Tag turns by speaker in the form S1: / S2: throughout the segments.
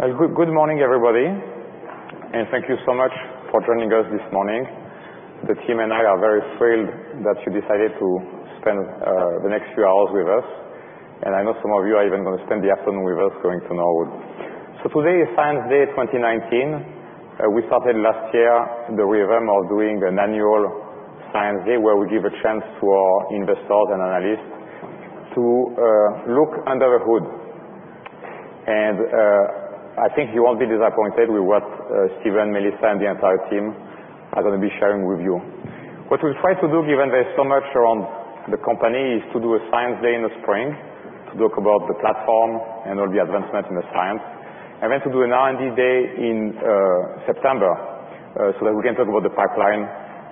S1: Good morning, everybody, and thank you so much for joining us this morning. The team and I are very thrilled that you decided to spend the next few hours with us. I know some of you are even going to spend the afternoon with us, going to Norwood. Today is Science Day 2019. We started last year the rhythm of doing an annual Science Day, where we give a chance for investors and analysts to look under the hood. I think you won't be disappointed with what Stephen, Melissa, and the entire team are going to be sharing with you. What we'll try to do, given there's so much around the company, is to do a Science Day in the spring to talk about the platform and all the advancements in the science. Then to do an R&D Day in September, that we can talk about the pipeline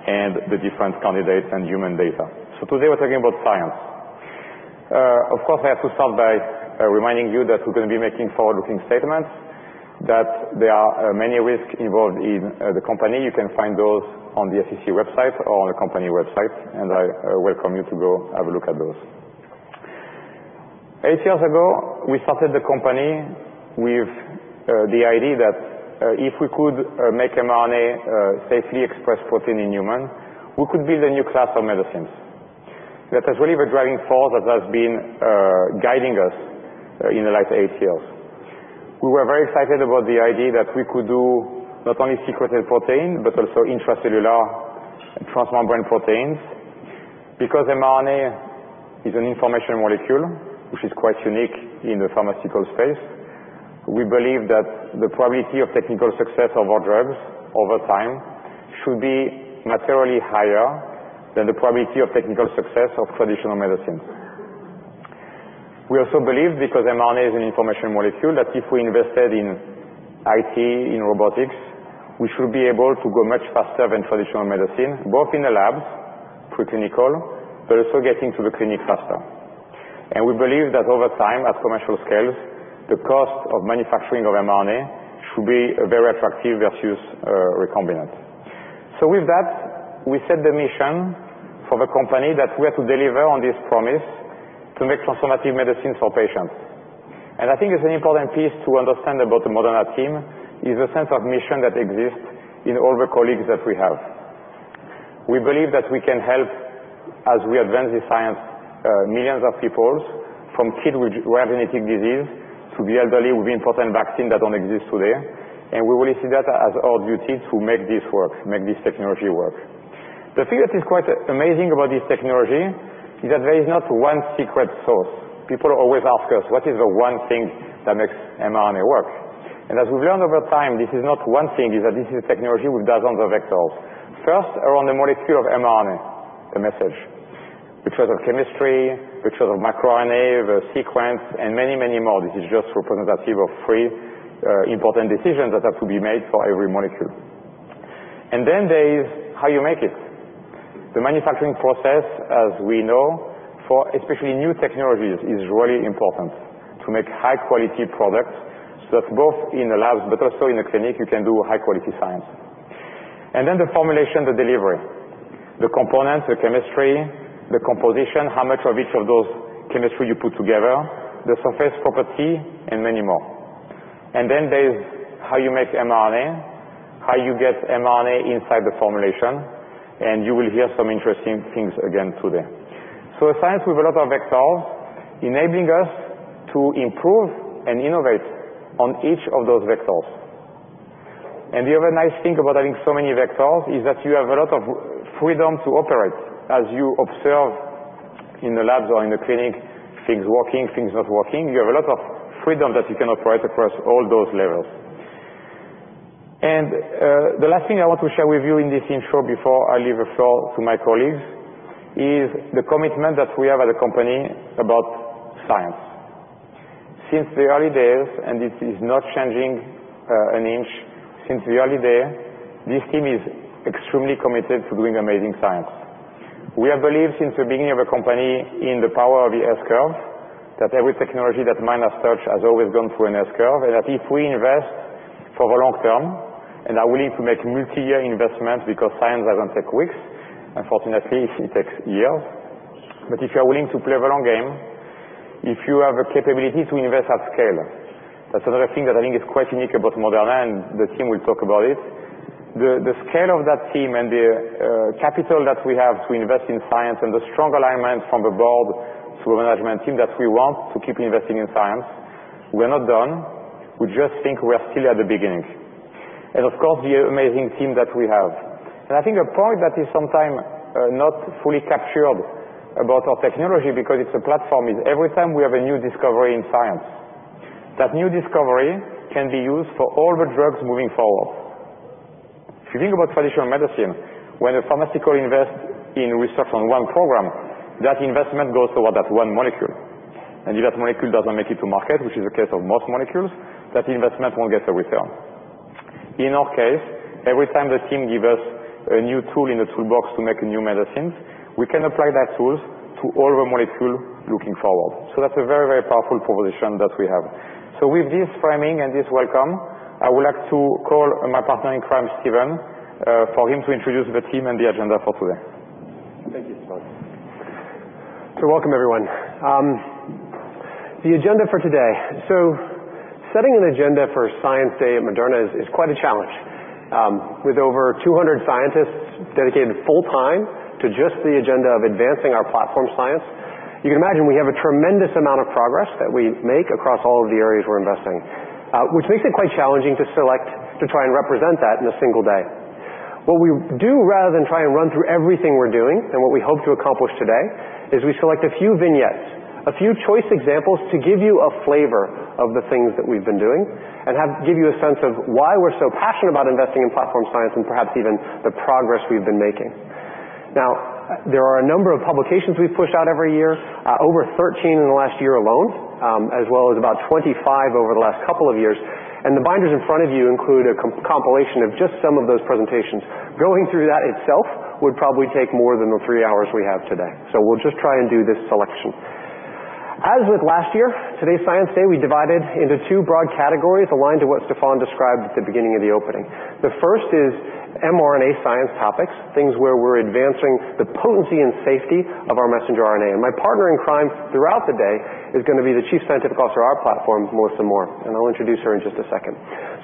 S1: and the different candidates and human data. Today we're talking about science. Of course, I have to start by reminding you that we're going to be making forward-looking statements, that there are many risks involved in the company. You can find those on the SEC website or on the company website. I welcome you to go have a look at those. Eight years ago, we started the company with the idea that if we could make mRNA safely express protein in humans, we could build a new class of medicines. That has really been a driving force that has been guiding us in the last eight years. We were very excited about the idea that we could do not only secreted protein but also intracellular and transmembrane proteins. Because mRNA is an information molecule, which is quite unique in the pharmaceutical space, we believe that the probability of technical success of our drugs over time should be materially higher than the probability of technical success of traditional medicines. We also believe because mRNA is an information molecule, that if we invested in IT, in robotics, we should be able to go much faster than traditional medicine, both in the labs, preclinical, but also getting to the clinic faster. We believe that over time, at commercial scale, the cost of manufacturing of mRNA should be very attractive versus recombinant. With that, we set the mission for the company that we are to deliver on this promise to make transformative medicines for patients. I think it's an important piece to understand about the Moderna team, is the sense of mission that exists in all the colleagues that we have. We believe that we can help, as we advance the science, millions of people, from kids who have genetic disease to the elderly, with important vaccines that don't exist today. We really see that as our duty to make this work, make this technology work. The thing that is quite amazing about this technology is that there is not one secret sauce. People always ask us, "What is the one thing that makes mRNA work?" As we've learned over time, this is not one thing, is that this is a technology with dozens of vectors. First, around the molecule of mRNA, the message, which was of chemistry, which was of microRNA, the sequence, and many, many more. This is just representative of three important decisions that have to be made for every molecule. There is how you make it. The manufacturing process, as we know, for especially new technologies, is really important to make high-quality products, so that both in the labs but also in the clinic, you can do high-quality science. The formulation, the delivery, the components, the chemistry, the composition, how much of each of those chemistry you put together, the surface property, and many more. There's how you make mRNA, how you get mRNA inside the formulation, and you will hear some interesting things again today. The science with a lot of vectors enabling us to improve and innovate on each of those vectors. The other nice thing about having so many vectors is that you have a lot of freedom to operate. As you observe in the labs or in the clinic, things working, things not working, you have a lot of freedom that you can operate across all those levels. The last thing I want to share with you in this intro before I leave the floor to my colleagues is the commitment that we have as a company about science. Since the early days, this is not changing an inch, since the early days, this team is extremely committed to doing amazing science. We have believed since the beginning of the company in the power of the S curve, that every technology that man has touched has always gone through an S curve. If we invest for the long term, and are willing to make multi-year investments because science doesn't take weeks, unfortunately, it takes years. If you are willing to play the long game, if you have a capability to invest at scale, that's another thing that I think is quite unique about Moderna. The team will talk about it. The scale of that team and the capital that we have to invest in science and the strong alignment from the board to the management team that we want to keep investing in science. We're not done. We just think we are still at the beginning. Of course, the amazing team that we have. I think a point that is sometimes not fully captured about our technology because it's a platform, is every time we have a new discovery in science, that new discovery can be used for all the drugs moving forward. If you think about traditional medicine, when a pharmaceutical invests in research on one program, that investment goes toward that one molecule. If that molecule doesn't make it to market, which is the case of most molecules, that investment won't get a return. In our case, every time the team gives us a new tool in the toolbox to make new medicines, we can apply that tools to all the molecule looking forward. That's a very, very powerful proposition that we have. With this framing and this welcome, I would like to call my partner in crime, Stephen, for him to introduce the team and the agenda for today.
S2: Thank you, Stéphane. Welcome everyone. The agenda for today. Setting an agenda for Science Day at Moderna is quite a challenge. With over 200 scientists dedicated full-time to just the agenda of advancing our platform science, you can imagine we have a tremendous amount of progress that we make across all of the areas we're investing, which makes it quite challenging to select, to try and represent that in a single day. What we do, rather than try and run through everything we're doing, and what we hope to accomplish today, is we select a few vignettes, a few choice examples to give you a flavor of the things that we've been doing and give you a sense of why we're so passionate about investing in platform science and perhaps even the progress we've been making. There are a number of publications we push out every year, over 13 in the last year alone, as well as about 25 over the last couple of years, and the binders in front of you include a compilation of just some of those presentations. Going through that itself would probably take more than the three hours we have today, so we'll just try and do this selection. As with last year, today's Science Day we divided into two broad categories aligned to what Stéphane described at the beginning of the opening. The first is mRNA science topics, things where we're advancing the potency and safety of our messenger RNA. My partner in crime throughout the day is going to be the Chief Scientific Officer of our platform, Melissa Moore, and I'll introduce her in just a second.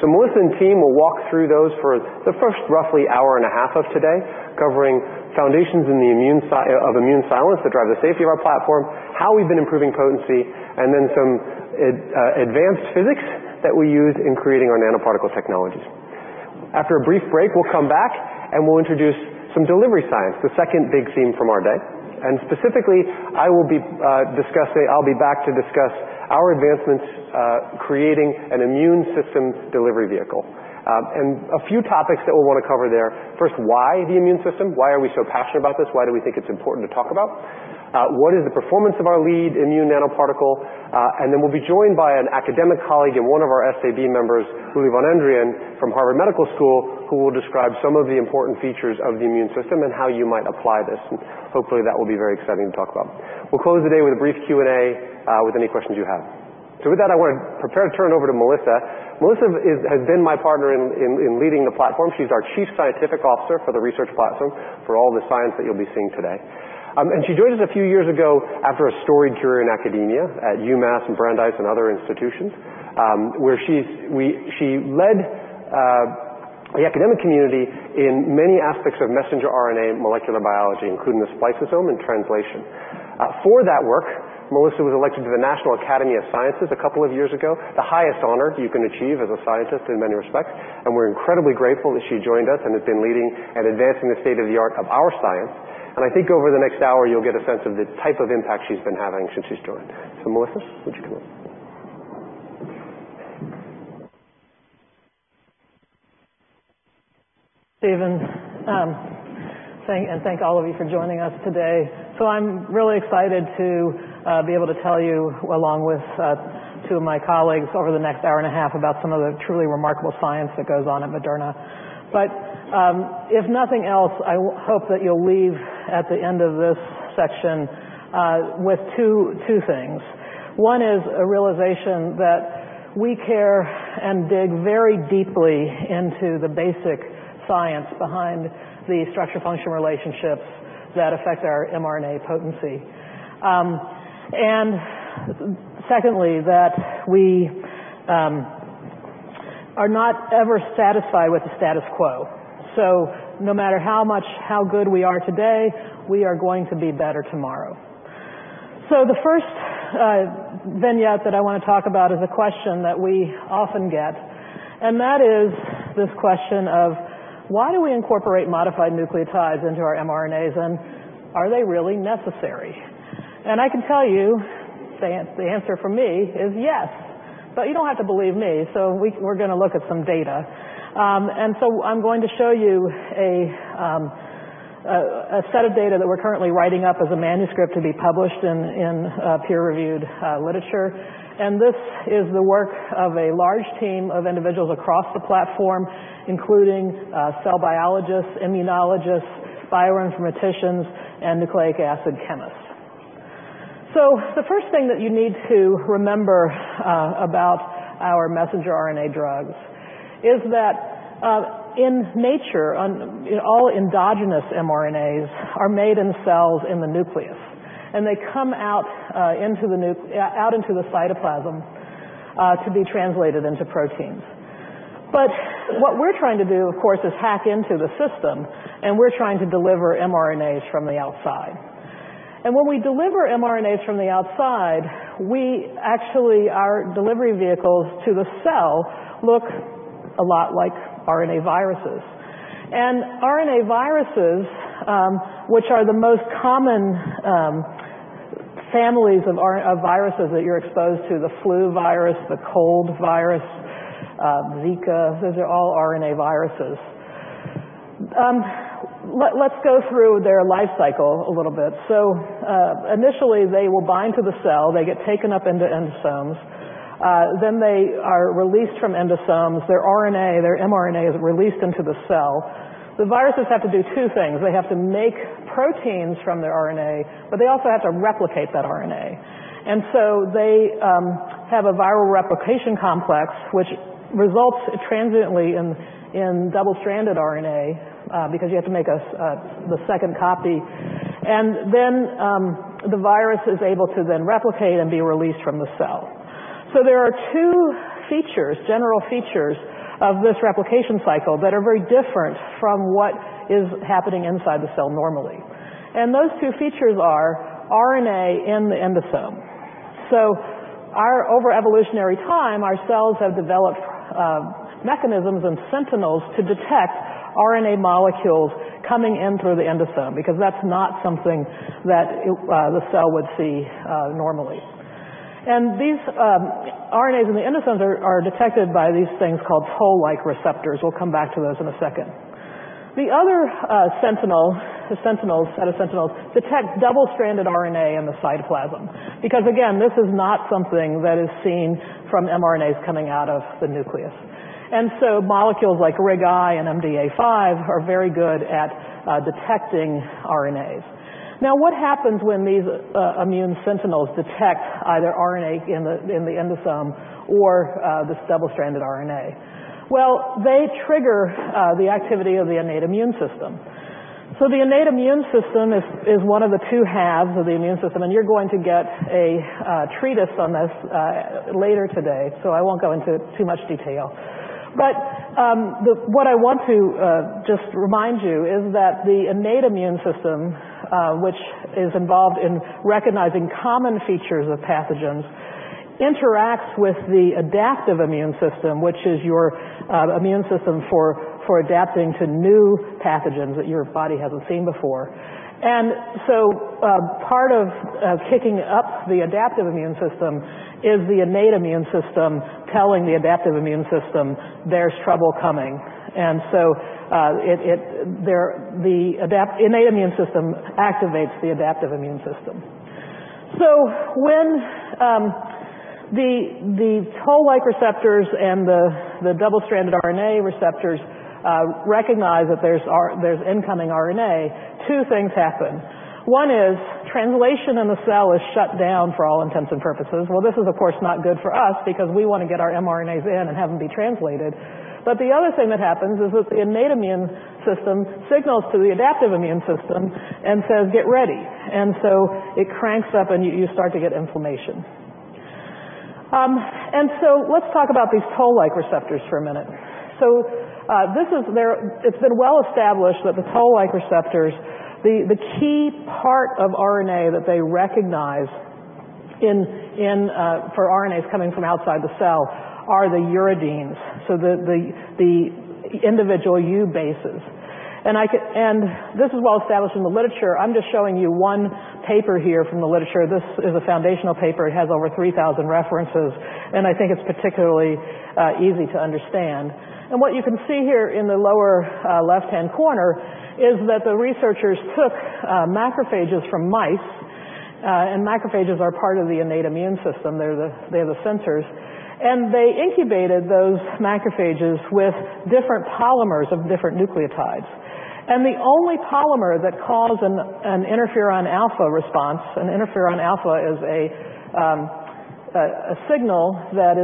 S2: Melissa and team will walk through those for the first roughly one hour and a half of today, covering foundations of immune silence that drive the safety of our platform, how we've been improving potency, and then some advanced physics that we use in creating our nanoparticle technologies. After a brief break, we'll come back and we'll introduce some delivery science, the second big theme from our day. Specifically, I'll be back to discuss our advancements creating an immune system delivery vehicle. A few topics that we'll want to cover there, first, why the immune system? Why are we so passionate about this? Why do we think it's important to talk about? What is the performance of our lead immune nanoparticle? Then we'll be joined by an academic colleague and one of our SAB members, Ulrich von Andrian from Harvard Medical School, who will describe some of the important features of the immune system and how you might apply this, and hopefully that will be very exciting to talk about. We'll close the day with a brief Q&A with any questions you have. With that, I want to prepare to turn over to Melissa. Melissa has been my partner in leading the platform. She's our Chief Scientific Officer for the research platform for all the science that you'll be seeing today. She joined us a few years ago after a storied career in academia at UMass and Brandeis and other institutions, where she led the academic community in many aspects of messenger RNA molecular biology, including the spliceosome and translation. For that work, Melissa was elected to the National Academy of Sciences a couple of years ago, the highest honor you can achieve as a scientist in many respects, and we're incredibly grateful that she joined us and has been leading and advancing the state of the art of our science. I think over the next one hour, you'll get a sense of the type of impact she's been having since she's joined. Melissa, would you come up?
S3: Stephen, thank all of you for joining us today. I'm really excited to be able to tell you, along with two of my colleagues over the next one hour and a half, about some of the truly remarkable science that goes on at Moderna. If nothing else, I hope that you'll leave at the end of this section with two things. One is a realization that we care and dig very deeply into the basic science behind the structure-function relationships that affect our mRNA potency. Secondly, that we are not ever satisfied with the status quo. No matter how good we are today, we are going to be better tomorrow. The first vignette that I want to talk about is a question that we often get, that is this question of why do we incorporate modified nucleotides into our mRNAs, are they really necessary? I can tell you, the answer from me is yes, but you don't have to believe me. We're going to look at some data. I'm going to show you a set of data that we're currently writing up as a manuscript to be published in peer-reviewed literature. This is the work of a large team of individuals across the platform, including cell biologists, immunologists, bioinformaticians, and nucleic acid chemists. The first thing that you need to remember about our messenger RNA drugs is that in nature, all endogenous mRNAs are made in cells in the nucleus, they come out into the cytoplasm to be translated into proteins. What we're trying to do, of course, is hack into the system, we're trying to deliver mRNAs from the outside. When we deliver mRNAs from the outside, actually our delivery vehicles to the cell look a lot like RNA viruses. RNA viruses, which are the most common families of viruses that you're exposed to, the flu virus, the cold virus, Zika, those are all RNA viruses. Let's go through their life cycle a little bit. Initially they will bind to the cell. They get taken up into endosomes. They are released from endosomes. Their mRNA is released into the cell. The viruses have to do two things. They have to make proteins from their RNA, but they also have to replicate that RNA. So they have a viral replication complex which results transiently in double-stranded RNA, because you have to make the second copy. Then the virus is able to then replicate and be released from the cell. There are two general features of this replication cycle that are very different from what is happening inside the cell normally. Those two features are RNA in the endosome. Over evolutionary time, our cells have developed mechanisms and sentinels to detect RNA molecules coming in through the endosome, because that's not something that the cell would see normally. These RNAs in the endosomes are detected by these things called Toll-like receptors. We'll come back to those in a second. The other set of sentinels detect double-stranded RNA in the cytoplasm, because again, this is not something that is seen from mRNAs coming out of the nucleus. Molecules like RIG-I and MDA5 are very good at detecting RNAs. What happens when these immune sentinels detect either RNA in the endosome or this double-stranded RNA? They trigger the activity of the innate immune system. The innate immune system is one of the two halves of the immune system, you're going to get a treatise on this later today, I won't go into too much detail. What I want to just remind you is that the innate immune system, which is involved in recognizing common features of pathogens, interacts with the adaptive immune system, which is your immune system for adapting to new pathogens that your body hasn't seen before. Part of kicking up the adaptive immune system is the innate immune system telling the adaptive immune system there's trouble coming. The innate immune system activates the adaptive immune system. When the Toll-like receptors and the double-stranded RNA receptors recognize that there's incoming RNA, two things happen. One is translation in the cell is shut down for all intents and purposes. Well, this is of course not good for us because we want to get our mRNAs in and have them be translated. The other thing that happens is that the innate immune system signals to the adaptive immune system and says, "Get ready." It cranks up, and you start to get inflammation. Let's talk about these Toll-like receptors for a minute. It's been well established that the Toll-like receptors, the key part of RNA that they recognize for RNAs coming from outside the cell are the uridines, the individual U bases. This is well established in the literature. I'm just showing you one paper here from the literature. This is a foundational paper. It has over 3,000 references, and I think it's particularly easy to understand. What you can see here in the lower left-hand corner is that the researchers took macrophages from mice, and macrophages are part of the innate immune system, they're the sensors. They incubated those macrophages with different polymers of different nucleotides. The only polymer that caused an interferon alpha response, an interferon alpha is a signal that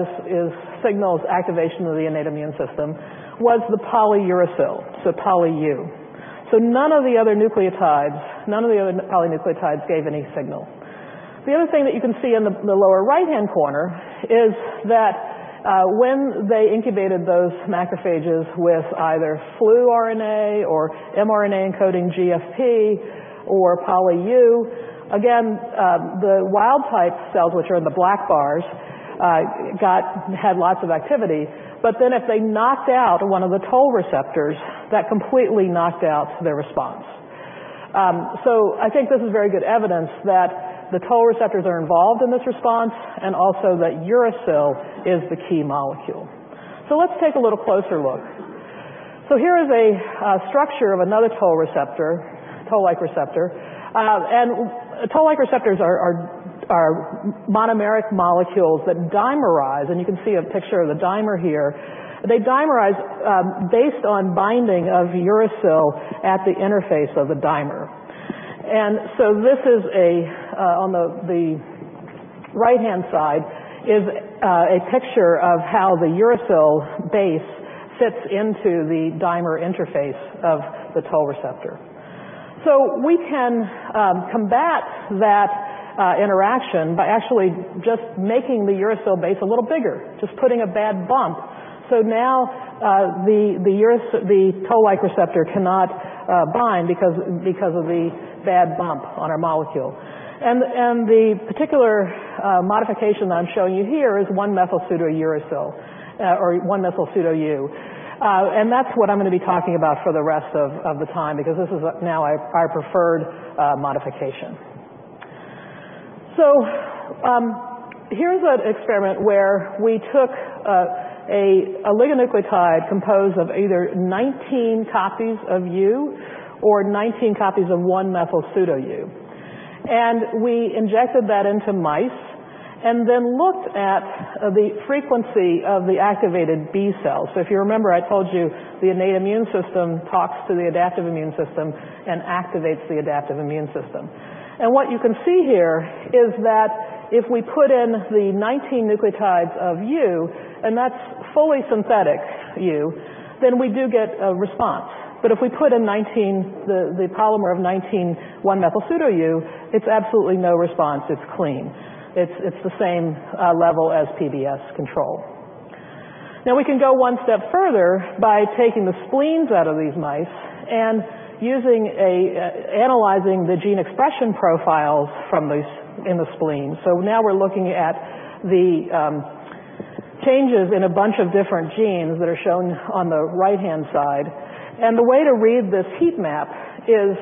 S3: signals activation of the innate immune system, was the polyuracil, poly-U. None of the other nucleotides, none of the other polynucleotides gave any signal. The other thing that you can see in the lower right-hand corner is that when they incubated those macrophages with either flu RNA or mRNA-encoding GFP or poly-U, again, the wild type cells, which are the black bars, had lots of activity. If they knocked out one of the toll receptors, that completely knocked out their response. I think this is very good evidence that the toll receptors are involved in this response, and also that uracil is the key molecule. Let's take a little closer look. Here is a structure of another Toll-like receptor. Toll-like receptors are monomeric molecules that dimerize, and you can see a picture of the dimer here. They dimerize based on binding of uracil at the interface of the dimer. This is, on the right-hand side, a picture of how the uracil base fits into the dimer interface of the toll receptor. We can combat that interaction by actually just making the uracil base a little bigger, just putting a bad bump. Now, the Toll-like receptor cannot bind because of the bad bump on our molecule. The particular modification that I'm showing you here is 1-methylpseudo uracil, or 1-methylpseudo(U). That's what I'm going to be talking about for the rest of the time, because this is now our preferred modification. Here's an experiment where we took an oligonucleotide composed of either 19 copies of U or 19 copies of 1-methylpseudo(U). We injected that into mice and then looked at the frequency of the activated B cells. If you remember, I told you the innate immune system talks to the adaptive immune system and activates the adaptive immune system. What you can see here is that if we put in the 19 nucleotides of U, and that's fully synthetic U, then we do get a response. If we put in the polymer of 19 1-methylpseudo U, it's absolutely no response. It's clean. It's the same level as PBS control. We can go one step further by taking the spleens out of these mice and analyzing the gene expression profiles in the spleen. We're looking at the changes in a bunch of different genes that are shown on the right-hand side. The way to read this heat map is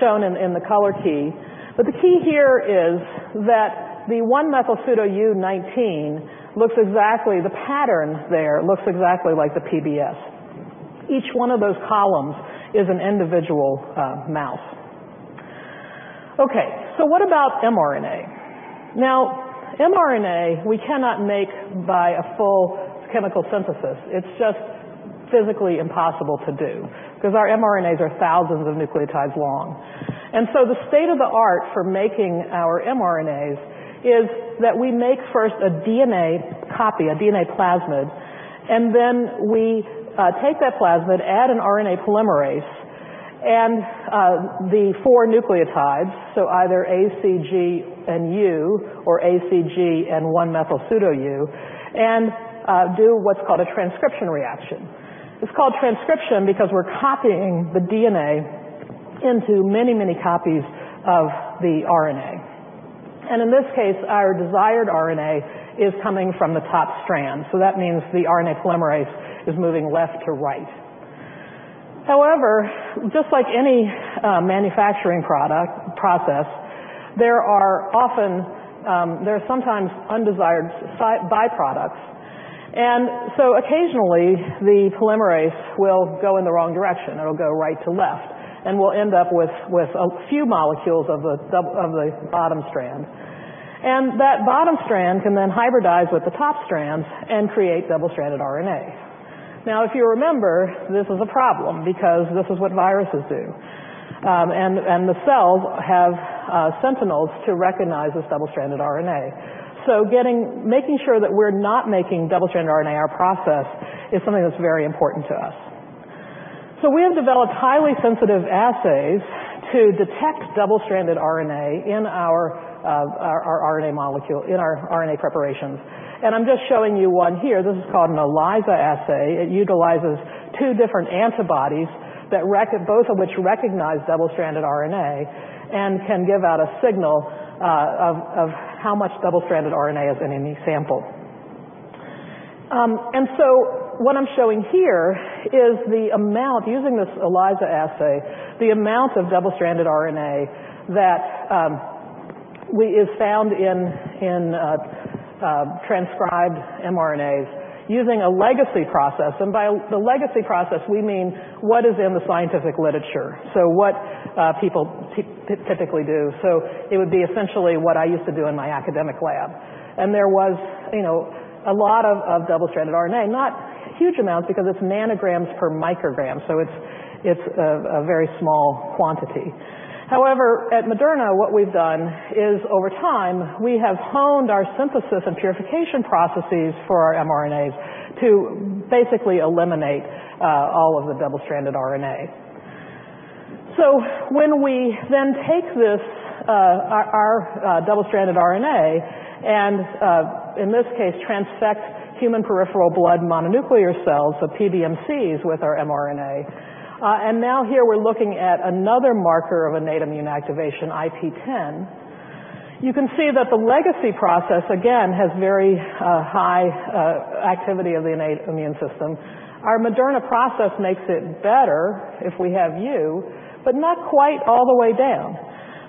S3: shown in the color key. The key here is that the 1-methylpseudo U 19, the patterns there looks exactly like the PBS. Each one of those columns is an individual mouse. Okay. What about mRNA? mRNA we cannot make by a full chemical synthesis. It's just physically impossible to do, because our mRNAs are thousands of nucleotides long. The state of the art for making our mRNAs is that we make first a DNA copy, a DNA plasmid, then we take that plasmid, add an RNA polymerase, and the four nucleotides, so either ACG and U or ACG and 1-methylpseudo U, and do what's called a transcription reaction. It's called transcription because we're copying the DNA into many copies of the RNA. In this case, our desired RNA is coming from the top strand. That means the RNA polymerase is moving left to right. However, just like any manufacturing process, there are sometimes undesired byproducts. Occasionally the polymerase will go in the wrong direction. It'll go right to left, and we'll end up with a few molecules of the bottom strand. That bottom strand can then hybridize with the top strand and create double-stranded RNA. If you remember, this is a problem because this is what viruses do. The cells have sentinels to recognize this double-stranded RNA. Making sure that we're not making double-stranded RNA in our process is something that's very important to us. We have developed highly sensitive assays to detect double-stranded RNA in our RNA preparations. I'm just showing you one here. This is called an ELISA assay. It utilizes two different antibodies, both of which recognize double-stranded RNA and can give out a signal of how much double-stranded RNA is in any sample. What I'm showing here is, using this ELISA assay, the amount of double-stranded RNA that is found in transcribed mRNAs using a legacy process. By the legacy process we mean what is in the scientific literature, what people typically do. It would be essentially what I used to do in my academic lab. There was a lot of double-stranded RNA, not huge amounts because it's nanograms per microgram, so it's a very small quantity. However, at Moderna, what we've done is over time, we have honed our synthesis and purification processes for our mRNAs to basically eliminate all of the double-stranded RNA. When we then take our double-stranded RNA and, in this case, transfect human peripheral blood mononuclear cells, so PBMCs, with our mRNA. Now here we're looking at another marker of innate immune activation, IP-10. You can see that the legacy process, again, has very high activity of the innate immune system. Our Moderna process makes it better if we have U, but not quite all the way down.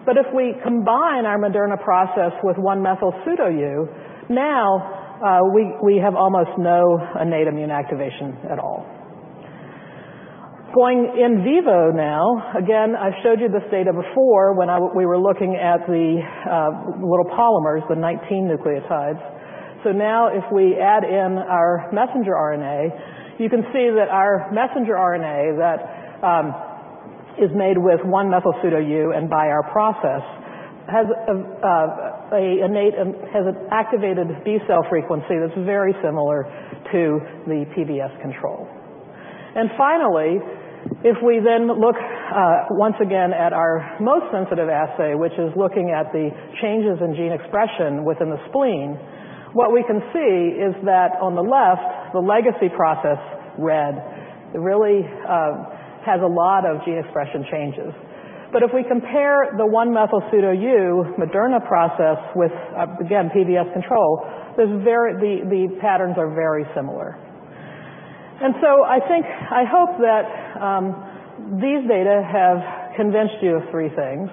S3: If we combine our Moderna process with 1-methylpseudo U, now we have almost no innate immune activation at all. Going in vivo now, again, I showed you this data before when we were looking at the little polymers, the 19 nucleotides. Now if we add in our messenger RNA, you can see that our messenger RNA that is made with 1-methylpseudo U and by our process has an activated B cell frequency that's very similar to the PBS control. Finally, if we then look once again at our most sensitive assay, which is looking at the changes in gene expression within the spleen, what we can see is that on the left, the legacy process, red, really has a lot of gene expression changes. If we compare the 1-methylpseudo U Moderna process with, again, PBS control, the patterns are very similar. I hope that these data have convinced you of three things.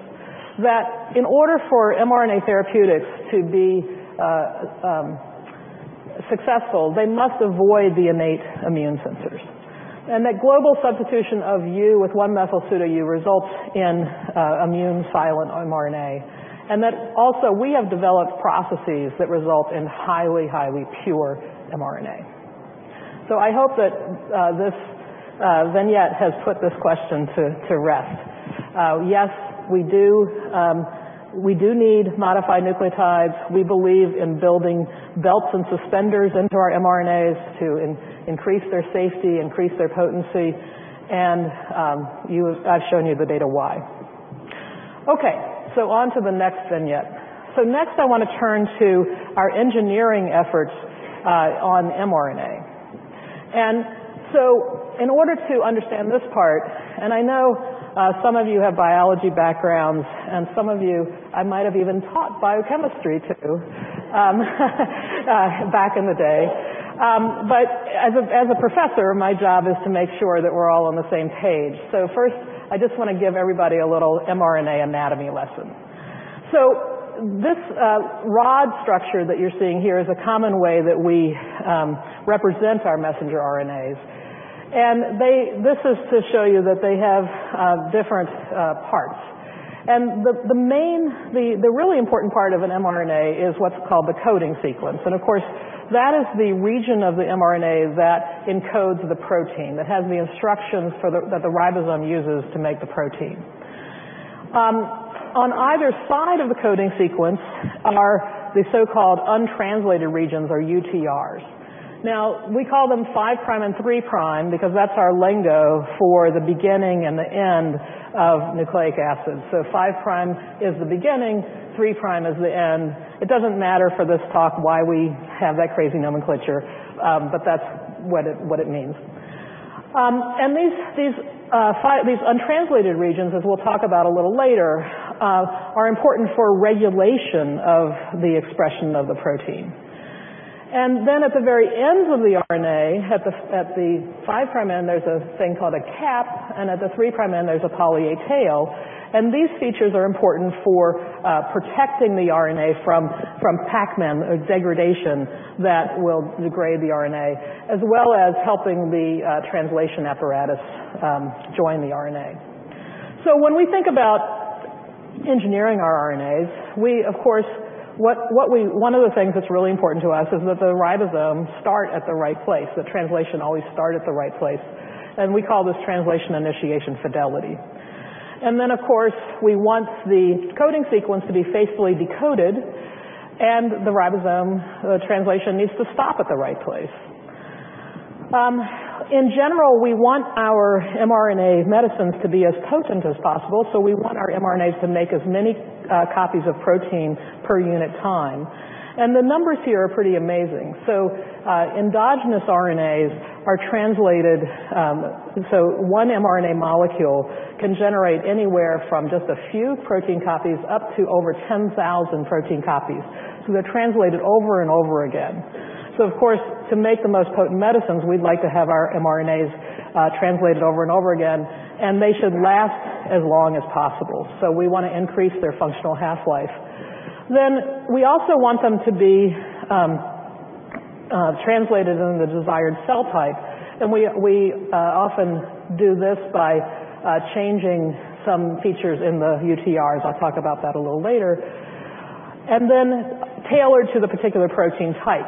S3: That in order for mRNA therapeutics to be successful, they must avoid the innate immune sensors. That global substitution of U with 1-methylpseudouridine results in immune silent mRNA. That also we have developed processes that result in highly pure mRNA. I hope that this vignette has put this question to rest. Yes, we do need modified nucleotides. We believe in building belts and suspenders into our mRNAs to increase their safety, increase their potency, and I've shown you the data why. On to the next vignette. Next, I want to turn to our engineering efforts on mRNA. In order to understand this part, and I know some of you have biology backgrounds, and some of you I might have even taught biochemistry to back in the day. As a professor, my job is to make sure that we're all on the same page. First, I just want to give everybody a little mRNA anatomy lesson. This rod structure that you're seeing here is a common way that we represent our messenger RNAs. This is to show you that they have different parts. The really important part of an mRNA is what's called the coding sequence. Of course, that is the region of the mRNA that encodes the protein, that has the instructions that the ribosome uses to make the protein. On either side of the coding sequence are the so-called untranslated regions or UTRs. We call them five prime and three prime because that's our lingo for the beginning and the end of nucleic acids. Five prime is the beginning, three prime is the end. It doesn't matter for this talk why we have that crazy nomenclature, but that's what it means. These untranslated regions, as we'll talk about a little later, are important for regulation of the expression of the protein. Then at the 5' end of the RNA, there's a thing called a cap, and at the 3' end, there's a poly-A tail, and these features are important for protecting the RNA from Pac-Man or degradation that will degrade the RNA, as well as helping the translation apparatus join the RNA. When we think about engineering our RNAs, one of the things that's really important to us is that the ribosomes start at the right place, that translation always start at the right place. We call this translation initiation fidelity. Of course, we want the coding sequence to be faithfully decoded and the ribosome translation needs to stop at the right place. In general, we want our mRNA medicines to be as potent as possible, we want our mRNAs to make as many copies of protein per unit time. The numbers here are pretty amazing. Endogenous RNAs are translated, one mRNA molecule can generate anywhere from just a few protein copies up to over 10,000 protein copies. They're translated over and over again. Of course, to make the most potent medicines, we'd like to have our mRNAs translated over and over again, and they should last as long as possible. We want to increase their functional half-life. We also want them to be translated into the desired cell type, and we often do this by changing some features in the UTRs. I'll talk about that a little later. Tailored to the particular protein type.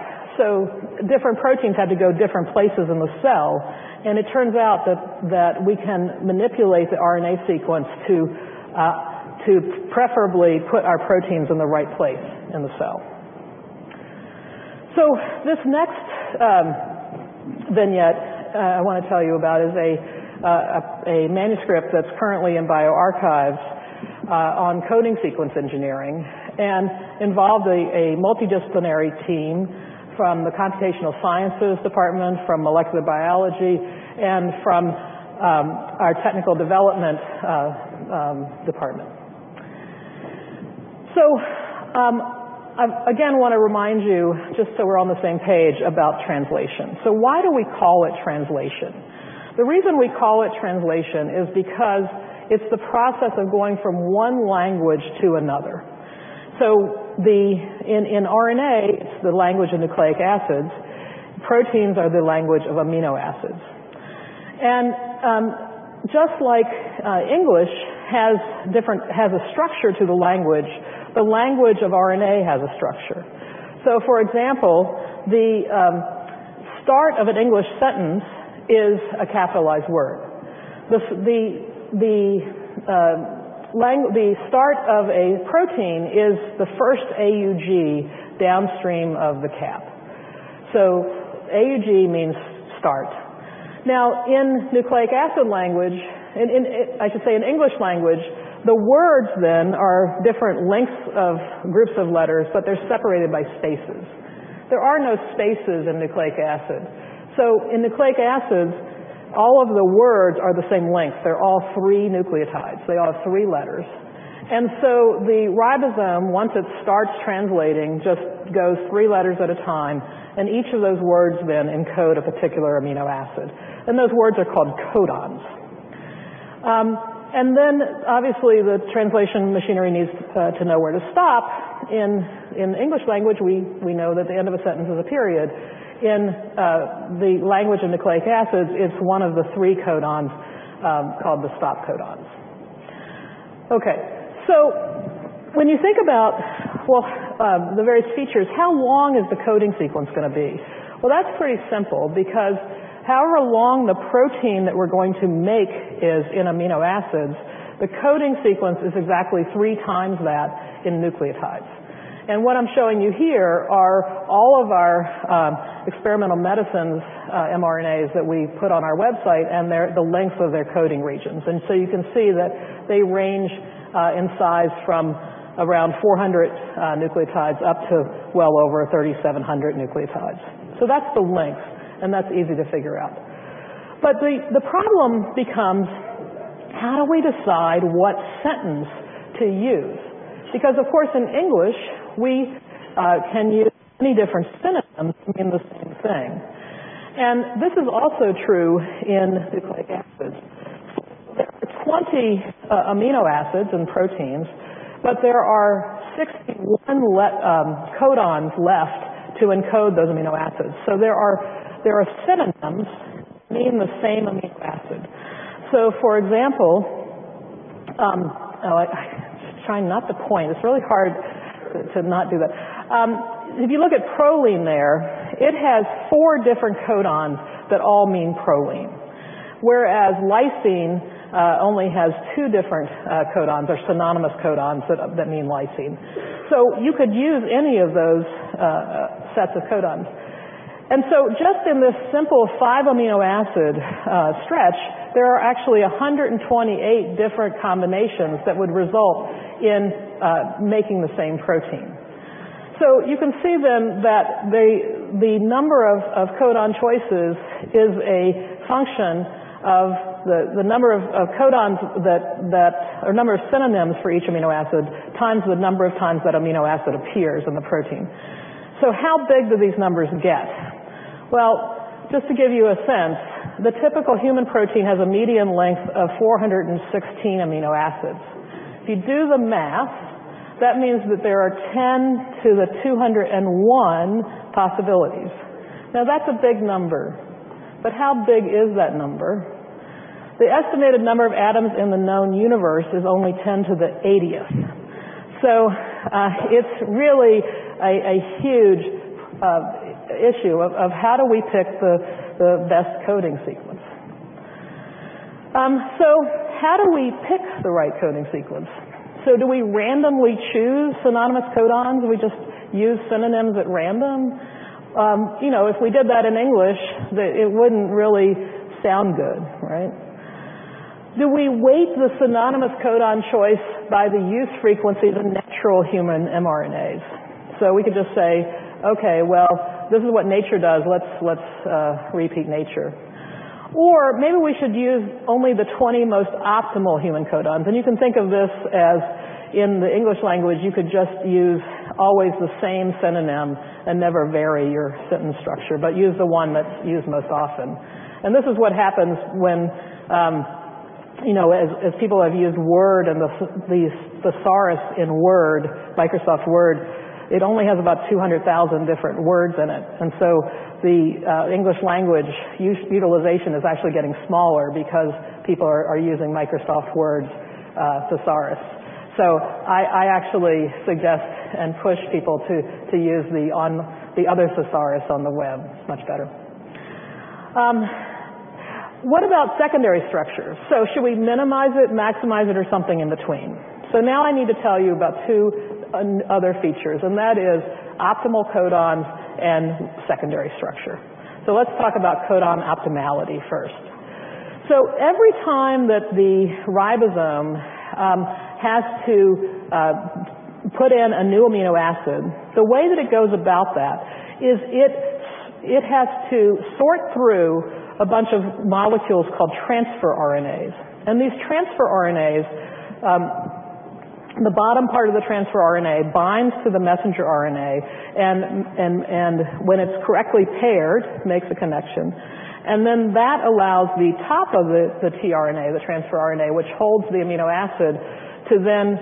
S3: Different proteins had to go different places in the cell, and it turns out that we can manipulate the RNA sequence to preferably put our proteins in the right place in the cell. This next vignette I want to tell you about is a manuscript that's currently in bioRxiv on coding sequence engineering and involved a multidisciplinary team from the computational sciences department, from molecular biology, and from our technical development department. I again want to remind you, just so we're on the same page about translation. Why do we call it translation? The reason we call it translation is because it's the process of going from one language to another. In RNA, it's the language of nucleic acids, proteins are the language of amino acids. Just like English has a structure to the language, the language of RNA has a structure. For example, the start of an English sentence is a capitalized word. The start of a protein is the first AUG downstream of the cap. AUG means start. In nucleic acid language, I should say in English language, the words then are different lengths of groups of letters, but they're separated by spaces. There are no spaces in nucleic acid. In nucleic acids, all of the words are the same length. They're all 3 nucleotides. They all have 3 letters. The ribosome, once it starts translating, just goes 3 letters at a time, and each of those words then encode a particular amino acid. Those words are called codons. Then obviously the translation machinery needs to know where to stop. In English language, we know that the end of a sentence is a period. In the language of nucleic acids, it's one of the three codons called the stop codons. Okay. When you think about, well, the various features, how long is the coding sequence going to be? Well, that's pretty simple because however long the protein that we're going to make is in amino acids, the coding sequence is exactly three times that in nucleotides. What I'm showing you here are all of our experimental medicines, mRNAs, that we put on our website, and the length of their coding regions. You can see that they range in size from around 400 nucleotides up to well over 3,700 nucleotides. That's the length, and that's easy to figure out. The problem becomes, how do we decide what sentence to use? Because, of course, in English, we can use many different synonyms to mean the same thing. This is also true in nucleic acids. There are 20 amino acids in proteins, but there are 61 codons left to encode those amino acids. There are synonyms meaning the same amino acid. For example, Oh, I try not to point. It's really hard to not do that. If you look at proline there, it has four different codons that all mean proline, whereas lysine only has two different codons or synonymous codons that mean lysine. You could use any of those sets of codons. Just in this simple five amino acid stretch, there are actually 128 different combinations that would result in making the same protein. You can see then that the number of codon choices is a function of the number of codons that, or number of synonyms for each amino acid times the number of times that amino acid appears in the protein. How big do these numbers get? Well, just to give you a sense, the typical human protein has a medium length of 416 amino acids. If you do the math, that means that there are 10 to the 201 possibilities. That's a big number, but how big is that number? The estimated number of atoms in the known universe is only 10 to the 80th. It's really a huge issue of how do we pick the best coding sequence. How do we pick the right coding sequence? Do we randomly choose synonymous codons? Do we just use synonyms at random? If we did that in English, it wouldn't really sound good, right? Do we weight the synonymous codon choice by the use frequency of natural human mRNAs? We could just say, "Okay, well, this is what nature does. Let's repeat nature." Maybe we should use only the 20 most optimal human codons. You can think of this as in the English language, you could just use always the same synonym and never vary your sentence structure. Use the one that's used most often. This is what happens when, as people have used Word and the thesaurus in Word, Microsoft Word, it only has about 200,000 different words in it. The English language utilization is actually getting smaller because people are using Microsoft Word thesaurus. I actually suggest and push people to use the other thesaurus on the web. It's much better. What about secondary structures? Should we minimize it, maximize it, or something in between? Now I need to tell you about two other features, and that is optimal codon and secondary structure. Let's talk about codon optimality first. Every time that the ribosome has to put in a new amino acid, the way that it goes about that is it has to sort through a bunch of molecules called transfer RNAs. These transfer RNAs, the bottom part of the transfer RNA binds to the messenger RNA, and when it's correctly paired, makes a connection. Then that allows the top of the tRNA, the transfer RNA, which holds the amino acid, to then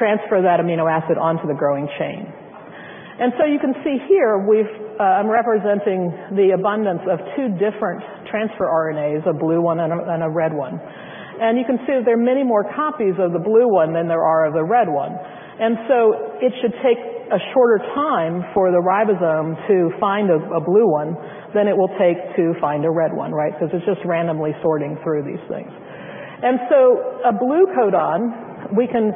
S3: transfer that amino acid onto the growing chain. You can see here, I'm representing the abundance of two different transfer RNAs, a blue one and a red one. You can see that there are many more copies of the blue one than there are of the red one. It should take a shorter time for the ribosome to find a blue one than it will take to find a red one, right? Because it's just randomly sorting through these things. A blue codon, we can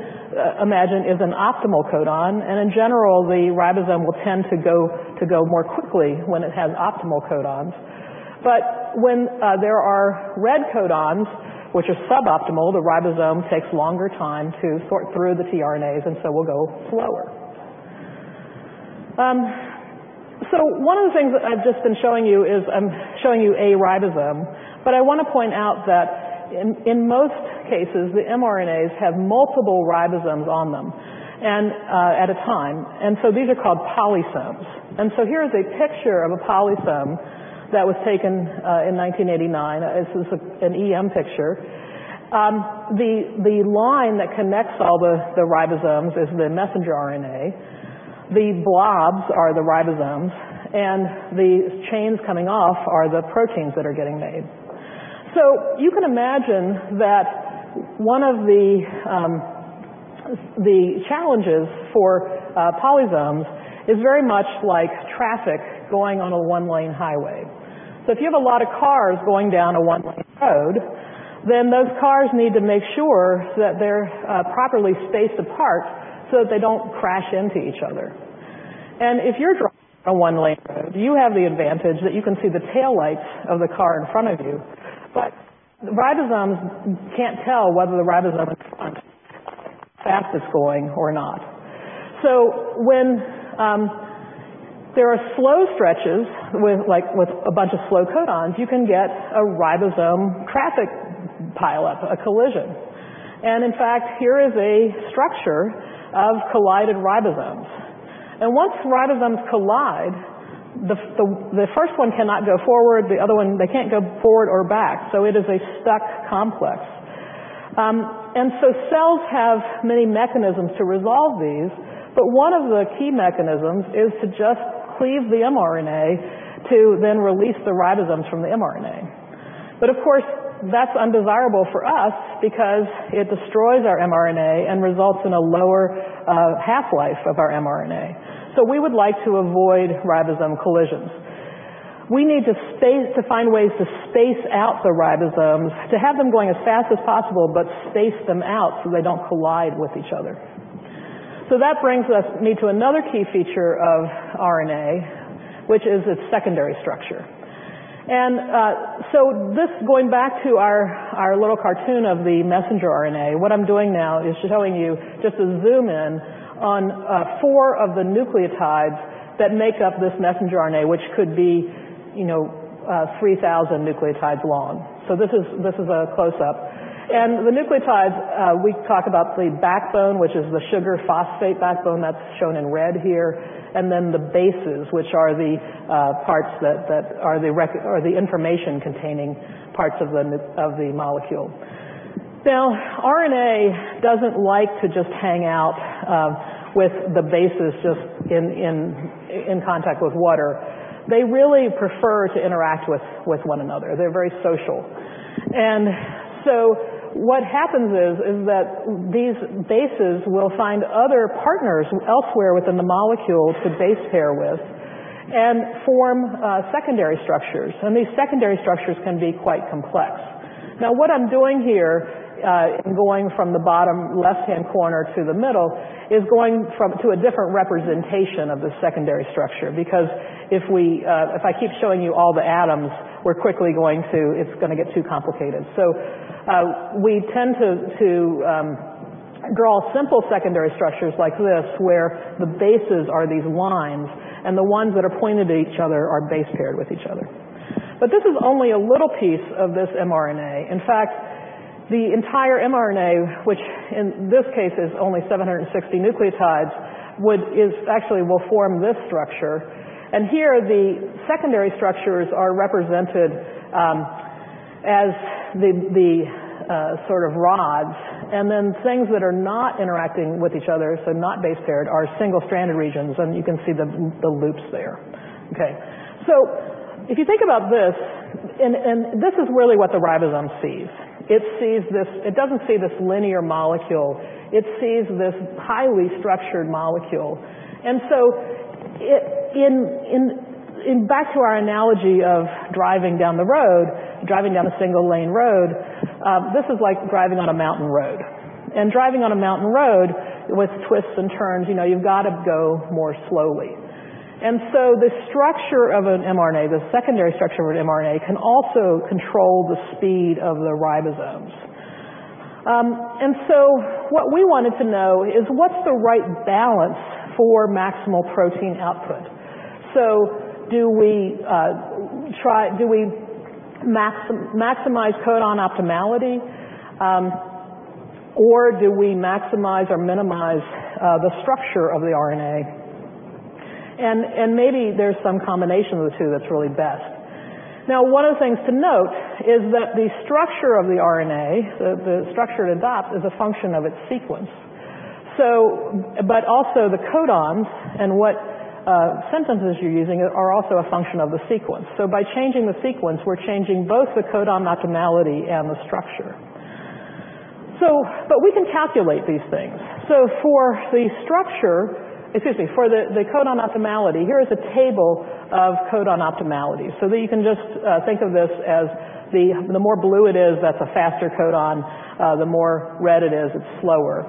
S3: imagine, is an optimal codon, and in general, the ribosome will tend to go more quickly when it has optimal codons. When there are red codons, which are suboptimal, the ribosome takes a longer time to sort through the tRNAs and will go slower. One of the things that I've just been showing you is I'm showing you a ribosome, but I want to point out that in most cases, the mRNAs have multiple ribosomes on them at a time. These are called polysomes. Here is a picture of a polysome that was taken in 1989. This is an EM picture. The line that connects all the ribosomes is the messenger RNA. The blobs are the ribosomes, and the chains coming off are the proteins that are getting made. You can imagine that one of the challenges for polysomes is very much like traffic going on a one-lane highway. If you have a lot of cars going down a one-lane road, those cars need to make sure that they're properly spaced apart so that they don't crash into each other. If you're driving on a one-lane road, you have the advantage that you can see the tail lights of the car in front of you. The ribosomes can't tell whether the ribosome in front fast it's going or not. When there are slow stretches, like with a bunch of slow codons, you can get a ribosome traffic pile-up, a collision. In fact, here is a structure of collided ribosomes. Once ribosomes collide, the first one cannot go forward, the other one, they can't go forward or back. It is a stuck complex. Cells have many mechanisms to resolve these, but one of the key mechanisms is to just cleave the mRNA to then release the ribosomes from the mRNA. Of course, that's undesirable for us because it destroys our mRNA and results in a lower half-life of our mRNA. We would like to avoid ribosome collisions. We need to find ways to space out the ribosomes, to have them going as fast as possible, but space them out so they don't collide with each other. That brings me to another key feature of RNA, which is its secondary structure. This, going back to our little cartoon of the messenger RNA, what I'm doing now is showing you just a zoom-in on four of the nucleotides that make up this messenger RNA, which could be 3,000 nucleotides long. This is a close-up. The nucleotides, we talk about the backbone, which is the sugar phosphate backbone that's shown in red here, and then the bases, which are the parts that are the information-containing parts of the molecule. Now, RNA doesn't like to just hang out with the bases just in contact with water. They really prefer to interact with one another. They're very social. What happens is that these bases will find other partners elsewhere within the molecule to base pair with and form secondary structures, and these secondary structures can be quite complex. Now, what I'm doing here, in going from the bottom left-hand corner to the middle, is going to a different representation of the secondary structure. Because if I keep showing you all the atoms, it's going to get too complicated. We tend to draw simple secondary structures like this, where the bases are these lines, and the ones that are pointed at each other are base paired with each other. This is only a little piece of this mRNA. In fact, the entire mRNA, which in this case is only 760 nucleotides, actually will form this structure. Here the secondary structures are represented as the sort of rods, and then things that are not interacting with each other, so not base paired, are single-stranded regions, and you can see the loops there. Okay. If you think about this, and this is really what the ribosome sees. It doesn't see this linear molecule, it sees this highly structured molecule. Back to our analogy of driving down the road, driving down a single-lane road, this is like driving on a mountain road. Driving on a mountain road with twists and turns, you've got to go more slowly. The structure of an mRNA, the secondary structure of an mRNA, can also control the speed of the ribosomes. What we wanted to know is what's the right balance for maximal protein output? Do we maximize codon optimality? Do we maximize or minimize the structure of the RNA? Maybe there's some combination of the two that's really best. Now, one of the things to note is that the structure of the RNA, the structure it adopts, is a function of its sequence. Also the codons and what sentences you're using are also a function of the sequence. By changing the sequence, we're changing both the codon optimality and the structure. We can calculate these things. For the structure, excuse me, for the codon optimality, here is a table of codon optimality. That you can just think of this as the more blue it is, that's a faster codon, the more red it is, it's slower.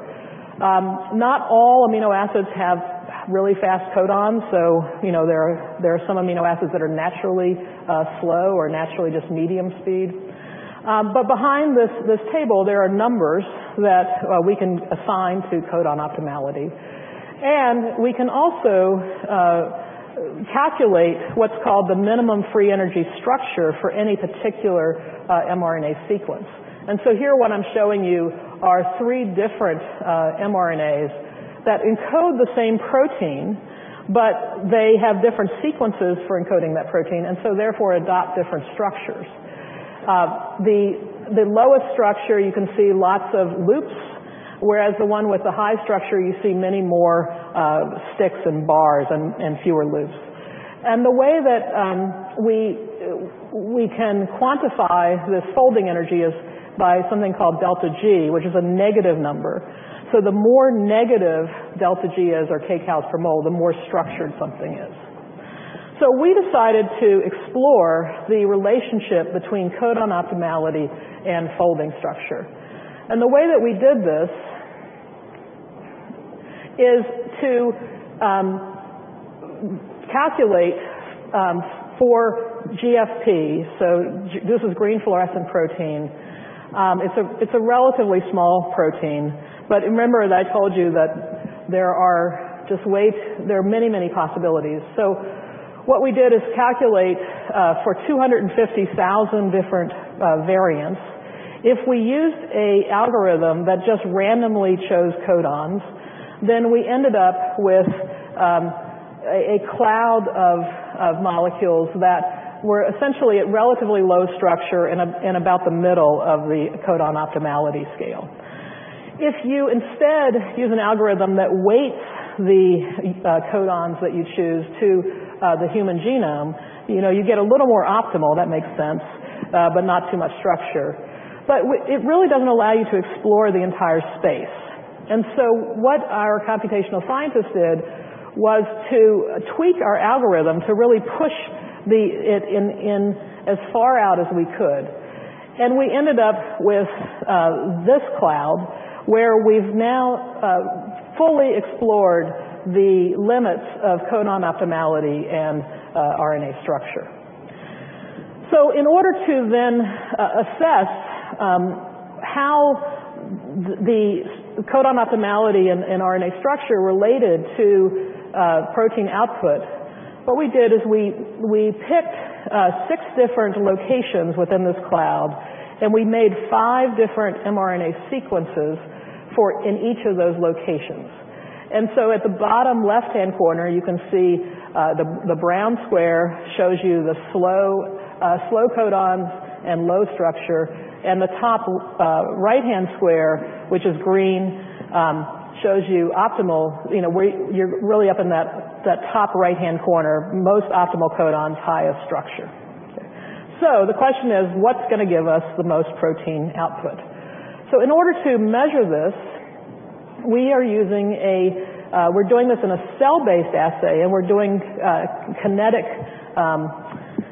S3: Not all amino acids have really fast codons. There are some amino acids that are naturally slow or naturally just medium speed. Behind this table, there are numbers that we can assign to codon optimality. Calculate what's called the minimum free energy structure for any particular mRNA sequence. Here, what I'm showing you are three different mRNAs that encode the same protein, but they have different sequences for encoding that protein, therefore adopt different structures. The lowest structure, you can see lots of loops, whereas the one with the high structure, you see many more sticks and bars and fewer loops. The way that we can quantify this folding energy is by something called delta G, which is a negative number. The more negative delta G is or kcals per mole, the more structured something is. We decided to explore the relationship between codon optimality and folding structure. The way that we did this is to calculate for GFP. This is green fluorescent protein. It's a relatively small protein, remember that I told you that there are many, many possibilities. What we did is calculate for 250,000 different variants. If we used an algorithm that just randomly chose codons, then we ended up with a cloud of molecules that were essentially at relatively low structure and about the middle of the codon optimality scale. If you instead use an algorithm that weights the codons that you choose to the human genome, you get a little more optimal, that makes sense, but not too much structure. It really doesn't allow you to explore the entire space. What our computational scientists did was to tweak our algorithm to really push it in as far out as we could. We ended up with this cloud, where we've now fully explored the limits of codon optimality and RNA structure. In order to then assess how the codon optimality and RNA structure related to protein output, what we did is we picked six different locations within this cloud, and we made five different mRNA sequences in each of those locations. At the bottom left-hand corner, you can see the brown square shows you the slow codons and low structure, and the top right-hand square, which is green, shows you optimal, where you're really up in that top right-hand corner, most optimal codons, highest structure. The question is, what's going to give us the most protein output? In order to measure this, we're doing this in a cell-based assay, and we're doing kinetic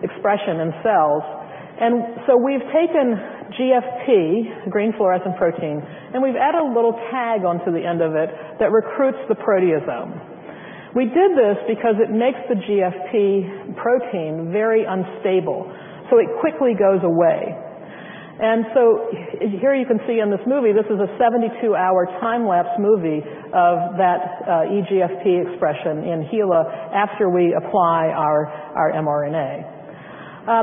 S3: expression in cells. We've taken GFP, green fluorescent protein, and we've added a little tag onto the end of it that recruits the proteasome. We did this because it makes the GFP protein very unstable, it quickly goes away. Here you can see in this movie, this is a 72-hour time-lapse movie of that EGFP expression in HeLa after we apply our mRNA.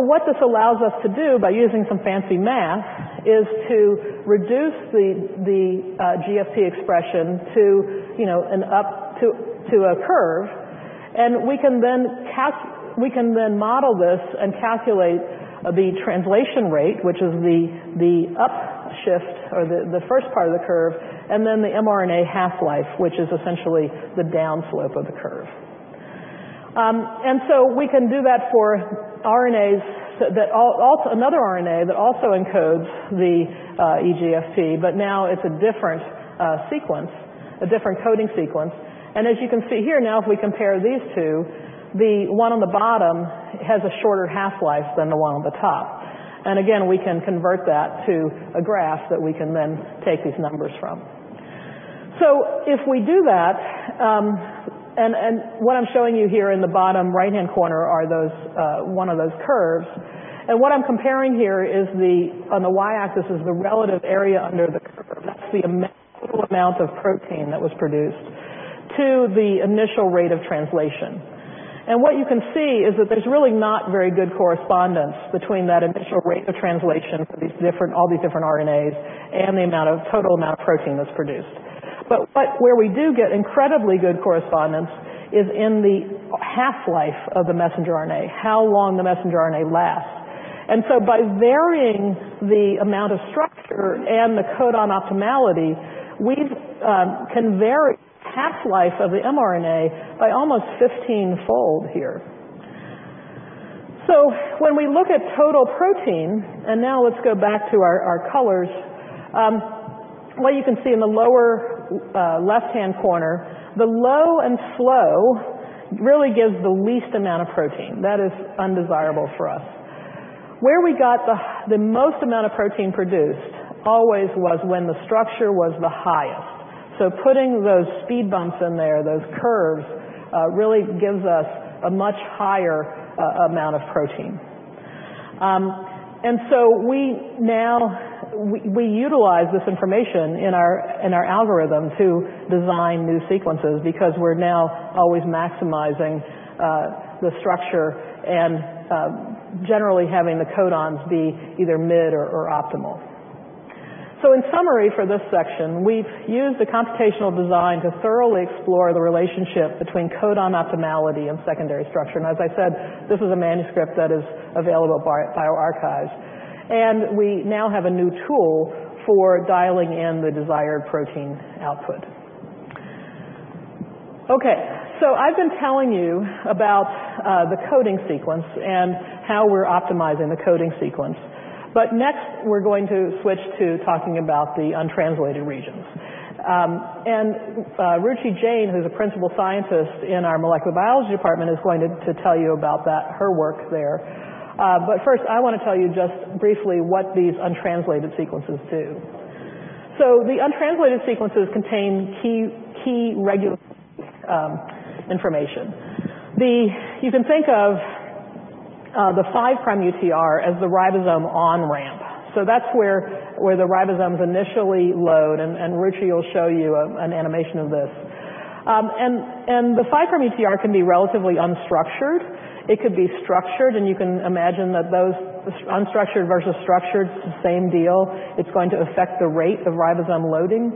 S3: What this allows us to do by using some fancy math is to reduce the GFP expression to a curve. We can then model this and calculate the translation rate, which is the up shift or the first part of the curve, then the mRNA half-life, which is essentially the down slope of the curve. We can do that for another RNA that also encodes the EGFP, but now it's a different coding sequence. As you can see here now, if we compare these two, the one on the bottom has a shorter half-life than the one on the top. Again, we can convert that to a graph that we can then take these numbers from. If we do that, what I'm showing you here in the bottom right-hand corner are one of those curves. What I'm comparing here is, on the y-axis, is the relative area under the curve. That's the total amount of protein that was produced to the initial rate of translation. What you can see is that there's really not very good correspondence between that initial rate of translation for all these different RNAs and the total amount of protein that's produced. Where we do get incredibly good correspondence is in the half-life of the messenger RNA, how long the messenger RNA lasts. By varying the amount of structure and the codon optimality, we can vary half-life of the mRNA by almost 15-fold here. When we look at total protein, now let's go back to our colors. What you can see in the lower left-hand corner, the low and slow really gives the least amount of protein. That is undesirable for us. Where we got the most amount of protein produced always was when the structure was the highest. Putting those speed bumps in there, those curves, really gives us a much higher amount of protein. We utilize this information in our algorithm to design new sequences, because we're now always maximizing the structure and generally having the codons be either mid or optimal. In summary for this section, we've used the computational design to thoroughly explore the relationship between codon optimality and secondary structure. As I said, this is a manuscript that is available at bioRxiv. We now have a new tool for dialing in the desired protein output. Okay, I've been telling you about the coding sequence, and how we're optimizing the coding sequence. Next we're going to switch to talking about the untranslated regions. Ruchi Jain, who's a principal scientist in our molecular biology department, is going to tell you about her work there. First, I want to tell you just briefly what these untranslated sequences do. The untranslated sequences contain key regulatory information. You can think of the 5' UTR as the ribosome on-ramp. That's where the ribosomes initially load, and Ruchi will show you an animation of this. The 5' UTR can be relatively unstructured. It could be structured, and you can imagine that those unstructured versus structured, same deal. It's going to affect the rate of ribosome loading.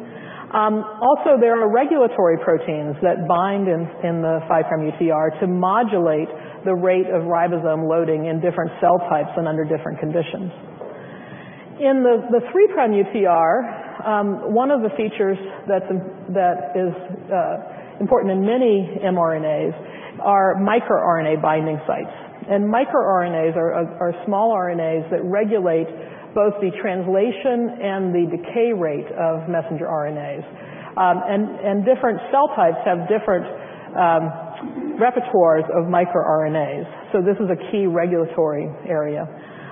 S3: Also, there are regulatory proteins that bind in the 5' UTR to modulate the rate of ribosome loading in different cell types and under different conditions. In the 3' UTR, one of the features that is important in many mRNAs are microRNA binding sites. MicroRNAs are small RNAs that regulate both the translation and the decay rate of messenger RNAs. Different cell types have different repertoires of microRNAs, so this is a key regulatory area.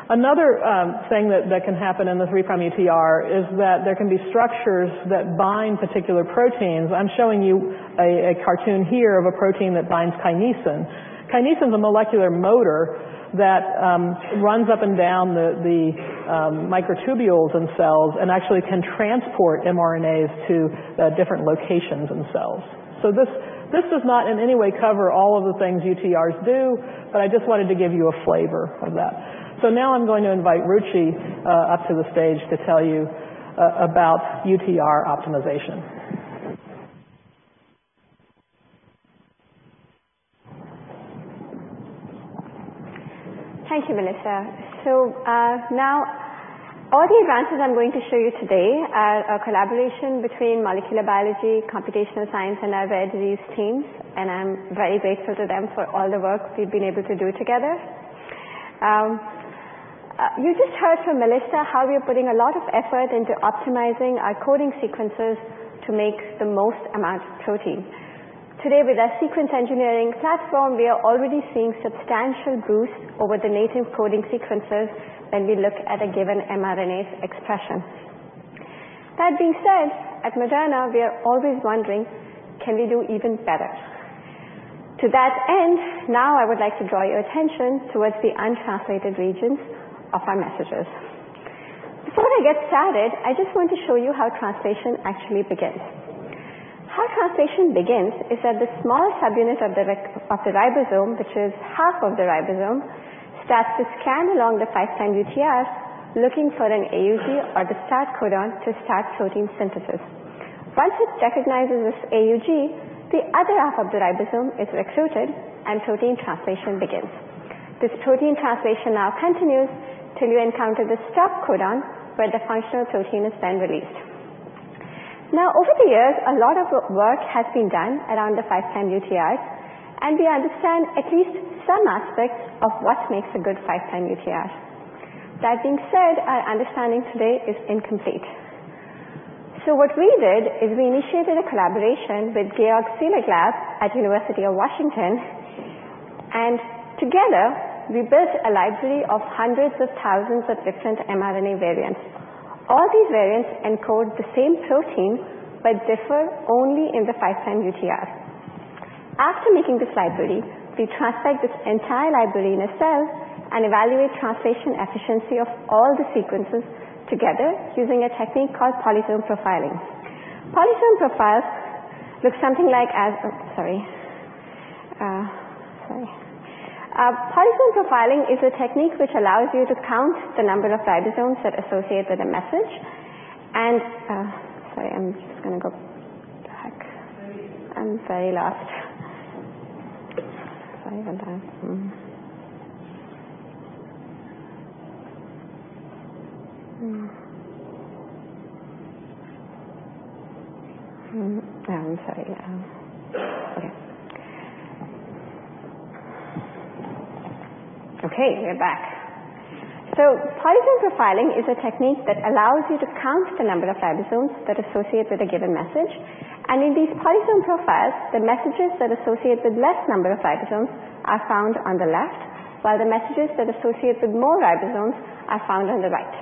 S3: Another thing that can happen in the 3' UTR is that there can be structures that bind particular proteins. I'm showing you a cartoon here of a protein that binds kinesin. Kinesin's a molecular motor that runs up and down the microtubules in cells, and actually can transport mRNAs to different locations in cells. This does not in any way cover all of the things UTRs do, I just wanted to give you a flavor of that. Now I'm going to invite Ruchi up to the stage to tell you about UTR optimization.
S4: Thank you, Melissa. Now all the advances I'm going to show you today are a collaboration between molecular biology, computational science, and our rare disease teams, I'm very grateful to them for all the work we've been able to do together. You just heard from Melissa how we're putting a lot of effort into optimizing our coding sequences to make the most amount of protein. Today, with our sequence engineering platform, we are already seeing substantial boosts over the native coding sequences when we look at a given mRNA's expression. That being said, at Moderna, we are always wondering, can we do even better? To that end, now I would like to draw your attention towards the untranslated regions of our messages. Before I get started, I just want to show you how translation actually begins. How translation begins is that the small subunit of the ribosome, which is half of the ribosome, starts to scan along the 5' UTR, looking for an AUG or the start codon to start protein synthesis. Once it recognizes this AUG, the other half of the ribosome is recruited, protein translation begins. This protein translation now continues till you encounter the stop codon, where the functional protein is then released. Over the years, a lot of work has been done around the 5' UTR, we understand at least some aspects of what makes a good 5' UTR. That being said, our understanding today is incomplete. What we did is we initiated a collaboration with Georg Seelig lab at University of Washington, together we built a library of hundreds of thousands of different mRNA variants. All these variants encode the same protein, differ only in the 5' UTR. After making this library, we transfect this entire library in a cell, evaluate translation efficiency of all the sequences together using a technique called polysome profiling. Polysome profiling is a technique which allows you to count the number of ribosomes that associate with a message, sorry, I'm just going to go back. I'm very lost. Sorry about that. I'm sorry. Okay, we're back. polysome profiling is a technique that allows you to count the number of ribosomes that associate with a given message, and in these polysome profiles, the messages that associate with less number of ribosomes are found on the left, while the messages that associate with more ribosomes are found on the right.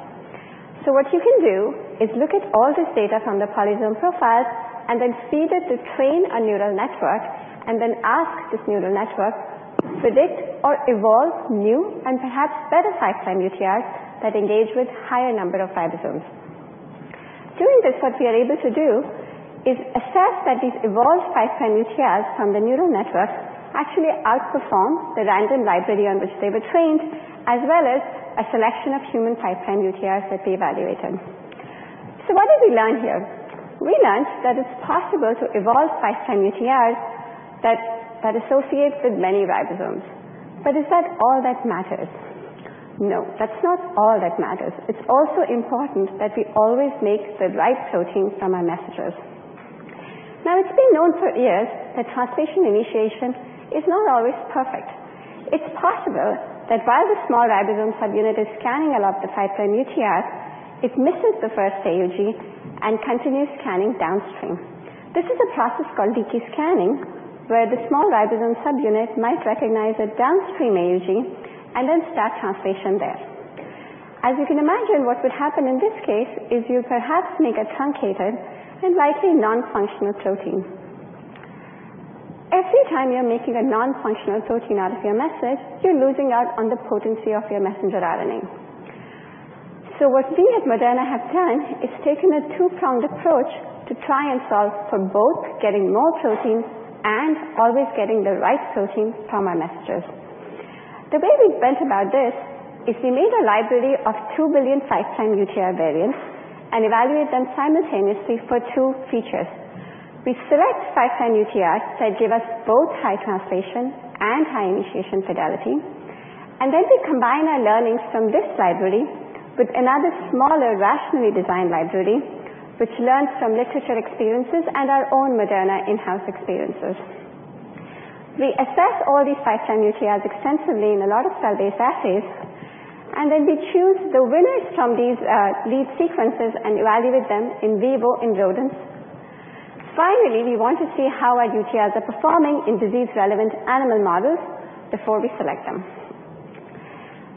S4: What you can do is look at all this data from the polysome profiles and then feed it to train a neural network, and then ask this neural network, predict or evolve new and perhaps better 5' UTR that engage with higher number of ribosomes. Doing this, what we are able to do is assess that these evolved 5' UTRs from the neural network actually outperform the random library on which they were trained, as well as a selection of human 5' UTRs that we evaluated. What did we learn here? We learned that it's possible to evolve 5' UTRs that associate with many ribosomes. Is that all that matters? No, that's not all that matters. It's also important that we always make the right protein from our messengers. It's been known for years that translation initiation is not always perfect. It's possible that while the small ribosome subunit is scanning along the 5' UTR, it misses the first AUG and continues scanning downstream. This is a process called leaky scanning, where the small ribosome subunit might recognize a downstream AUG and then start translation there. As you can imagine, what would happen in this case is you perhaps make a truncated and likely non-functional protein. Every time you're making a non-functional protein out of your message, you're losing out on the potency of your messenger RNA. What we at Moderna have done is taken a two-pronged approach to try and solve for both getting more protein and always getting the right protein from our messengers. The way we went about this is we made a library of 2 billion 5' UTR variants and evaluate them simultaneously for two features. We select 5' UTRs that give us both high translation and high initiation fidelity, and then we combine our learnings from this library with another smaller rationally designed library, which learns from literature experiences and our own Moderna in-house experiences. We assess all these 5' UTRs extensively in a lot of cell-based assays, and then we choose the winners from these lead sequences and evaluate them in vivo in rodents. Finally, we want to see how our UTRs are performing in disease-relevant animal models before we select them.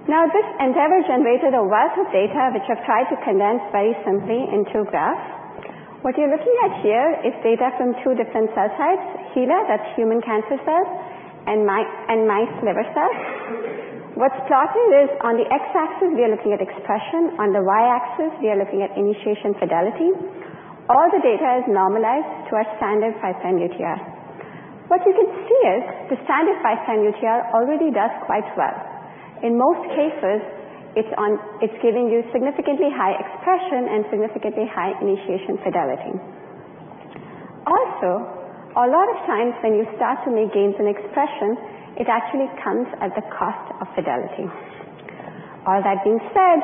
S4: This endeavor generated a wealth of data which I've tried to condense very simply into a graph. What you're looking at here is data from 2 different cell types, HeLa, that's human cancer cells, and mice liver cells. What's plotted is on the X-axis, we are looking at expression, on the Y-axis, we are looking at initiation fidelity. All the data is normalized to our standard 5' UTR. What you can see is the standard 5' UTR already does quite well. In most cases, it's giving you significantly high expression and significantly high initiation fidelity. Also, a lot of times when you start to make gains in expression, it actually comes at the cost of fidelity. All that being said,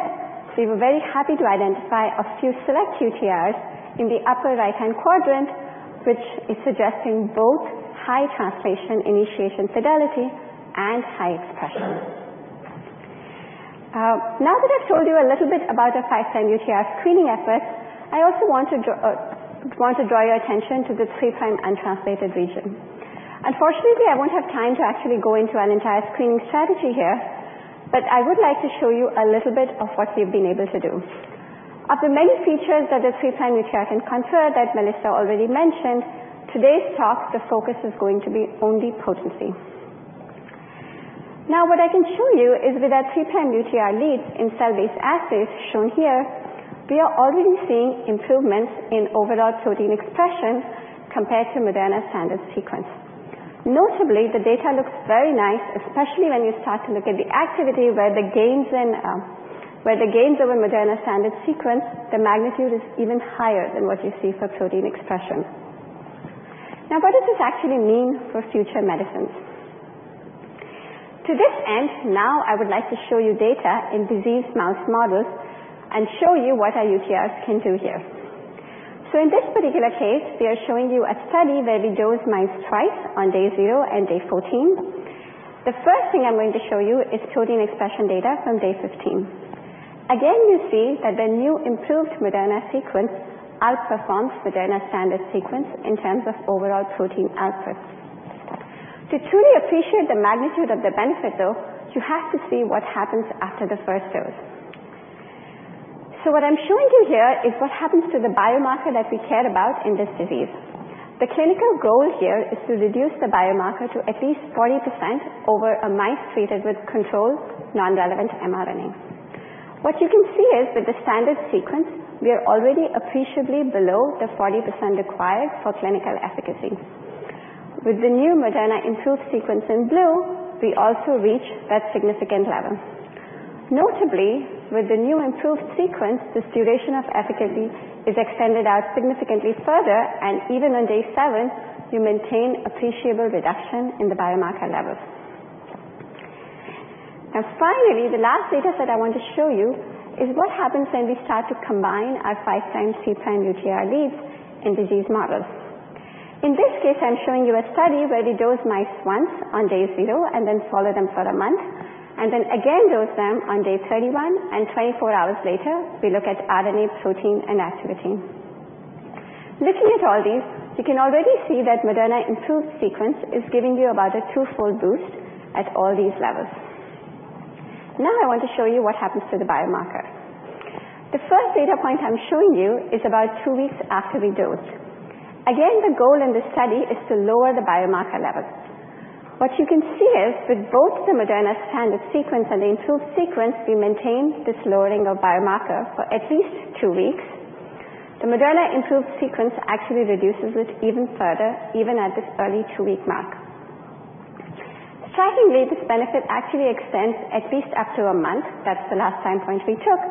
S4: we were very happy to identify a few select UTRs in the upper right-hand quadrant, which is suggesting both high translation initiation fidelity and high expression. Now that I've told you a little bit about the 5' UTR screening efforts, I also want to draw your attention to the 3' untranslated region. Unfortunately, I won't have time to actually go into an entire screening strategy here. I would like to show you a little bit of what we've been able to do. Of the many features that the 3' UTR can confer that Melissa already mentioned, today's talk, the focus is going to be only potency. Now, what I can show you is with our 3' UTR leads in cell-based assays shown here, we are already seeing improvements in overall protein expression compared to Moderna standard sequence. Notably, the data looks very nice, especially when you start to look at the activity where the gains over Moderna standard sequence, the magnitude is even higher than what you see for protein expression. Now, what does this actually mean for future medicines? To this end, now I would like to show you data in disease mouse models and show you what our UTRs can do here. In this particular case, we are showing you a study where we dose mice twice on day 0 and day 14. The first thing I'm going to show you is protein expression data from day 15. Again, you see that the new improved Moderna sequence outperforms Moderna standard sequence in terms of overall protein output. To truly appreciate the magnitude of the benefit, though, you have to see what happens after the first dose. What I'm showing you here is what happens to the biomarker that we care about in this disease. The clinical goal here is to reduce the biomarker to at least 40% over mice treated with controlled non-relevant mRNA. What you can see is with the standard sequence, we are already appreciably below the 40% required for clinical efficacy. With the new Moderna improved sequence in blue, we also reach that significant level. Notably, with the new improved sequence, this duration of efficacy is extended out significantly further, and even on day 7, you maintain appreciable reduction in the biomarker levels. Now, finally, the last dataset I want to show you is what happens when we start to combine our 5' 3' UTR leads in disease models. In this case, I'm showing you a study where we dose mice once on day 0 and then follow them for a month, and then again dose them on day 31. 24 hours later, we look at RNA, protein, and activity. Looking at all these, you can already see that Moderna improved sequence is giving you about a twofold boost at all these levels. Now I want to show you what happens to the biomarker. The first data point I'm showing you is about two weeks after the dose. Again, the goal in this study is to lower the biomarker levels. What you can see is with both the Moderna standard sequence and the improved sequence, we maintain this lowering of biomarker for at least two weeks. The Moderna improved sequence actually reduces it even further, even at this early two-week mark. Strikingly, this benefit actually extends at least up to a month, that's the last time point we took,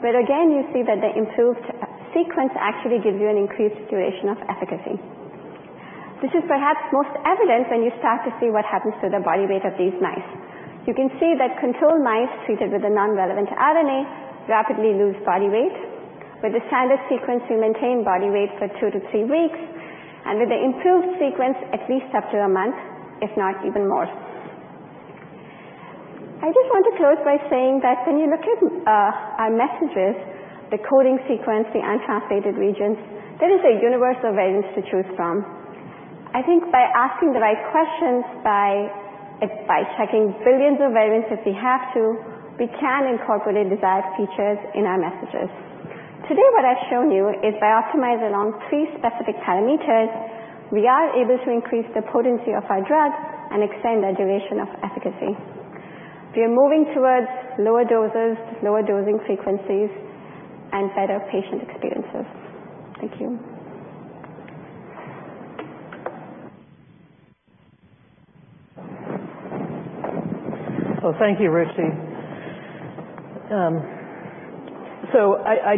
S4: where again, you see that the improved sequence actually gives you an increased duration of efficacy. This is perhaps most evident when you start to see what happens to the body weight of these mice. You can see that control mice treated with a non-relevant RNA rapidly lose body weight. With the standard sequence, we maintain body weight for two to three weeks, and with the improved sequence, at least up to a month, if not even more. I just want to close by saying that when you look at our messages, the coding sequence, the untranslated regions, there is a universe of variants to choose from. I think by asking the right questions, by checking billions of variants if we have to, we can incorporate desired features in our messages. Today, what I've shown you is by optimizing along three specific parameters, we are able to increase the potency of our drugs and extend the duration of efficacy. We are moving towards lower doses, lower dosing frequencies, and better patient experiences. Thank you.
S3: Well, thank you, Ruchi. I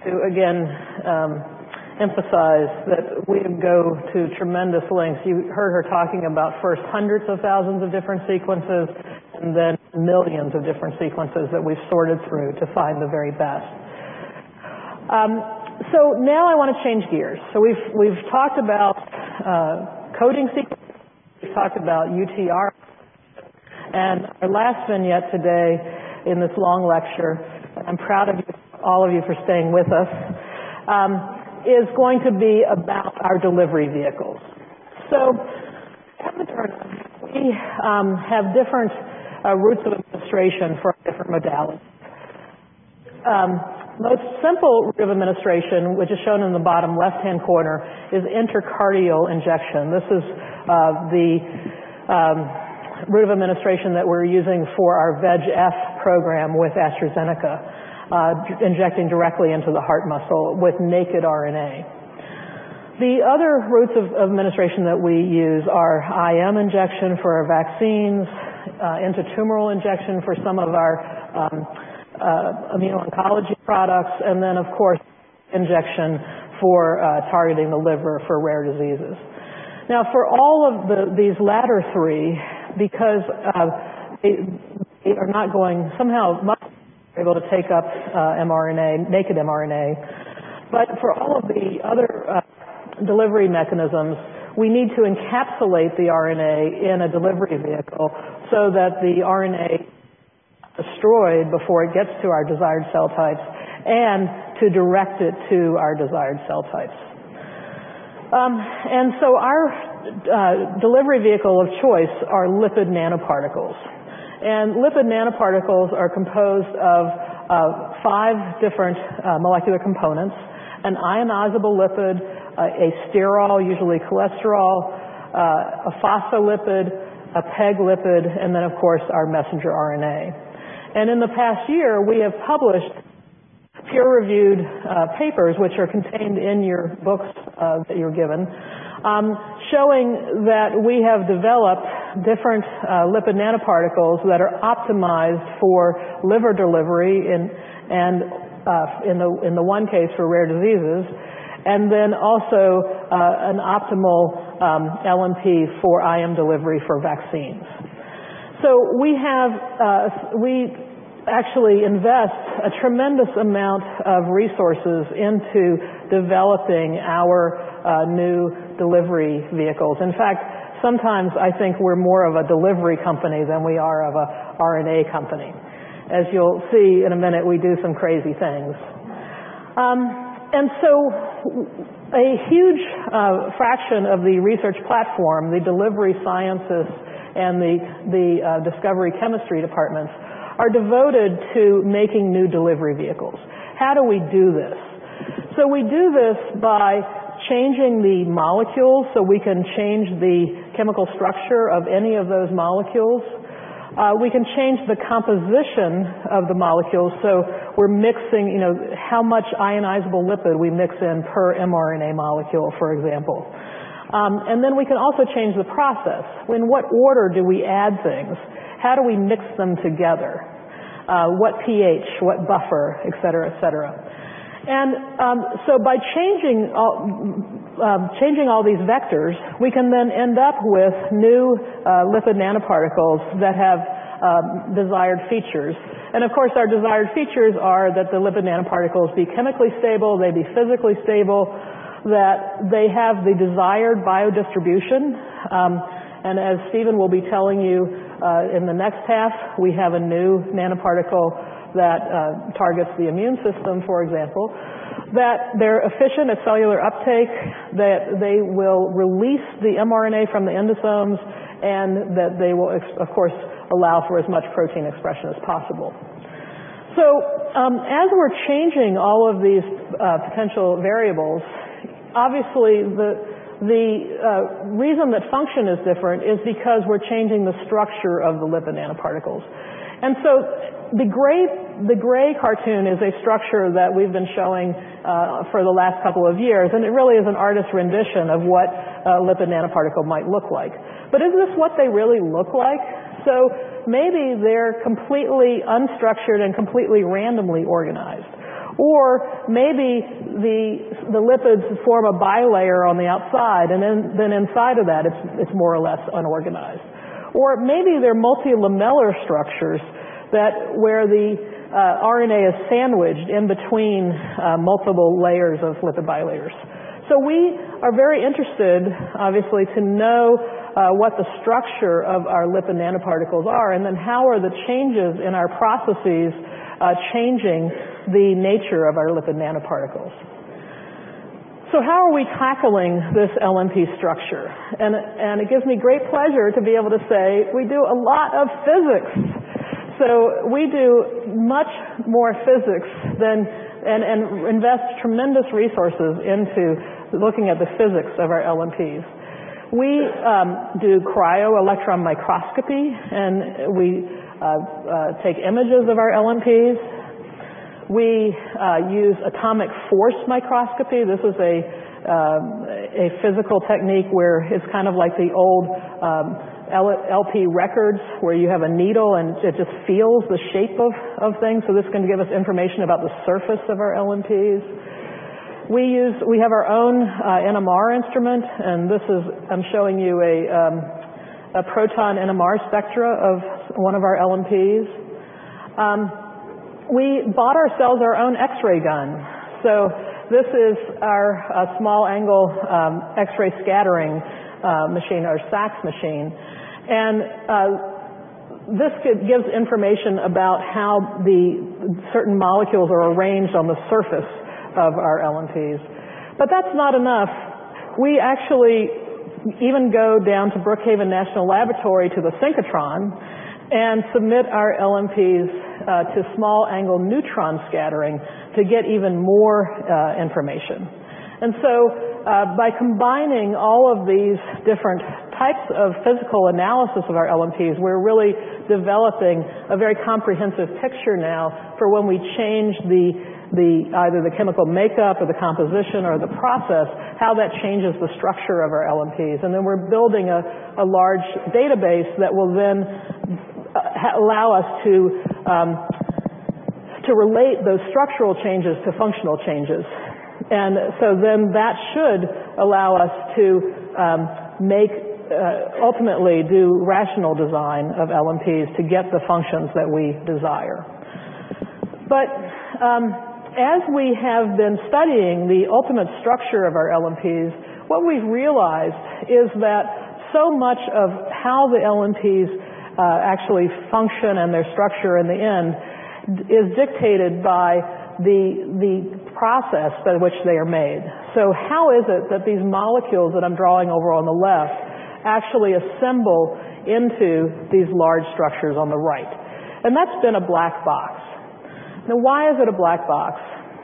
S3: do again emphasize that we go to tremendous lengths. You heard her talking about first hundreds of thousands of different sequences, and then millions of different sequences that we've sorted through to find the very best. Now I want to change gears. We've talked about coding sequence, we've talked about UTR, and our last vignette today in this long lecture, I'm proud of all of you for staying with us, is going to be about our delivery vehicles. At Moderna, we have different routes of administration for our different modalities. Most simple route of administration, which is shown in the bottom left-hand corner, is intracardiac injection. This is the route of administration that we're using for our VEGF program with AstraZeneca, injecting directly into the heart muscle with naked RNA. The other routes of administration that we use are IM injection for our vaccines, intratumoral injection for some of our immuno-oncology products, and then, of course, injection for targeting the liver for rare diseases. Now, for all of these latter three, because we are not much able to take up mRNA, naked mRNA, but for all of the other delivery mechanisms, we need to encapsulate the RNA in a delivery vehicle so that the RNA is not destroyed before it gets to our desired cell types, and to direct it to our desired cell types. Our delivery vehicle of choice are lipid nanoparticles. Lipid nanoparticles are composed of five different molecular components: an ionizable lipid, a sterol, usually cholesterol, a phospholipid, a PEG lipid, and then, of course, our messenger RNA. In the past year, we have published peer-reviewed papers, which are contained in your books that you were given, showing that we have developed different lipid nanoparticles that are optimized for liver delivery in the one case for rare diseases, and then also an optimal LNP for IM delivery for vaccines. We actually invest a tremendous amount of resources into developing our new delivery vehicles. In fact, sometimes I think we're more of a delivery company than we are of a RNA company. As you'll see in a minute, we do some crazy things. A huge fraction of the research platform, the delivery sciences, and the discovery chemistry departments are devoted to making new delivery vehicles. How do we do this? We do this by changing the molecules, so we can change the chemical structure of any of those molecules. We can change the composition of the molecules. We're mixing how much ionizable lipid we mix in per mRNA molecule, for example. We can also change the process. In what order do we add things? How do we mix them together? What pH, what buffer, et cetera. By changing all these vectors, we can then end up with new lipid nanoparticles that have desired features. Of course, our desired features are that the lipid nanoparticles be chemically stable, they be physically stable, that they have the desired biodistribution, and as Stephen will be telling you, in the next half, we have a new nanoparticle that targets the immune system, for example. That they're efficient at cellular uptake, that they will release the mRNA from the endosomes, and that they will, of course, allow for as much protein expression as possible. As we're changing all of these potential variables, obviously the reason that function is different is because we're changing the structure of the lipid nanoparticles. The gray cartoon is a structure that we've been showing for the last couple of years, and it really is an artist's rendition of what a lipid nanoparticle might look like. Is this what they really look like? Maybe they're completely unstructured and completely randomly organized. Or maybe the lipids form a bilayer on the outside and then inside of that it's more or less unorganized. Or maybe they're multilamellar structures where the RNA is sandwiched in between multiple layers of lipid bilayers. We are very interested, obviously, to know what the structure of our lipid nanoparticles are, and then how are the changes in our processes changing the nature of our lipid nanoparticles. How are we tackling this LNP structure? It gives me great pleasure to be able to say we do a lot of physics. We do much more physics and invest tremendous resources into looking at the physics of our LNPs. We do cryo-electron microscopy, and we take images of our LNPs. We use atomic force microscopy. This is a physical technique where it's like the old LP records, where you have a needle and it just feels the shape of things. This is going to give us information about the surface of our LNPs. We have our own NMR instrument, and I'm showing you a proton NMR spectra of one of our LNPs. We bought ourselves our own X-ray gun. This is our small-angle X-ray scattering machine, or SAXS machine. This gives information about how the certain molecules are arranged on the surface of our LNPs. That's not enough. We actually even go down to Brookhaven National Laboratory to the synchrotron and submit our LNPs to small-angle neutron scattering to get even more information. By combining all of these different types of physical analysis of our LNPs, we're really developing a very comprehensive picture now for when we change either the chemical makeup or the composition or the process, how that changes the structure of our LNPs. We're building a large database that will then allow us to relate those structural changes to functional changes. That should allow us to ultimately do rational design of LNPs to get the functions that we desire. As we have been studying the ultimate structure of our LNPs, what we've realized is that so much of how the LNPs actually function and their structure in the end is dictated by the process by which they are made. How is it that these molecules that I'm drawing over on the left actually assemble into these large structures on the right? That's been a black box. Why is it a black box?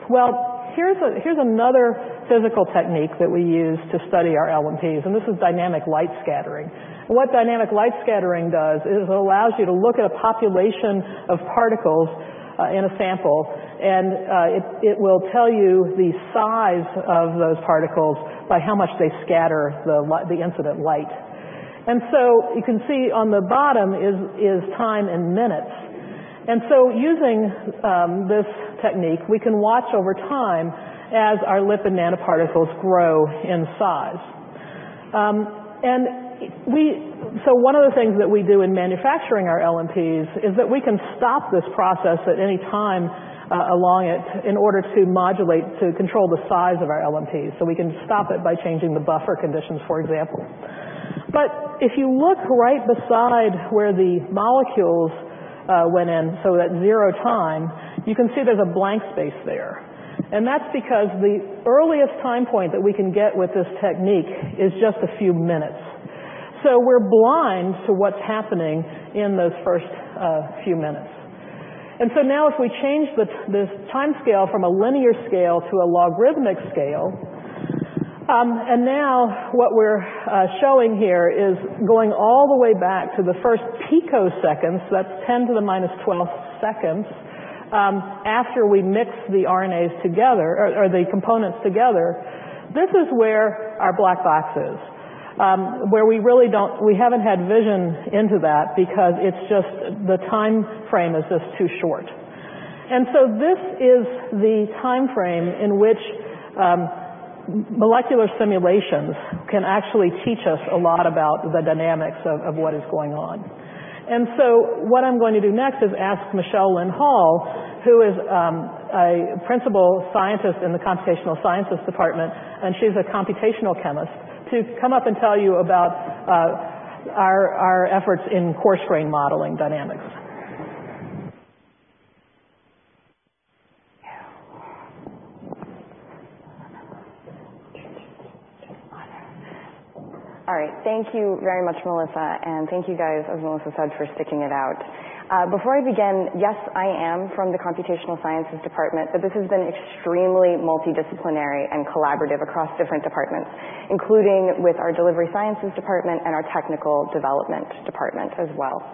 S3: Well, here's another physical technique that we use to study our LNPs, and this is dynamic light scattering. What dynamic light scattering does is it allows you to look at a population of particles in a sample, and it will tell you the size of those particles by how much they scatter the incident light. You can see on the bottom is time in minutes. Using this technique, we can watch over time as our lipid nanoparticles grow in size. One of the things that we do in manufacturing our LNPs is that we can stop this process at any time along it in order to modulate, to control the size of our LNPs. We can stop it by changing the buffer conditions, for example. If you look right beside where the molecules went in, so at 0 time, you can see there's a blank space there. That's because the earliest time point that we can get with this technique is just a few minutes. We're blind to what's happening in those first few minutes. Now if we change this timescale from a linear scale to a logarithmic scale, what we're showing here is going all the way back to the first picoseconds, that's 10 to the minus 12 seconds, after we mix the components together. This is where our black box is where we haven't had vision into that because the timeframe is just too short. This is the timeframe in which molecular simulations can actually teach us a lot about the dynamics of what is going on. What I'm going to do next is ask Michelle Lynn Hall, who is a principal scientist in the Computational Sciences Department, and she's a computational chemist, to come up and tell you about our efforts in coarse-grained molecular dynamics.
S5: All right. Thank you very much, Melissa, and thank you guys, as Melissa said, for sticking it out. Before I begin, yes, I am from the computational sciences department. This has been extremely multidisciplinary and collaborative across different departments, including with our delivery sciences department and our technical development department as well.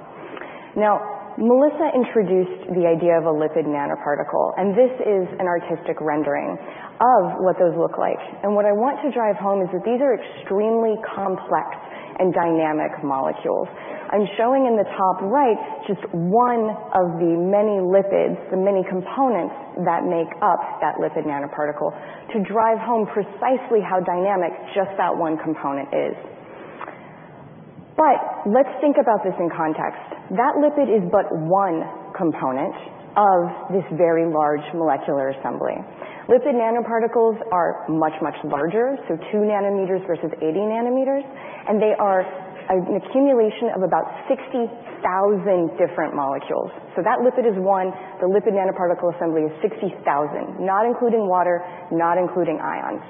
S5: Melissa introduced the idea of a lipid nanoparticle. This is an artistic rendering of what those look like. What I want to drive home is that these are extremely complex and dynamic molecules. I'm showing in the top right just one of the many lipids, the many components that make up that lipid nanoparticle to drive home precisely how dynamic just that one component is. Let's think about this in context. That lipid is but one component of this very large molecular assembly. Lipid nanoparticles are much, much larger, 2 nanometers versus 80 nanometers, and they are an accumulation of about 60,000 different molecules. That lipid is 1, the lipid nanoparticle assembly is 60,000, not including water, not including ions.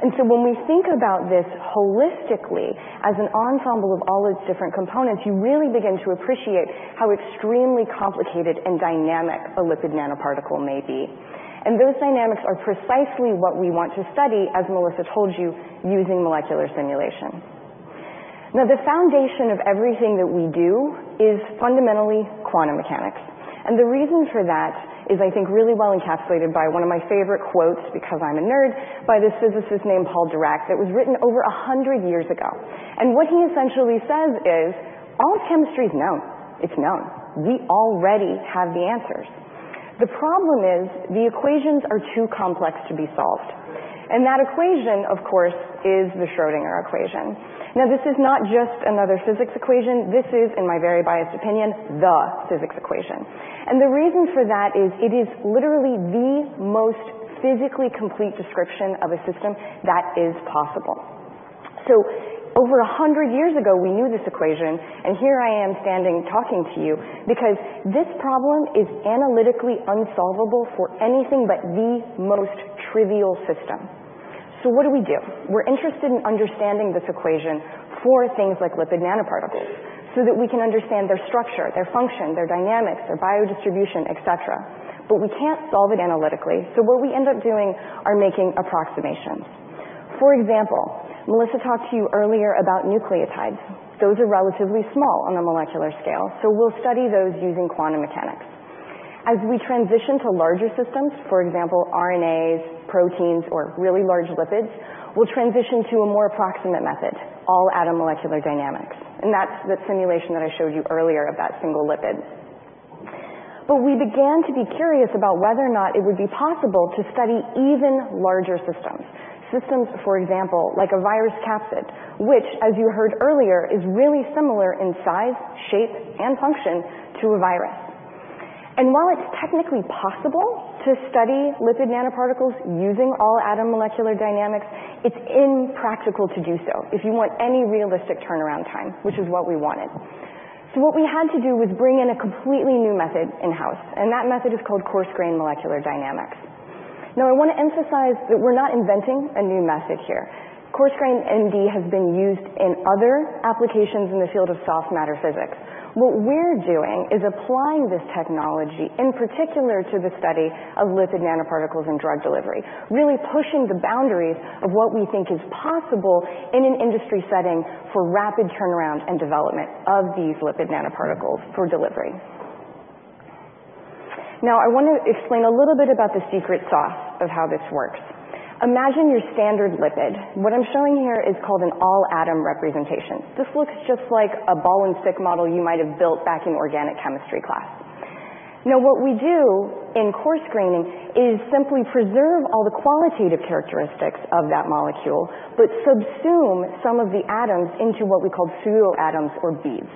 S5: When we think about this holistically as an ensemble of all its different components, you really begin to appreciate how extremely complicated and dynamic a lipid nanoparticle may be. Those dynamics are precisely what we want to study, as Melissa told you, using molecular simulation. The foundation of everything that we do is fundamentally quantum mechanics. The reason for that is, I think, really well encapsulated by one of my favorite quotes, because I'm a nerd, by this physicist named Paul Dirac that was written over 100 years ago. What he essentially says is, all chemistry is known. It's known. We already have the answers. The problem is the equations are too complex to be solved. That equation, of course, is the Schrödinger equation. This is not just another physics equation. This is, in my very biased opinion, the physics equation. The reason for that is it is literally the most physically complete description of a system that is possible. Over 100 years ago, we knew this equation, and here I am standing talking to you because this problem is analytically unsolvable for anything but the most trivial system. What do we do? We're interested in understanding this equation for things like lipid nanoparticles so that we can understand their structure, their function, their dynamics, their biodistribution, et cetera. We can't solve it analytically. What we end up doing are making approximations. For example, Melissa talked to you earlier about nucleotides. Those are relatively small on a molecular scale. We'll study those using quantum mechanics. As we transition to larger systems, for example, RNAs, proteins, or really large lipids, we'll transition to a more approximate method, all-atom molecular dynamics. That's the simulation that I showed you earlier of that single lipid. We began to be curious about whether or not it would be possible to study even larger systems. Systems, for example, like a virus capsid, which, as you heard earlier, is really similar in size, shape, and function to a virus. While it's technically possible to study lipid nanoparticles using all-atom molecular dynamics, it's impractical to do so if you want any realistic turnaround time, which is what we wanted. What we had to do was bring in a completely new method in-house. That method is called coarse-grained molecular dynamics. I want to emphasize that we're not inventing a new method here. Coarse-grained MD has been used in other applications in the field of soft matter physics. We're doing is applying this technology, in particular, to the study of lipid nanoparticles and drug delivery, really pushing the boundaries of what we think is possible in an industry setting for rapid turnaround and development of these lipid nanoparticles for delivery. I want to explain a little about the secret sauce of how this works. Imagine your standard lipid. What I'm showing here is called an all-atom representation. This looks just like a ball and stick model you might have built back in organic chemistry class. What we do in coarse graining is simply preserve all the qualitative characteristics of that molecule, but subsume some of the atoms into what we call pseudo atoms or beads.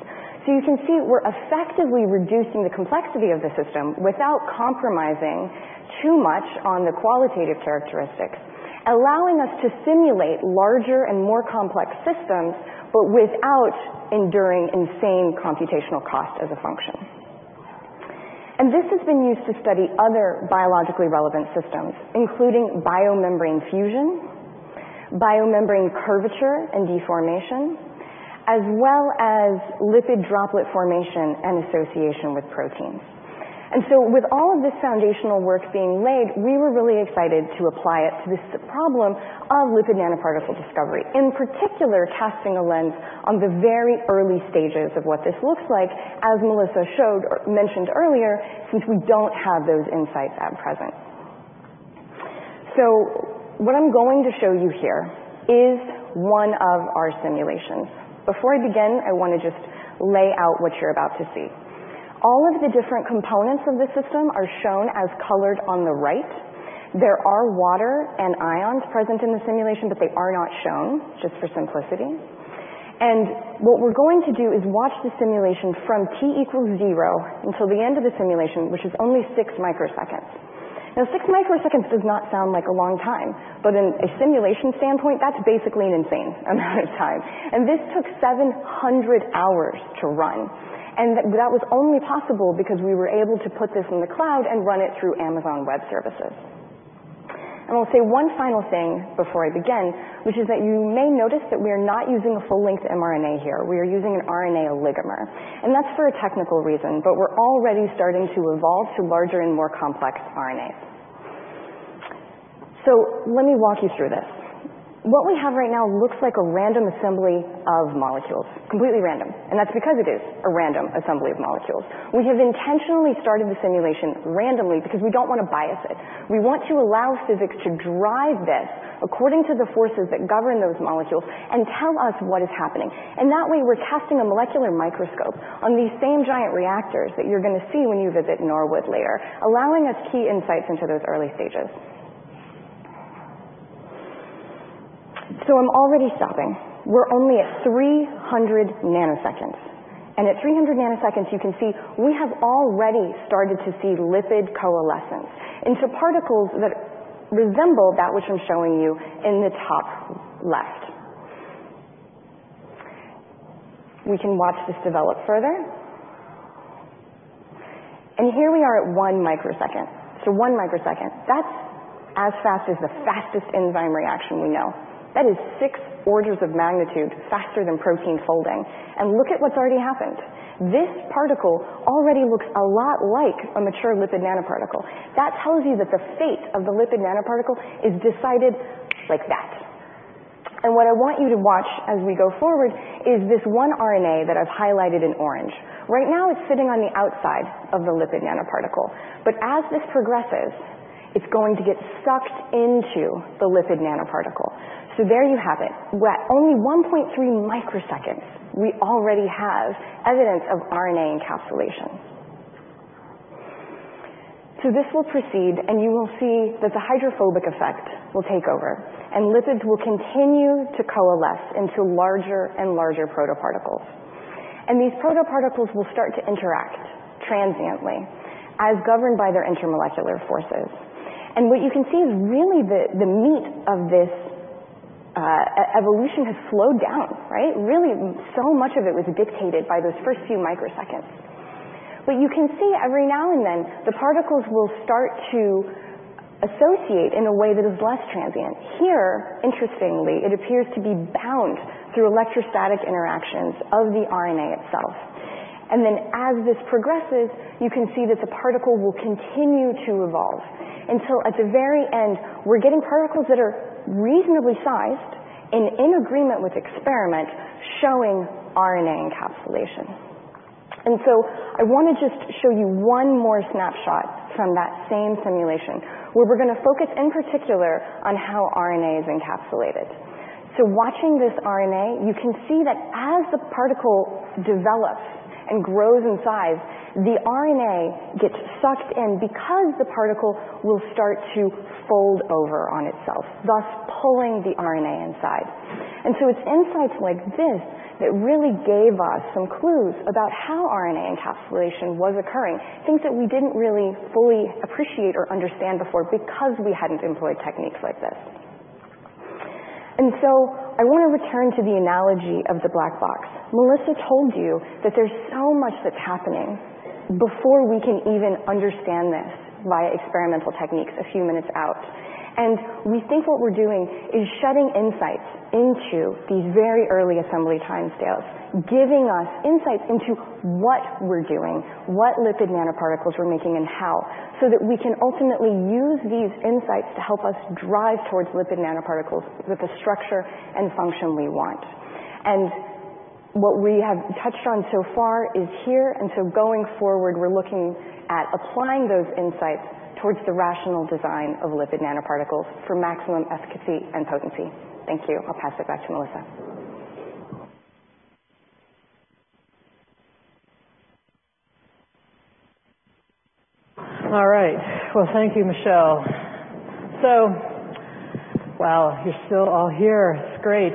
S5: You can see we're effectively reducing the complexity of the system without compromising too much on the qualitative characteristics, allowing us to simulate larger and more complex systems, but without enduring insane computational cost as a function. This has been used to study other biologically relevant systems, including biomembrane fusion, biomembrane curvature and deformation, as well as lipid droplet formation and association with proteins. With all of this foundational work being laid, we were really excited to apply it to this problem of lipid nanoparticle discovery, in particular, casting a lens on the very early stages of what this looks like, as Melissa mentioned earlier, since we don't have those insights at present. What I'm going to show you here is one of our simulations. Before I begin, I want to just lay out what you're about to see. All of the different components of the system are shown as colored on the right. There are water and ions present in the simulation, but they are not shown just for simplicity. What we're going to do is watch the simulation from T equals zero until the end of the simulation, which is only six microseconds. Six microseconds does not sound like a long time, but in a simulation standpoint, that's basically an insane amount of time. This took 700 hours to run. That was only possible because we were able to put this in the cloud and run it through Amazon Web Services. I'll say one final thing before I begin, which is that you may notice that we are not using a full-length mRNA here. We are using an RNA oligomer, and that's for a technical reason, but we're already starting to evolve to larger and more complex RNA. Let me walk you through this. What we have right now looks like a random assembly of molecules, completely random, and that's because it is a random assembly of molecules. We have intentionally started the simulation randomly because we don't want to bias it. We want to allow physics to drive this according to the forces that govern those molecules and tell us what is happening. In that way, we're casting a molecular microscope on these same giant reactors that you're going to see when you visit Norwood later, allowing us key insights into those early stages. I'm already stopping. We're only at 300 nanoseconds, at 300 nanoseconds, you can see we have already started to see lipid coalescence into particles that resemble that which I'm showing you in the top left. We can watch this develop further. Here we are at one microsecond. One microsecond, that's as fast as the fastest enzyme reaction we know. That is six orders of magnitude faster than protein folding, look at what's already happened. This particle already looks a lot like a mature lipid nanoparticle. That tells you that the fate of the lipid nanoparticle is decided like that. What I want you to watch as we go forward is this one RNA that I've highlighted in orange. Right now, it's sitting on the outside of the lipid nanoparticle, but as this progresses, it's going to get sucked into the lipid nanoparticle. There you have it. At only 1.3 microseconds, we already have evidence of RNA encapsulation. This will proceed, you will see that the hydrophobic effect will take over, lipids will continue to coalesce into larger and larger protoparticles. These protoparticles will start to interact transiently as governed by their intermolecular forces. What you can see is really the meat of this evolution has slowed down, right? Really, so much of it was dictated by those first few microseconds. You can see every now and then, the particles will start to associate in a way that is less transient. Here, interestingly, it appears to be bound through electrostatic interactions of the RNA itself. As this progresses, you can see that the particle will continue to evolve until at the very end, we're getting particles that are reasonably sized and in agreement with experiment showing RNA encapsulation. I want to just show you one more snapshot from that same simulation, where we're going to focus in particular on how RNA is encapsulated. Watching this RNA, you can see that as the particle develops and grows in size, the RNA gets sucked in because the particle will start to fold over on itself, thus pulling the RNA inside. It's insights like this that really gave us some clues about how RNA encapsulation was occurring, things that we didn't really fully appreciate or understand before because we hadn't employed techniques like this. I want to return to the analogy of the black box. Melissa told you that there's so much that's happening before we can even understand this by experimental techniques a few minutes out. We think what we're doing is shedding insights into these very early assembly timescales, giving us insights into what we're doing, what lipid nanoparticles we're making, how, so that we can ultimately use these insights to help us drive towards lipid nanoparticles with the structure and function we want. What we have touched on so far is here, going forward, we're looking at applying those insights towards the rational design of lipid nanoparticles for maximum efficacy and potency. Thank you. I'll pass it back to Melissa.
S3: All right. Well, thank you, Michelle. Wow, you're still all here. It's great.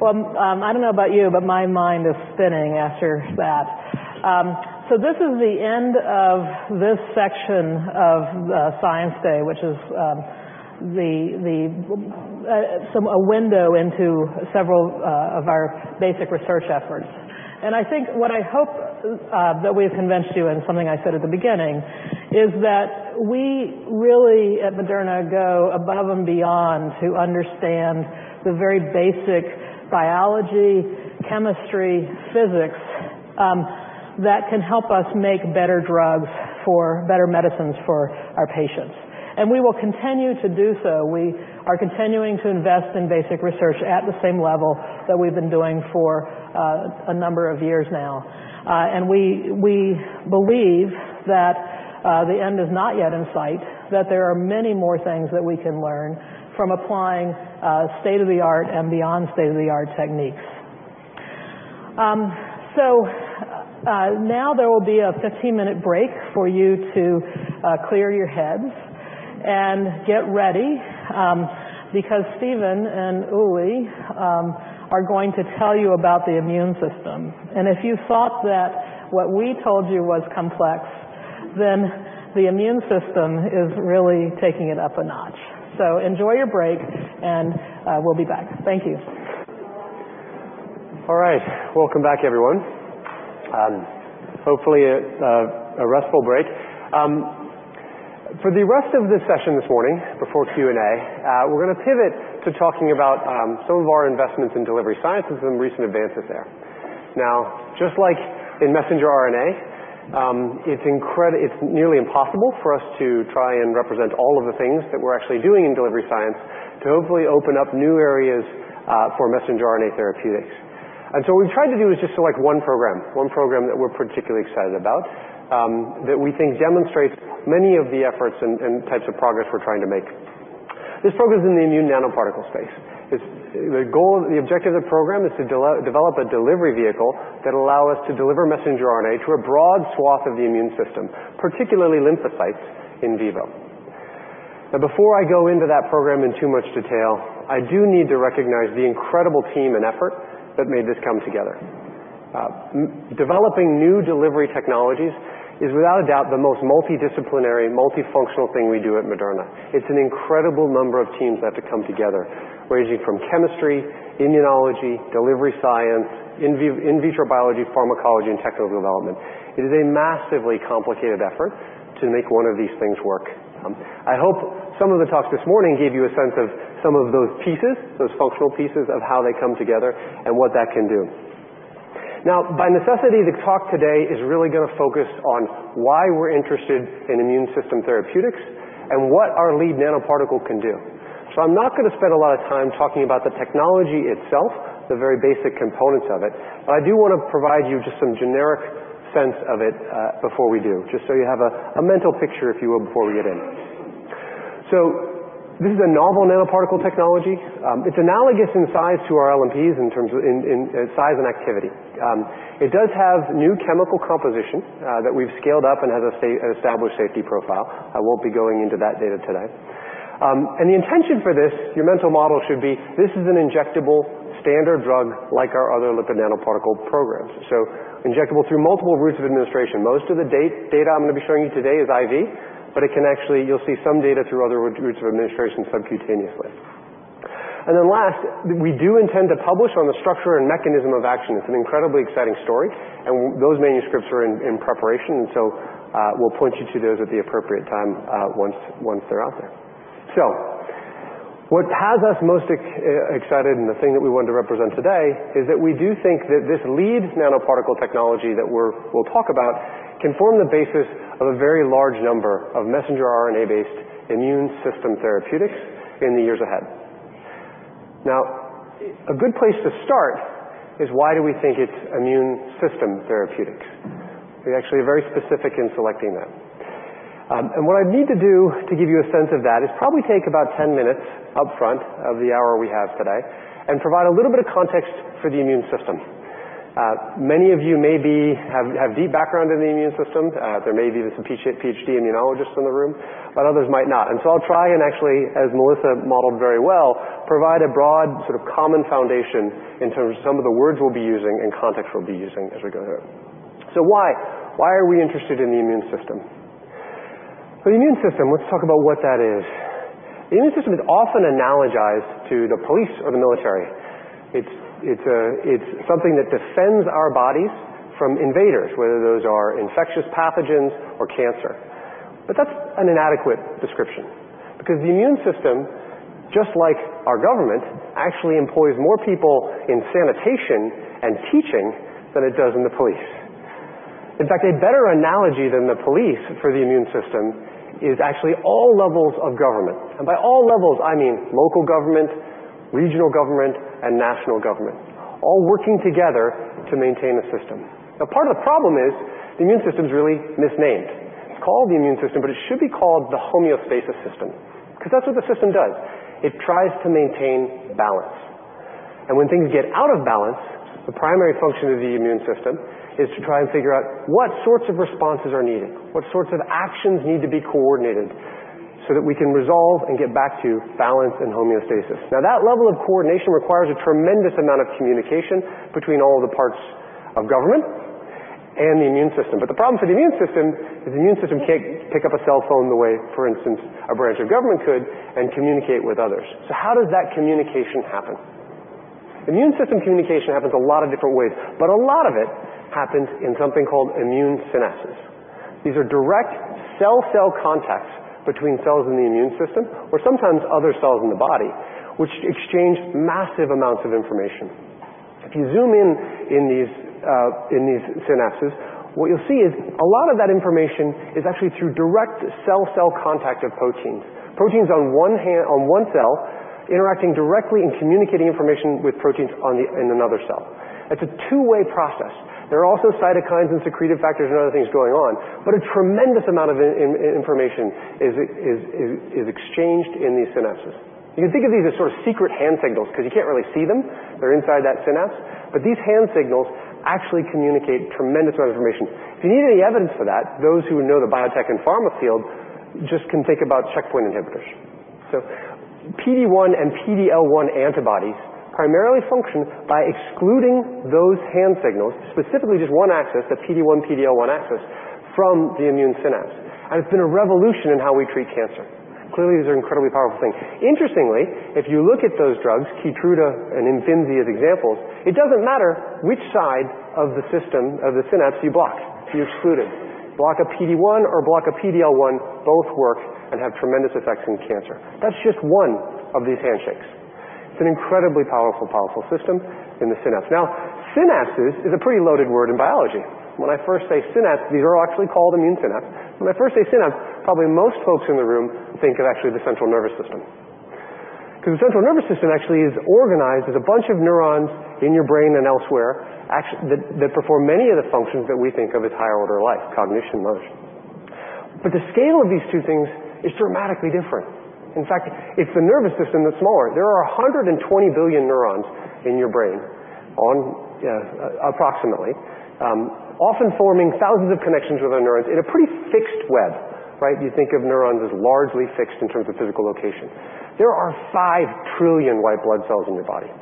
S3: Well, I don't know about you, but my mind is spinning after that. This is the end of this section of Science Day, which is a window into several of our basic research efforts. I think what I hope that we have convinced you, and something I said at the beginning, is that we really at Moderna go above and beyond to understand the very basic biology, chemistry, physics that can help us make better drugs for better medicines for our patients. We will continue to do so. We are continuing to invest in basic research at the same level that we've been doing for a number of years now. We believe that the end is not yet in sight, that there are many more things that we can learn from applying state-of-the-art and beyond state-of-the-art techniques. Now there will be a 15-minute break for you to clear your heads and get ready, because Stephen and Ulrich are going to tell you about the immune system. If you thought that what we told you was complex, then the immune system is really taking it up a notch. Enjoy your break, and we'll be back. Thank you.
S2: All right. Welcome back, everyone. Hopefully, a restful break. For the rest of this session this morning, before Q&A, we're going to pivot to talking about some of our investments in delivery sciences and recent advances there. Just like in messenger RNA, it's nearly impossible for us to try and represent all of the things that we're actually doing in delivery science to hopefully open up new areas for messenger RNA therapeutics. What we've tried to do is just select one program, one program that we're particularly excited about, that we think demonstrates many of the efforts and types of progress we're trying to make. This program is in the immune nanoparticle space. The objective of the program is to develop a delivery vehicle that'll allow us to deliver messenger RNA to a broad swath of the immune system, particularly lymphocytes in vivo. Before I go into that program in too much detail, I do need to recognize the incredible team and effort that made this come together. Developing new delivery technologies is without a doubt the most multidisciplinary, multifunctional thing we do at Moderna. It's an incredible number of teams that have to come together, ranging from chemistry, immunology, delivery science, in vitro biology, pharmacology, and technical development. It is a massively complicated effort to make one of these things work. I hope some of the talks this morning gave you a sense of some of those pieces, those functional pieces of how they come together and what that can do. By necessity, the talk today is really going to focus on why we're interested in immune system therapeutics and what our lead nanoparticle can do. I'm not going to spend a lot of time talking about the technology itself, the very basic components of it, but I do want to provide you just some generic sense of it before we do, just so you have a mental picture, if you will, before we get in. This is a novel nanoparticle technology. It's analogous in size to our LNPs in size and activity. It does have new chemical composition that we've scaled up and has an established safety profile. I won't be going into that data today. The intention for this, your mental model should be, this is an injectable standard drug like our other lipid nanoparticle programs. Injectable through multiple routes of administration. Most of the data I'm going to be showing you today is IV, but you'll see some data through other routes of administration subcutaneously. Last, we do intend to publish on the structure and mechanism of action. It's an incredibly exciting story, and those manuscripts are in preparation, we'll point you to those at the appropriate time once they're out there. What has us most excited and the thing that we wanted to represent today is that we do think that this leads nanoparticle technology that we'll talk about can form the basis of a very large number of messenger RNA-based immune system therapeutics in the years ahead. A good place to start is why do we think it's immune system therapeutics? We're actually very specific in selecting that. What I need to do to give you a sense of that is probably take about 10 minutes up front of the hour we have today and provide a little bit of context for the immune system. Many of you maybe have deep background in the immune system, there may be some PhD immunologists in the room, but others might not. I'll try and actually, as Melissa modeled very well, provide a broad sort of common foundation in terms of some of the words we'll be using and context we'll be using as we go ahead. Why are we interested in the immune system? The immune system, let's talk about what that is. The immune system is often analogized to the police or the military. It's something that defends our bodies from invaders, whether those are infectious pathogens or cancer. That's an inadequate description, because the immune system, just like our government, actually employs more people in sanitation and teaching than it does in the police. In fact, a better analogy than the police for the immune system is actually all levels of government. By all levels, I mean local government, regional government, and national government, all working together to maintain a system. Part of the problem is the immune system's really misnamed. It's called the immune system, but it should be called the homeostasis system, because that's what the system does. It tries to maintain balance. When things get out of balance, the primary function of the immune system is to try and figure out what sorts of responses are needed, what sorts of actions need to be coordinated, so that we can resolve and get back to balance and homeostasis. That level of coordination requires a tremendous amount of communication between all the parts of government and the immune system. The problem for the immune system is the immune system can't pick up a cell phone the way, for instance, a branch of government could, and communicate with others. How does that communication happen? Immune system communication happens a lot of different ways, but a lot of it happens in something called immune synapses. These are direct cell-cell contacts between cells in the immune system, or sometimes other cells in the body, which exchange massive amounts of information. If you zoom in in these synapses, what you'll see is a lot of that information is actually through direct cell-cell contact of proteins. Proteins on one cell interacting directly and communicating information with proteins in another cell. It's a two-way process. There are also cytokines and secreted factors and other things going on, but a tremendous amount of information is exchanged in these synapses. You can think of these as sort of secret hand signals, because you can't really see them, they're inside that synapse, but these hand signals actually communicate tremendous amount of information. If you need any evidence for that, those who know the biotech and pharma field just can think about checkpoint inhibitors. PD-1 and PD-L1 antibodies primarily function by excluding those hand signals, specifically just one axis, that PD-1, PD-L1 axis, from the immune synapse. It's been a revolution in how we treat cancer. Clearly, these are incredibly powerful things. Interestingly, if you look at those drugs, KEYTRUDA and IMFINZI as examples, it doesn't matter which side of the system of the synapse you block, you excluded. Block a PD-1 or block a PD-L1, both work and have tremendous effects in cancer. That's just one of these handshakes. It's an incredibly powerful system in the synapse. Synapses is a pretty loaded word in biology. When I first say synapse, these are actually called immune synapse. When I first say synapse, probably most folks in the room think of actually the central nervous system. The central nervous system actually is organized as a bunch of neurons in your brain and elsewhere that perform many of the functions that we think of as higher order life, cognition, emotion. The scale of these two things is dramatically different. In fact, it's the nervous system that's smaller. There are 120 billion neurons in your brain, approximately, often forming thousands of connections with other neurons in a pretty fixed web. You think of neurons as largely fixed in terms of physical location. There are 5 trillion white blood cells in your body.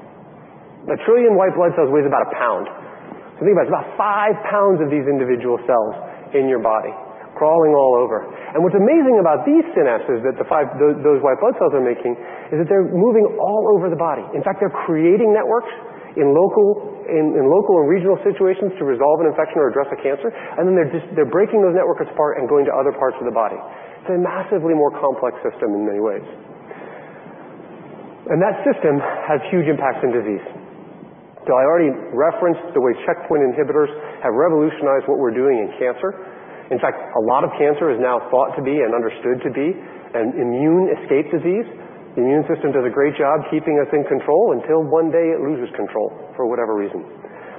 S2: A trillion white blood cells weighs about a pound. Think about it's about five pounds of these individual cells in your body crawling all over. What's amazing about these synapses that those white blood cells are making is that they're moving all over the body. In fact, they're creating networks in local and regional situations to resolve an infection or address a cancer. Then they're breaking those networks apart and going to other parts of the body. It's a massively more complex system in many ways. That system has huge impacts on disease. I already referenced the way checkpoint inhibitors have revolutionized what we're doing in cancer. In fact, a lot of cancer is now thought to be and understood to be an immune escape disease. The immune system does a great job keeping us in control until one day it loses control, for whatever reason.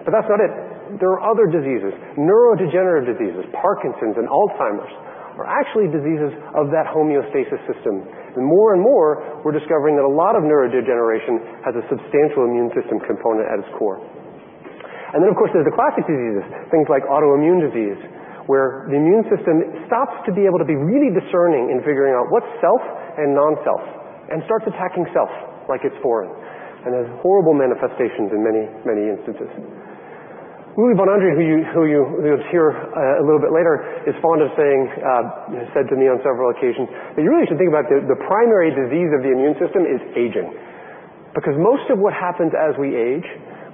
S2: That's not it. There are other diseases. Neurodegenerative diseases, Parkinson's, and Alzheimer's are actually diseases of that homeostasis system. More and more, we're discovering that a lot of neurodegeneration has a substantial immune system component at its core. Then, of course, there's the classic diseases, things like autoimmune disease, where the immune system stops to be able to be really discerning in figuring out what's self and non-self, and starts attacking self like it's foreign. There's horrible manifestations in many instances. Ulrich von Andrian, who's here a little bit later, is fond of saying, said to me on several occasions that you really should think about the primary disease of the immune system is aging. Because most of what happens as we age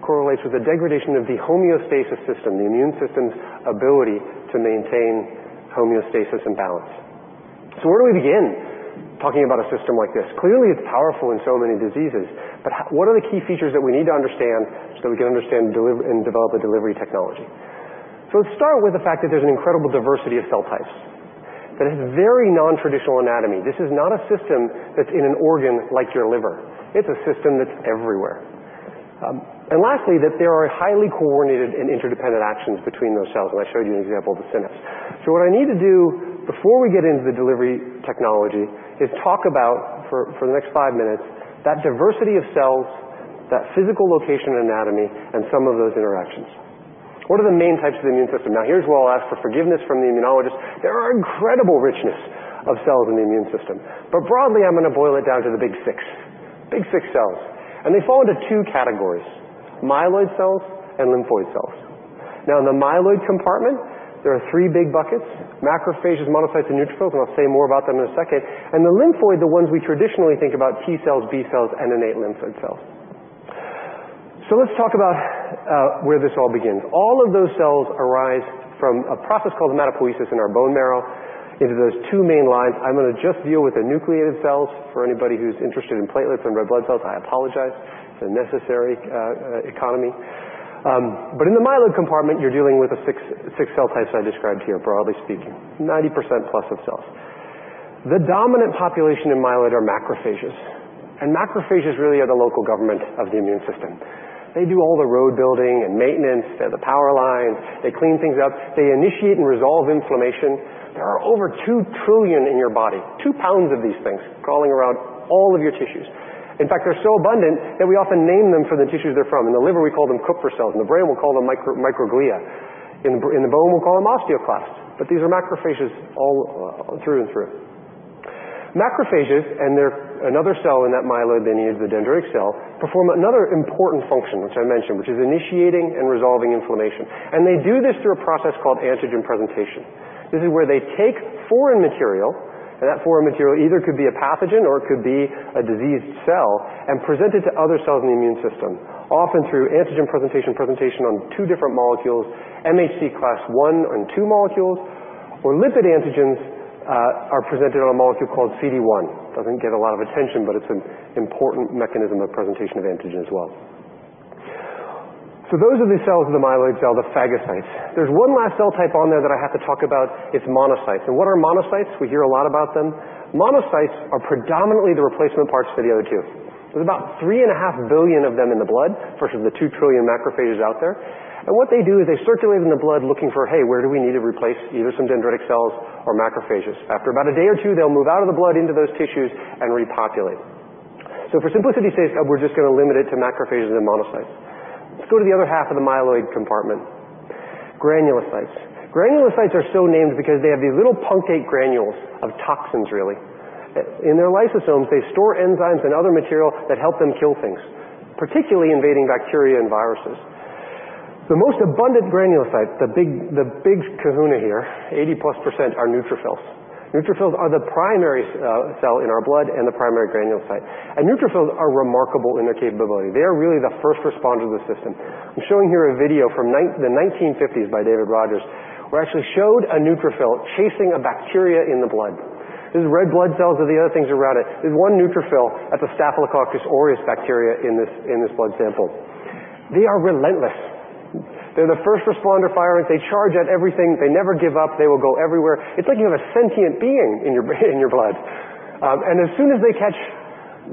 S2: correlates with the degradation of the homeostasis system, the immune system's ability to maintain homeostasis and balance. Where do we begin talking about a system like this? Clearly, it's powerful in so many diseases, what are the key features that we need to understand so that we can understand and develop a delivery technology? Let's start with the fact that there's an incredible diversity of cell types, that it's very non-traditional anatomy. This is not a system that's in an organ like your liver. It's a system that's everywhere. Lastly, that there are highly coordinated and interdependent actions between those cells, and I showed you an example of the immune synapse. What I need to do before we get into the delivery technology is talk about, for the next five minutes, that diversity of cells, that physical location anatomy, and some of those interactions. What are the main types of the immune system? Now, here's where I'll ask for forgiveness from the immunologists. There are incredible richness of cells in the immune system. Broadly, I'm going to boil it down to the big six. Big six cells. They fall into two categories: myeloid cells and lymphoid cells. Now, in the myeloid compartment, there are three big buckets: macrophages, monocytes, and neutrophils, and I'll say more about them in a second. The lymphoid, the ones we traditionally think about, T cells, B cells, and innate lymphoid cells. Let's talk about where this all begins. All of those cells arise from a process called hematopoiesis in our bone marrow into those two main lines. I'm going to just deal with the nucleated cells. For anybody who's interested in platelets and red blood cells, I apologize. It's a necessary economy. In the myeloid compartment, you're dealing with the six cell types I described here, broadly speaking, 90%+ of cells. The dominant population in myeloid are macrophages. Macrophages really are the local government of the immune system. They do all the road building and maintenance. They're the power line. They clean things up. They initiate and resolve inflammation. There are over 2 trillion in your body, two pounds of these things crawling around all of your tissues. In fact, they're so abundant that we often name them for the tissues they're from. In the liver, we call them Kupffer cells. In the brain, we'll call them microglia. In the bone, we'll call them osteoclasts. These are macrophages all through and through. Macrophages, and they're another cell in that myeloid lineage, the dendritic cell, perform another important function, which I mentioned, which is initiating and resolving inflammation. They do this through a process called antigen presentation. This is where they take foreign material. That foreign material either could be a pathogen or it could be a diseased cell, present it to other cells in the immune system, often through antigen presentation on two different molecules, MHC class 1 and 2 molecules, or lipid antigens are presented on a molecule called CD1. It doesn't get a lot of attention, but it's an important mechanism of presentation of antigen as well. Those are the cells of the myeloid cell, the phagocytes. There's one last cell type on there that I have to talk about, it's monocytes. What are monocytes? We hear a lot about them. Monocytes are predominantly the replacement parts for the other two. There's about 3.5 billion of them in the blood versus the 2 trillion macrophages out there. What they do is they circulate in the blood looking for, hey, where do we need to replace either some dendritic cells or macrophages? After about a day or two, they'll move out of the blood into those tissues and repopulate. For simplicity's sake, we're just going to limit it to macrophages and monocytes. Let's go to the other half of the myeloid compartment. Granulocytes are so named because they have these little punctate granules of toxins really. In their lysosomes, they store enzymes and other material that help them kill things, particularly invading bacteria and viruses. The most abundant granulocyte, the big kahuna here, 80%+ are neutrophils. Neutrophils are the primary cell in our blood and the primary granulocyte. Neutrophils are remarkable in their capability. They are really the first responder of the system. I'm showing here a video from the 1950s by David Rogers, where actually showed a neutrophil chasing a bacteria in the blood. These red blood cells are the other things around it. There's one neutrophil. That's a Staphylococcus aureus bacteria in this blood sample. They are relentless. They're the first responder firemen. They charge at everything. They never give up. They will go everywhere. It's like you have a sentient being in your blood. As soon as they catch,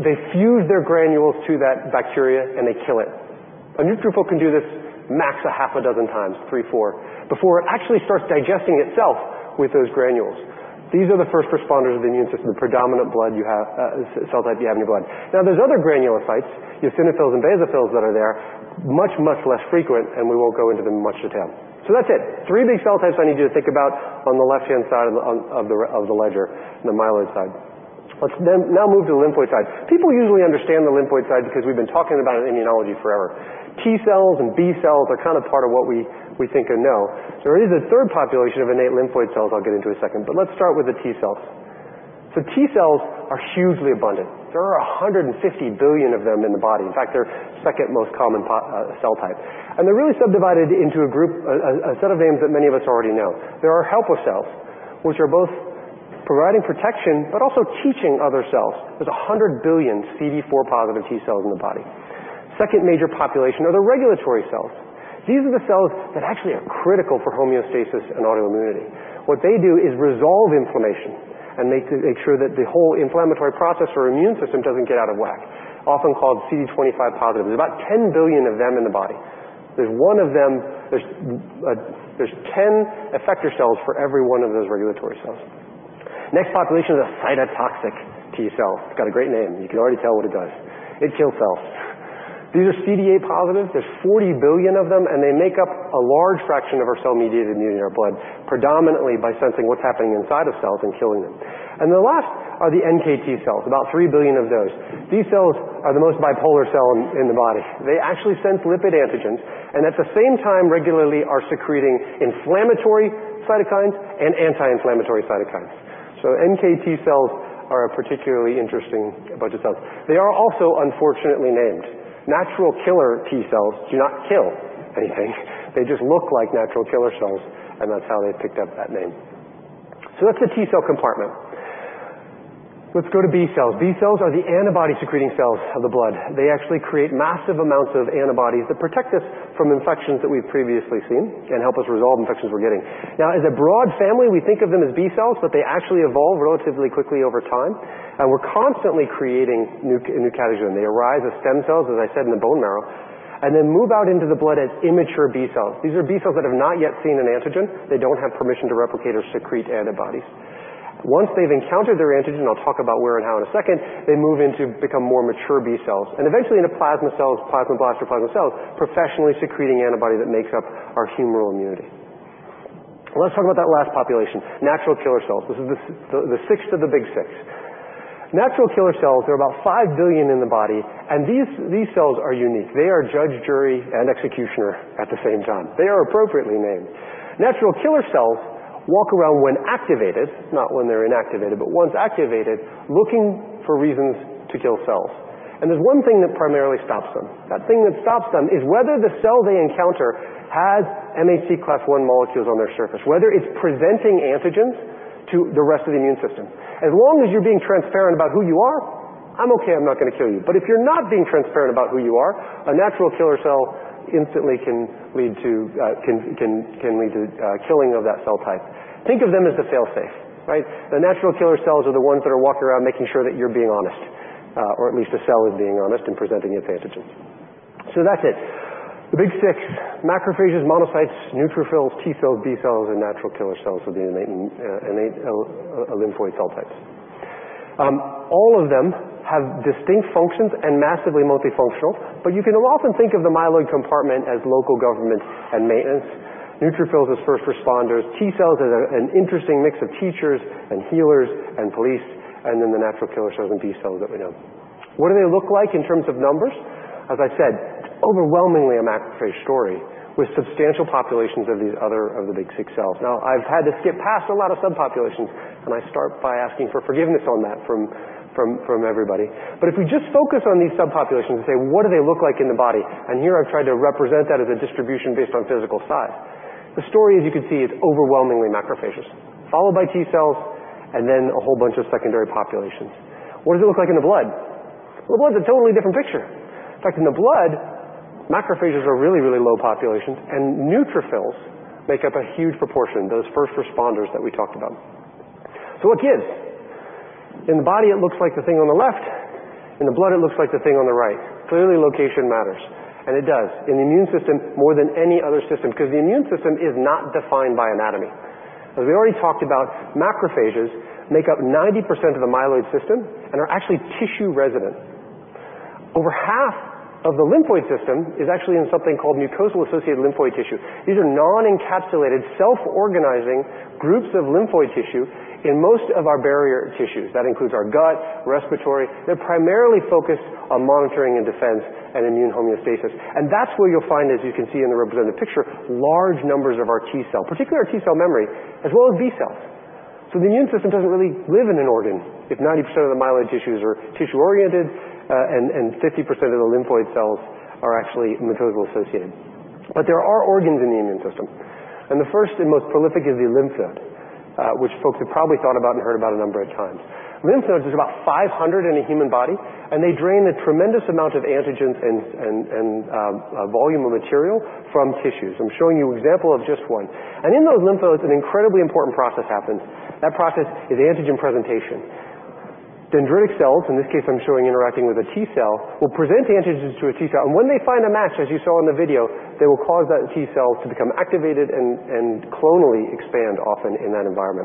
S2: they fuse their granules to that bacteria, and they kill it. A neutrophil can do this max a half a dozen times, three, four, before it actually starts digesting itself with those granules. These are the first responders of the immune system, the predominant cell type you have in your blood. There's other granulocytes, eosinophils and basophils that are there, much, much less frequent. We won't go into them in much detail. That's it. Three big cell types I need you to think about on the left-hand side of the ledger, on the myeloid side. Let's now move to the lymphoid side. People usually understand the lymphoid side because we've been talking about it in immunology forever. T cells and B cells are kind of part of what we think and know. There is a third population of innate lymphoid cells I'll get into in a second, but let's start with the T cells. T cells are hugely abundant. There are 150 billion of them in the body. In fact, they're the second most common cell type. They're really subdivided into a set of names that many of us already know. There are helper cells, which are both providing protection but also teaching other cells. There's 100 billion CD4 positive T cells in the body. Second major population are the regulatory cells. These are the cells that actually are critical for homeostasis and autoimmunity. What they do is resolve inflammation and make sure that the whole inflammatory process or immune system doesn't get out of whack, often called CD25 positive. There's about 10 billion of them in the body. There's 10 effector cells for every one of those regulatory cells. Next population is a cytotoxic T cell. It's got a great name. You can already tell what it does. It kills cells. These are CD8 positive. There's 40 billion of them, and they make up a large fraction of our cell-mediated immunity in our blood, predominantly by sensing what's happening inside of cells and killing them. The last are the NKT cells, about three billion of those. These cells are the most bipolar cell in the body. They actually sense lipid antigens and at the same time regularly are secreting inflammatory cytokines and anti-inflammatory cytokines. NKT cells are a particularly interesting bunch of cells. They are also unfortunately named. Natural killer T cells do not kill anything. They just look like natural killer cells, and that's how they picked up that name. That's the T cell compartment. Let's go to B cells. B cells are the antibody-secreting cells of the blood. They actually create massive amounts of antibodies that protect us from infections that we've previously seen and help us resolve infections we're getting. Now, as a broad family, we think of them as B cells, but they actually evolve relatively quickly over time. We're constantly creating new categories. They arise as stem cells, as I said, in the bone marrow. Then move out into the blood as immature B cells. These are B cells that have not yet seen an antigen. They don't have permission to replicate or secrete antibodies. Once they've encountered their antigen, I'll talk about where and how in a second, they move into become more mature B cells, and eventually into plasma cells, plasmablast or plasma cells, professionally secreting antibody that makes up our humoral immunity. Let's talk about that last population, natural killer cells. This is the sixth of the big six. Natural killer cells are about five billion in the body, and these cells are unique. They are judge, jury, and executioner at the same time. They are appropriately named. Natural killer cells walk around when activated, not when they're inactivated, but once activated, looking for reasons to kill cells. There's one thing that primarily stops them. That thing that stops them is whether the cell they encounter has MHC class I molecules on their surface, whether it's presenting antigens to the rest of the immune system. As long as you're being transparent about who you are, I'm okay, I'm not going to kill you. If you're not being transparent about who you are, a natural killer cell instantly can lead to killing of that cell type. Think of them as the fail-safe. The natural killer cells are the ones that are walking around making sure that you're being honest, or at least a cell is being honest and presenting its antigens. That's it. The big six, macrophages, monocytes, neutrophils, T cells, B cells, and natural killer cells are the innate lymphoid cell types. All of them have distinct functions and massively multifunctional, but you can often think of the myeloid compartment as local government and maintenance, neutrophils as first responders, T cells as an interesting mix of teachers and healers and police, and then the natural killer cells and B cells that we know. What do they look like in terms of numbers? As I said, overwhelmingly a macrophage story with substantial populations of the big six cells. I've had to skip past a lot of subpopulations, and I start by asking for forgiveness on that from everybody. If we just focus on these subpopulations and say, what do they look like in the body? Here I've tried to represent that as a distribution based on physical size. The story, as you can see, is overwhelmingly macrophages, followed by T cells, and then a whole bunch of secondary populations. What does it look like in the blood? The blood's a totally different picture. In fact, in the blood, macrophages are really, really low populations, and neutrophils make up a huge proportion, those first responders that we talked about. What gives? In the body, it looks like the thing on the left. In the blood, it looks like the thing on the right. Clearly, location matters. It does in the immune system more than any other system because the immune system is not defined by anatomy. As we already talked about, macrophages make up 90% of the myeloid system and are actually tissue resident. Over half of the lymphoid system is actually in something called mucosal-associated lymphoid tissue. These are non-encapsulated, self-organizing groups of lymphoid tissue in most of our barrier tissues. That includes our gut, respiratory. They're primarily focused on monitoring and defense and immune homeostasis. That's where you'll find, as you can see in the represented picture, large numbers of our T cell, particularly our T cell memory, as well as B cells. The immune system doesn't really live in an organ if 90% of the myeloid tissues are tissue-oriented, and 50% of the lymphoid cells are actually mucosal-associated. There are organs in the immune system, and the first and most prolific is the lymph node which folks have probably thought about and heard about a number of times. Lymph nodes, there's about 500 in a human body, and they drain a tremendous amount of antigens and volume of material from tissues. I'm showing you an example of just one. In those lymph nodes, an incredibly important process happens. That process is antigen presentation. Dendritic cells, in this case I'm showing interacting with a T cell, will present antigens to a T cell, and when they find a match, as you saw in the video, they will cause that T cell to become activated and clonally expand often in that environment.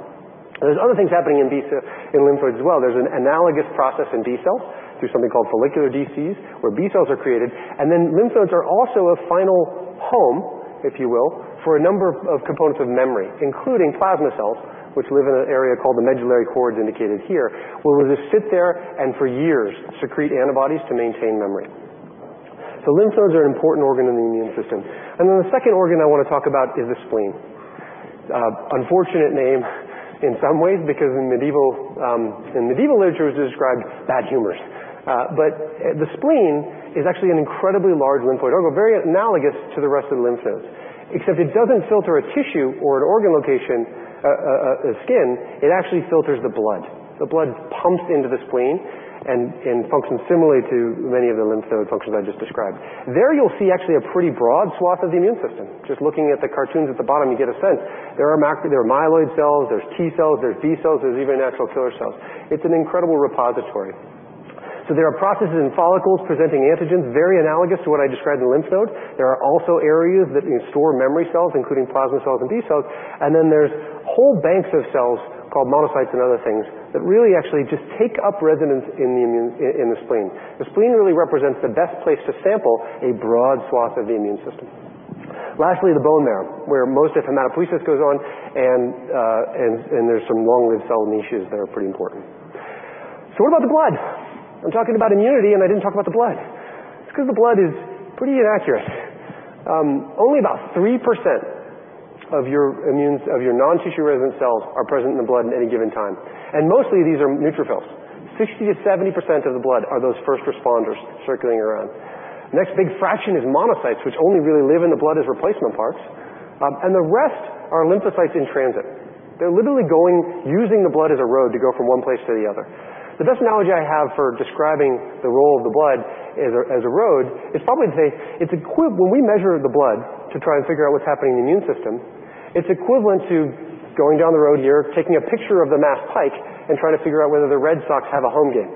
S2: There's other things happening in lymph nodes as well. There's an analogous process in B cells through something called follicular DCs, where B cells are created. Lymph nodes are also a final home, if you will, for a number of components of memory, including plasma cells, which live in an area called the medullary cords indicated here, where we just sit there and for years secrete antibodies to maintain memory. Lymph nodes are an important organ in the immune system. The second organ I want to talk about is the spleen. Unfortunate name in some ways because in medieval literature, it was described bad humors. The spleen is actually an incredibly large lymphoid organ, very analogous to the rest of the lymph nodes. Except it doesn't filter a tissue or an organ location, skin, it actually filters the blood. The blood pumps into the spleen and functions similarly to many of the lymph node functions I just described. There you'll see actually a pretty broad swath of the immune system. Just looking at the cartoons at the bottom, you get a sense. There are myeloid cells, there's T cells, there's B cells, there's even natural killer cells. It's an incredible repository. There are processes in follicles presenting antigens, very analogous to what I described in lymph nodes. There are also areas that store memory cells, including plasma cells and B cells. There's whole banks of cells called monocytes and other things that really actually just take up residence in the spleen. The spleen really represents the best place to sample a broad swath of the immune system. Lastly, the bone marrow, where most hematopoiesis goes on and there's some long-lived cell niches that are pretty important. What about the blood? I'm talking about immunity, and I didn't talk about the blood. It's because the blood is pretty inaccurate. Only about 3% of your non-tissue resident cells are present in the blood at any given time. Mostly these are neutrophils. 60%-70% of the blood are those first responders circling around. Next big fraction is monocytes, which only really live in the blood as replacement parts. The rest are lymphocytes in transit. They're literally using the blood as a road to go from one place to the other. The best analogy I have for describing the role of the blood as a road is probably to say when we measure the blood to try and figure out what's happening in the immune system, it's equivalent to going down the road here, taking a picture of the Mass Pike, and trying to figure out whether the Red Sox have a home game.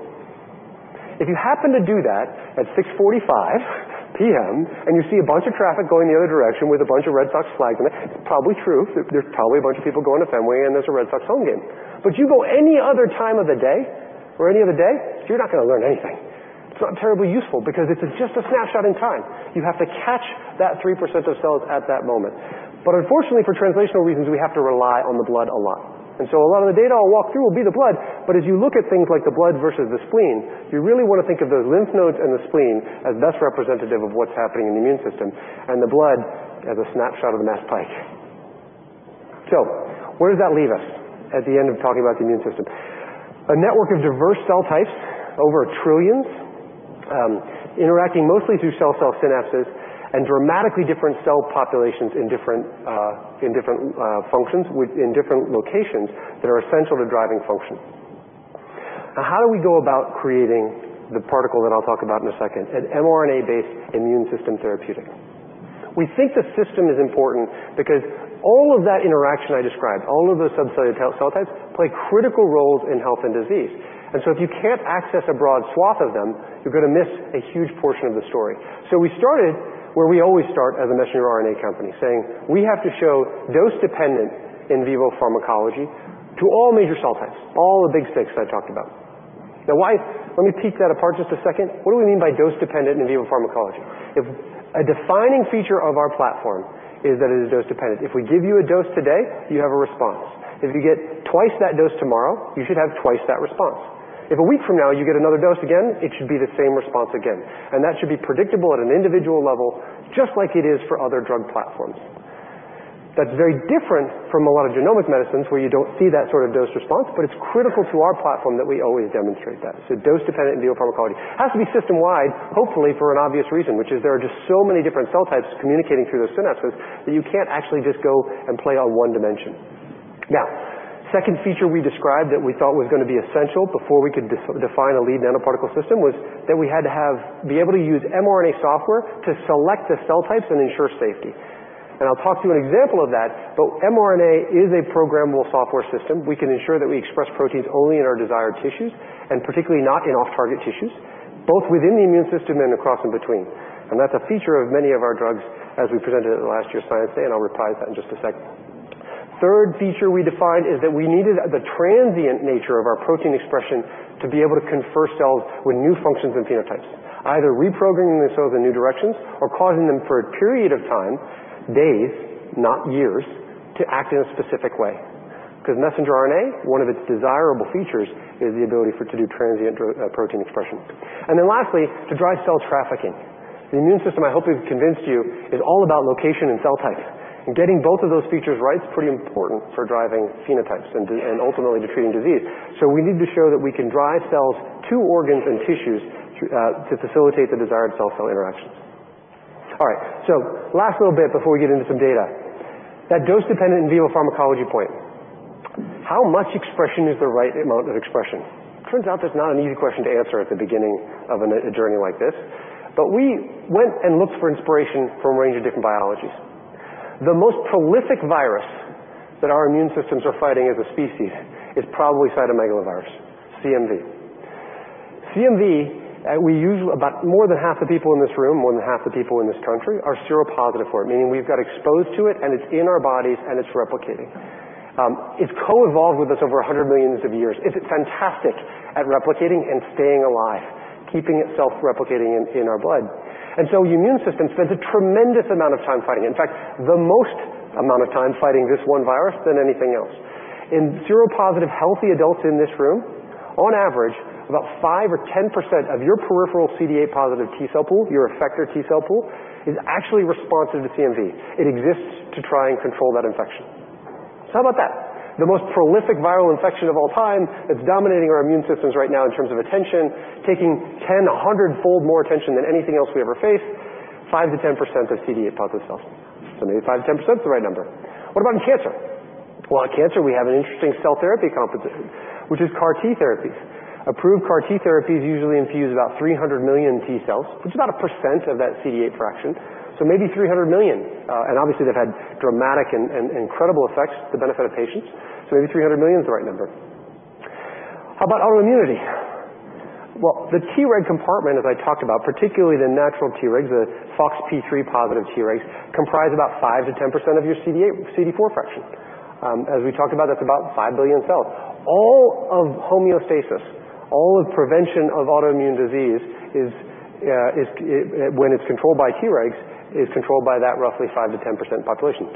S2: If you happen to do that at 6:45 P.M. and you see a bunch of traffic going the other direction with a bunch of Red Sox flags in it's probably true. There's probably a bunch of people going to Fenway and there's a Red Sox home game. You go any other time of the day or any other day, you're not going to learn anything. It's not terribly useful because it's just a snapshot in time. You have to catch that 3% of cells at that moment. Unfortunately, for translational reasons, we have to rely on the blood a lot. A lot of the data I'll walk through will be the blood, but as you look at things like the blood versus the spleen, you really want to think of the lymph nodes and the spleen as best representative of what's happening in the immune system, and the blood as a snapshot of the Mass Pike. Where does that leave us at the end of talking about the immune system? A network of diverse cell types, over a trillion, interacting mostly through cell-cell synapses and dramatically different cell populations in different functions in different locations that are essential to driving function. How do we go about creating the particle that I'll talk about in a second, an mRNA-based immune system therapeutic? We think the system is important because all of that interaction I described, all of those subcellular cell types, play critical roles in health and disease. If you can't access a broad swath of them, you're going to miss a huge portion of the story. We started where we always start as a messenger RNA company, saying we have to show dose-dependent in vivo pharmacology to all major cell types, all the big six that I talked about. Let me pick that apart just a second. What do we mean by dose-dependent in vivo pharmacology? A defining feature of our platform is that it is dose-dependent. If we give you a dose today, you have a response. If you get twice that dose tomorrow, you should have twice that response. If a week from now you get another dose again, it should be the same response again. That should be predictable at an individual level, just like it is for other drug platforms. That's very different from a lot of genomic medicines where you don't see that sort of dose response, but it's critical to our platform that we always demonstrate that. Dose-dependent in vivo pharmacology. Has to be system-wide, hopefully, for an obvious reason, which is there are just so many different cell types communicating through those synapses that you can't actually just go and play on one dimension. Second feature we described that we thought was going to be essential before we could define a lead nanoparticle system was that we had to be able to use mRNA software to select the cell types and ensure safety. I'll talk through an example of that, but mRNA is a programmable software system. We can ensure that we express proteins only in our desired tissues, and particularly not in off-target tissues, both within the immune system and across and between. That's a feature of many of our drugs as we presented at last year's Science Day, I'll reprise that in just a second. Third feature we defined is that we needed the transient nature of our protein expression to be able to confer cells with new functions and phenotypes, either reprogramming the cells in new directions or causing them for a period of time, days, not years, to act in a specific way. Because messenger RNA, one of its desirable features is the ability for it to do transient protein expression. Lastly, to drive cell trafficking. The immune system, I hope we've convinced you, is all about location and cell types. Getting both of those features right is pretty important for driving phenotypes and ultimately to treating disease. We need to show that we can drive cells to organs and tissues to facilitate the desired cell-cell interactions. All right. Last little bit before we get into some data. That dose-dependent in vivo pharmacology point. How much expression is the right amount of expression? Turns out that's not an easy question to answer at the beginning of a journey like this. We went and looked for inspiration from a range of different biologies. The most prolific virus that our immune systems are fighting as a species is probably cytomegalovirus, CMV. CMV, more than half the people in this room, more than half the people in this country are seropositive for it, meaning we've got exposed to it, and it's in our bodies, and it's replicating. It's co-evolved with us over 100 millions of years. It's fantastic at replicating and staying alive, keeping itself replicating in our blood. Immune systems spend a tremendous amount of time fighting it. In fact, the most amount of time fighting this one virus than anything else. In seropositive healthy adults in this room, on average, about 5% or 10% of your peripheral CD8 positive T cell pool, your effector T cell pool, is actually responsive to CMV. It exists to try and control that infection. How about that? The most prolific viral infection of all time that's dominating our immune systems right now in terms of attention, taking 10, 100 fold more attention than anything else we ever faced, 5%-10% of CD8 positive cells. Maybe 5%-10% is the right number. What about in cancer? In cancer, we have an interesting cell therapy competition, which is CAR T therapies. Approved CAR T therapies usually infuse about 300 million T cells, which is about 1% of that CD8 fraction, so maybe 300 million. Obviously, they've had dramatic and incredible effects to benefit of patients. Maybe 300 million is the right number. How about autoimmunity? The Treg compartment, as I talked about, particularly the natural Tregs, the FoxP3 positive Tregs, comprise about 5%-10% of your CD4 fraction. As we talked about, that's about five billion cells. All of homeostasis, all of prevention of autoimmune disease, when it's controlled by Tregs, is controlled by that roughly 5%-10% population.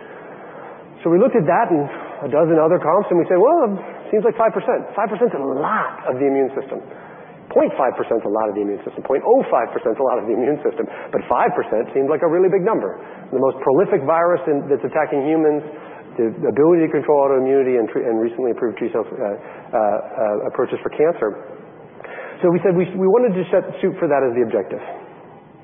S2: We looked at that and a dozen other comps, and we said, "Seems like 5%." 5% is a lot of the immune system. 0.5% is a lot of the immune system. 0.05% is a lot of the immune system. 5% seems like a really big number. The most prolific virus that's attacking humans, the ability to control autoimmunity and recently approved T-cell approaches for cancer. We said we wanted to set the suit for that as the objective.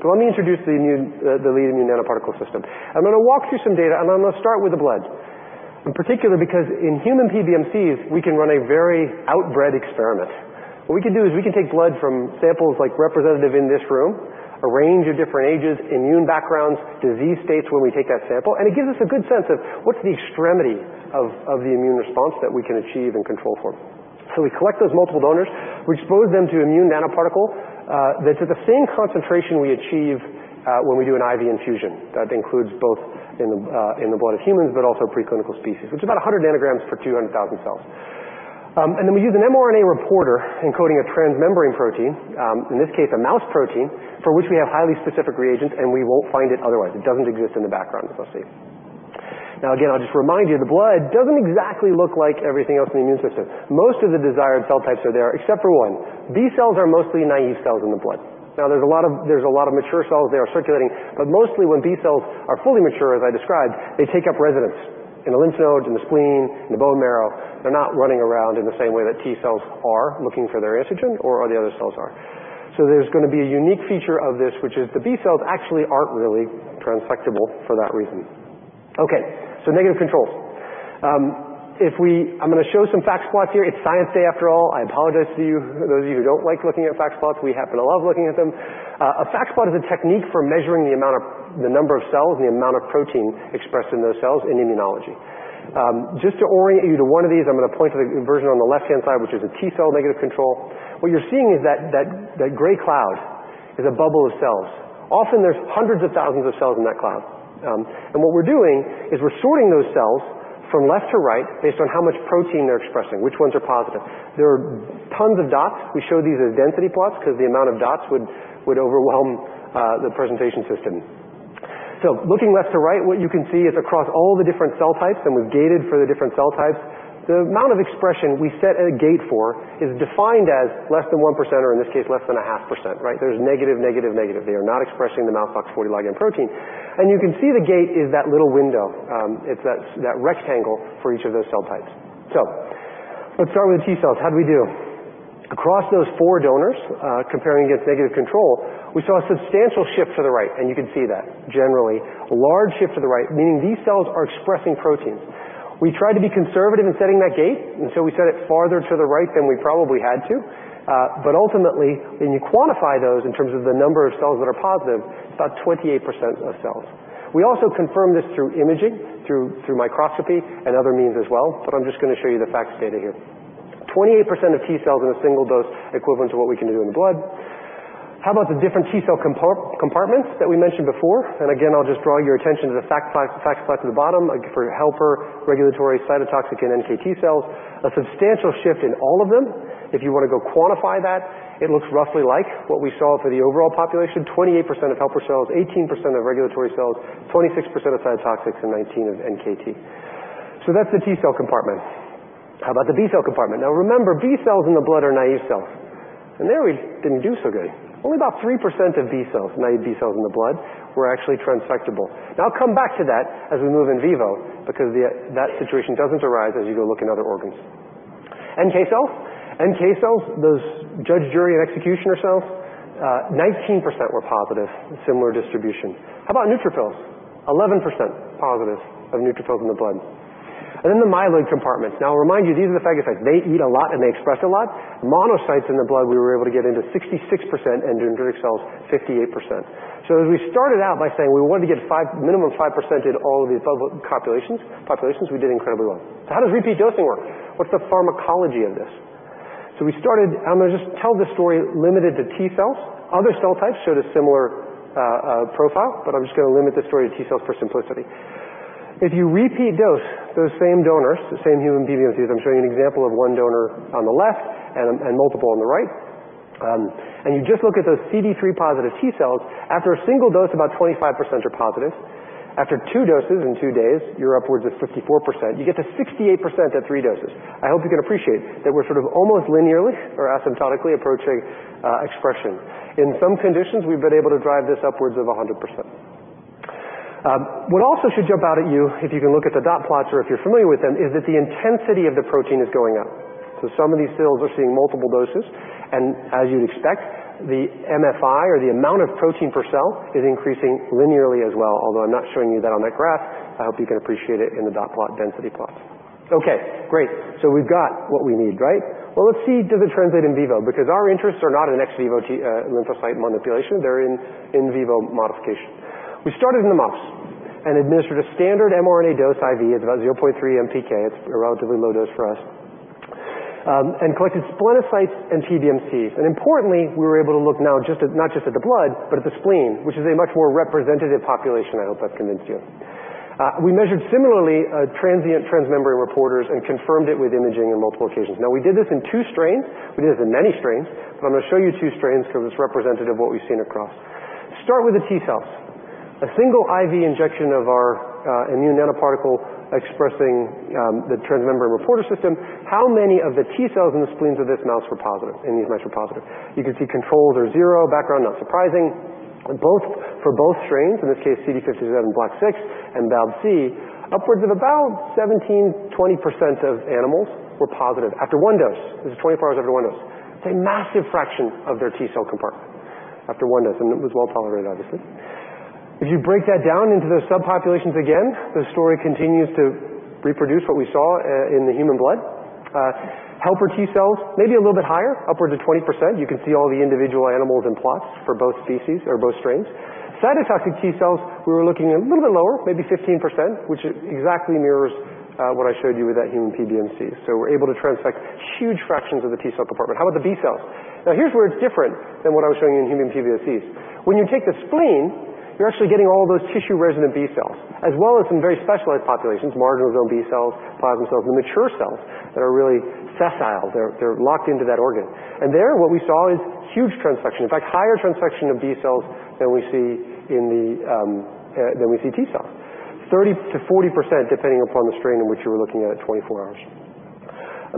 S2: Let me introduce the lead immune nanoparticle system. I'm going to walk through some data, and I'm going to start with the blood, in particular because in human PBMCs, we can run a very outbred experiment. What we can do is we can take blood from samples like representative in this room, a range of different ages, immune backgrounds, disease states when we take that sample, and it gives us a good sense of what's the extremity of the immune response that we can achieve and control for. We collect those multiple donors, we expose them to immune nanoparticle. This is the same concentration we achieve when we do an IV infusion. That includes both in the blood of humans, but also preclinical species which is about 100 nanograms per 200,000 cells. We use an mRNA reporter encoding a transmembrane protein, in this case, a mouse protein, for which we have highly specific reagents, and we won't find it otherwise. It doesn't exist in the background associates. Again, I'll just remind you, the blood doesn't exactly look like everything else in the immune system. Most of the desired cell types are there, except for one. B cells are mostly naive cells in the blood. Now, there's a lot of mature cells there circulating, but mostly when B cells are fully mature, as I described, they take up residence in the lymph nodes, in the spleen, in the bone marrow. They're not running around in the same way that T cells are looking for their antigen or the other cells are. There's going to be a unique feature of this, which is the B cells actually aren't really transfectable for that reason. Negative controls. I'm going to show some FACS plots here. It's science day, after all. I apologize to you, those of you who don't like looking at FACS plots. We happen to love looking at them. A FACS plot is a technique for measuring the number of cells and the amount of protein expressed in those cells in immunology. Just to orient you to one of these, I'm going to point to the version on the left-hand side, which is a T cell negative control. What you're seeing is that gray cloud is a bubble of cells. Often, there's hundreds of thousands of cells in that cloud. What we're doing is we're sorting those cells from left to right based on how much protein they're expressing, which ones are positive. There are tons of dots. We show these as density plots because the amount of dots would overwhelm the presentation system. Looking left to right, what you can see is across all the different cell types, and we've gated for the different cell types, the amount of expression we set a gate for is defined as less than 1%, or in this case, less than a half percent, right? There's negative, negative. They are not expressing the mouse OX40 ligand protein. You can see the gate is that little window. It's that rectangle for each of those cell types. Let's start with the T cells. How did we do? Across those four donors, comparing against negative control, we saw a substantial shift to the right, you can see that. Generally, a large shift to the right, meaning these cells are expressing proteins. We tried to be conservative in setting that gate, so we set it farther to the right than we probably had to. But ultimately, when you quantify those in terms of the number of cells that are positive, it's about 28% of cells. We also confirm this through imaging, through microscopy, and other means as well, but I'm just going to show you the FACS data here. 28% of T cells in a single dose equivalent to what we can do in the blood. How about the different T cell compartments that we mentioned before? Again, I'll just draw your attention to the FACS plots at the bottom for helper, regulatory, cytotoxic, and NKT cells. A substantial shift in all of them. If you want to go quantify that, it looks roughly like what we saw for the overall population, 28% of helper cells, 18% of regulatory cells, 26% of cytotoxics, and 19 of NKT. That's the T cell compartment. How about the B cell compartment? Remember, B cells in the blood are naive cells, and there we didn't do so good. Only about 3% of B cells, naive B cells in the blood, were actually transfectable. I'll come back to that as we move in vivo because that situation doesn't arise as you go look in other organs. NK cells, those judge, jury, and executioner cells, 19% were positive, similar distribution. How about neutrophils? 11% positive of neutrophils in the blood. Then the myeloid compartments. I'll remind you, these are the phagocytes. They eat a lot and they express a lot. Monocytes in the blood we were able to get into 66%, and dendritic cells 58%. As we started out by saying we wanted to get minimum 5% in all of these populations, we did incredibly well. How does repeat dosing work? What's the pharmacology of this? I'm going to just tell the story limited to T cells. Other cell types showed a similar profile, but I'm just going to limit the story to T cells for simplicity. If you repeat dose those same donors, the same human PBMCs, I'm showing you an example of one donor on the left and multiple on the right, and you just look at those CD3 positive T cells, after a single dose, about 25% are positive. After two doses in two days, you're upwards of 54%. You get to 68% at three doses. I hope you can appreciate that we're sort of almost linearly or asymptotically approaching expression. In some conditions, we've been able to drive this upwards of 100%. What also should jump out at you if you can look at the dot plots or if you're familiar with them, is that the intensity of the protein is going up. Some of these cells are seeing multiple doses, and as you'd expect, the MFI or the amount of protein per cell is increasing linearly as well. Although I'm not showing you that on that graph, I hope you can appreciate it in the dot plot density plot. Okay, great. We've got what we need, right? Well, let's see, does it translate in vivo? Because our interests are not in ex vivo T lymphocyte manipulation, they're in vivo modification. We started in the mouse and administered a standard mRNA dose IV at about 0.3 MPK, it's a relatively low dose for us, and collected splenocytes and PBMCs. Importantly, we were able to look now not just at the blood, but at the spleen, which is a much more representative population, I hope that convinced you. We measured similarly transient transmembrane reporters and confirmed it with imaging on multiple occasions. We did this in two strains. We did this in many strains, but I'm going to show you two strains because it's representative of what we've seen across. Start with the T cells. A single IV injection of our immune nanoparticle expressing the transmembrane reporter system, how many of the T cells in the spleens of this mouse were positive in these mice were positive? You can see controls are zero, background not surprising. For both strains, in this case C57BL/6 and BALB/c, upwards of about 17%-20% of animals were positive after one dose. This is 24 hours after one dose. It's a massive fraction of their T cell compartment after one dose, and it was well-tolerated, obviously. If you break that down into those subpopulations again, the story continues to reproduce what we saw in the human blood. Helper T cells may be a little bit higher, upwards of 20%. You can see all the individual animals and plots for both species or both strains. Cytotoxic T cells, we were looking a little bit lower, maybe 15%, which exactly mirrors what I showed you with that human PBMC. We're able to transfect huge fractions of the T cell compartment. How about the B cells? Now here's where it's different than what I was showing you in human PBMCs. When you take the spleen, you're actually getting all those tissue-resident B cells, as well as some very specialized populations, marginal zone B cells, plasmacytoid, the mature cells that are really sessile. They're locked into that organ. There what we saw is huge transfection. In fact, higher transfection of B cells than we see T cells, 30%-40%, depending upon the strain in which we were looking at at 24 hours.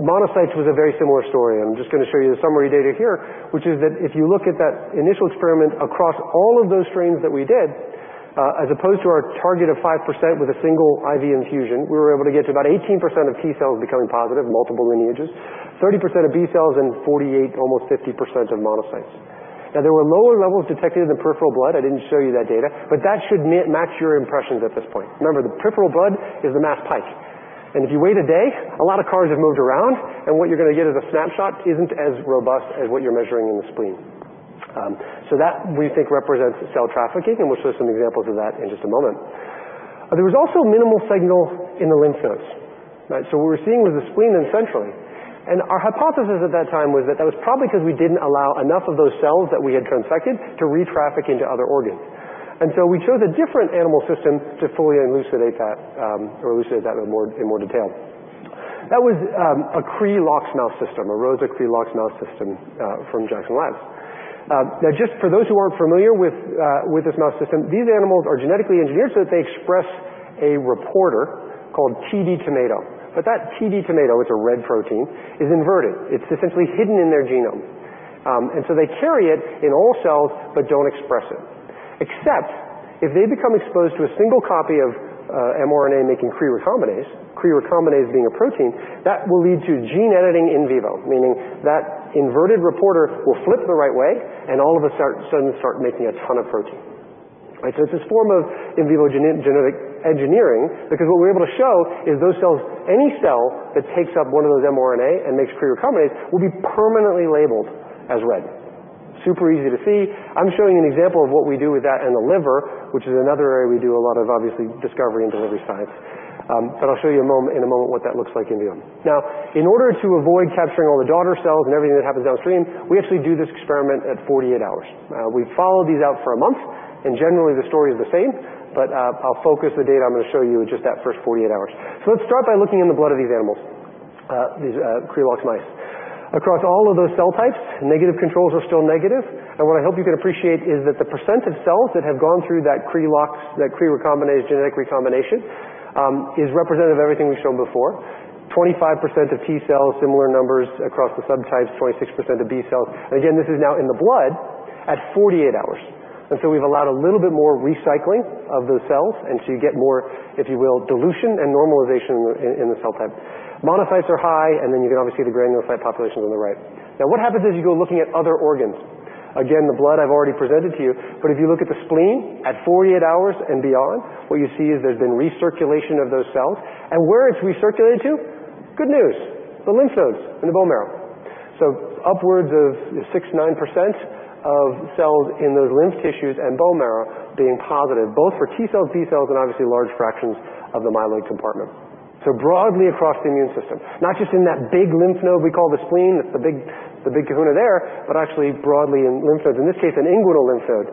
S2: Monocytes was a very similar story, and I'm just going to show you the summary data here, which is that if you look at that initial experiment across all of those strains that we did, as opposed to our target of 5% with a single IV infusion, we were able to get to about 18% of T cells becoming positive, multiple lineages, 30% of B cells, and 48%, almost 50% of monocytes. There were lower levels detected in the peripheral blood. I didn't show you that data, but that should match your impressions at this point. Remember, the peripheral blood is the mass pipe, and if you wait a day, a lot of cars have moved around, and what you're going to get as a snapshot isn't as robust as what you're measuring in the spleen. That we think represents cell trafficking, and we'll show some examples of that in just a moment. There was also minimal signal in the lymph nodes. What we were seeing was the spleen and centrally, and our hypothesis at that time was that that was probably because we didn't allow enough of those cells that we had transfected to retraffic into other organs. We chose a different animal system to fully elucidate that or elucidate that in more detail. That was a Cre-Lox mouse system, a Rosa26 Cre-Lox mouse system from The Jackson Laboratory. Just for those who aren't familiar with this mouse system, these animals are genetically engineered so that they express a reporter called tdTomato. But that tdTomato, it's a red protein, is inverted. It's essentially hidden in their genome. They carry it in all cells but don't express it. Except if they become exposed to a single copy of mRNA making Cre recombinase, Cre recombinase being a protein, that will lead to gene editing in vivo, meaning that inverted reporter will flip the right way and all of a sudden start making a ton of protein. It's this form of in vivo genetic engineering, because what we're able to show is those cells, any cell that takes up one of those mRNA and makes Cre recombinase will be permanently labeled as red. Super easy to see. I'm showing you an example of what we do with that in the liver, which is another area we do a lot of obviously discovery and delivery science. I'll show you in a moment what that looks like in humans. In order to avoid capturing all the daughter cells and everything that happens downstream, we actually do this experiment at 48 hours. We follow these out for a month, and generally, the story is the same, but I'll focus the data I'm going to show you just that first 48 hours. Let's start by looking in the blood of these animals, these Cre-Lox mice. Across all of those cell types, negative controls are still negative. What I hope you can appreciate is that the % of cells that have gone through that Cre-Lox, that Cre recombination, genetic recombination, is representative of everything we've shown before. 25% of T cells, similar numbers across the subtypes, 26% of B cells. This is now in the blood at 48 hours. We've allowed a little bit more recycling of those cells, so you get more, if you will, dilution and normalization in the cell type. Monocytes are high, you can obviously see the granulocyte populations on the right. What happens as you go looking at other organs? The blood I've already presented to you, if you look at the spleen at 48 hours and beyond, what you see is there's been recirculation of those cells. Where it's recirculated to? Good news. The lymph nodes and the bone marrow. Upwards of 6, 9% of cells in those lymph tissues and bone marrow being positive, both for T cells, B cells, and obviously large fractions of the myeloid compartment. Broadly across the immune system, not just in that big lymph node we call the spleen, the big kahuna there, but actually broadly in lymph nodes, in this case, an inguinal lymph node.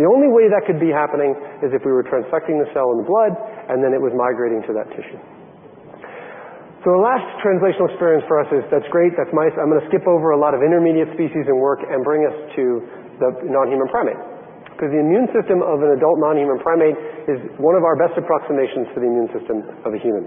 S2: The only way that could be happening is if we were transfecting the cell in the blood, and then it was migrating to that tissue. The last translational experience for us is that's great, that's mice. I'm going to skip over a lot of intermediate species and work and bring us to the non-human primate, because the immune system of an adult non-human primate is one of our best approximations to the immune system of a human.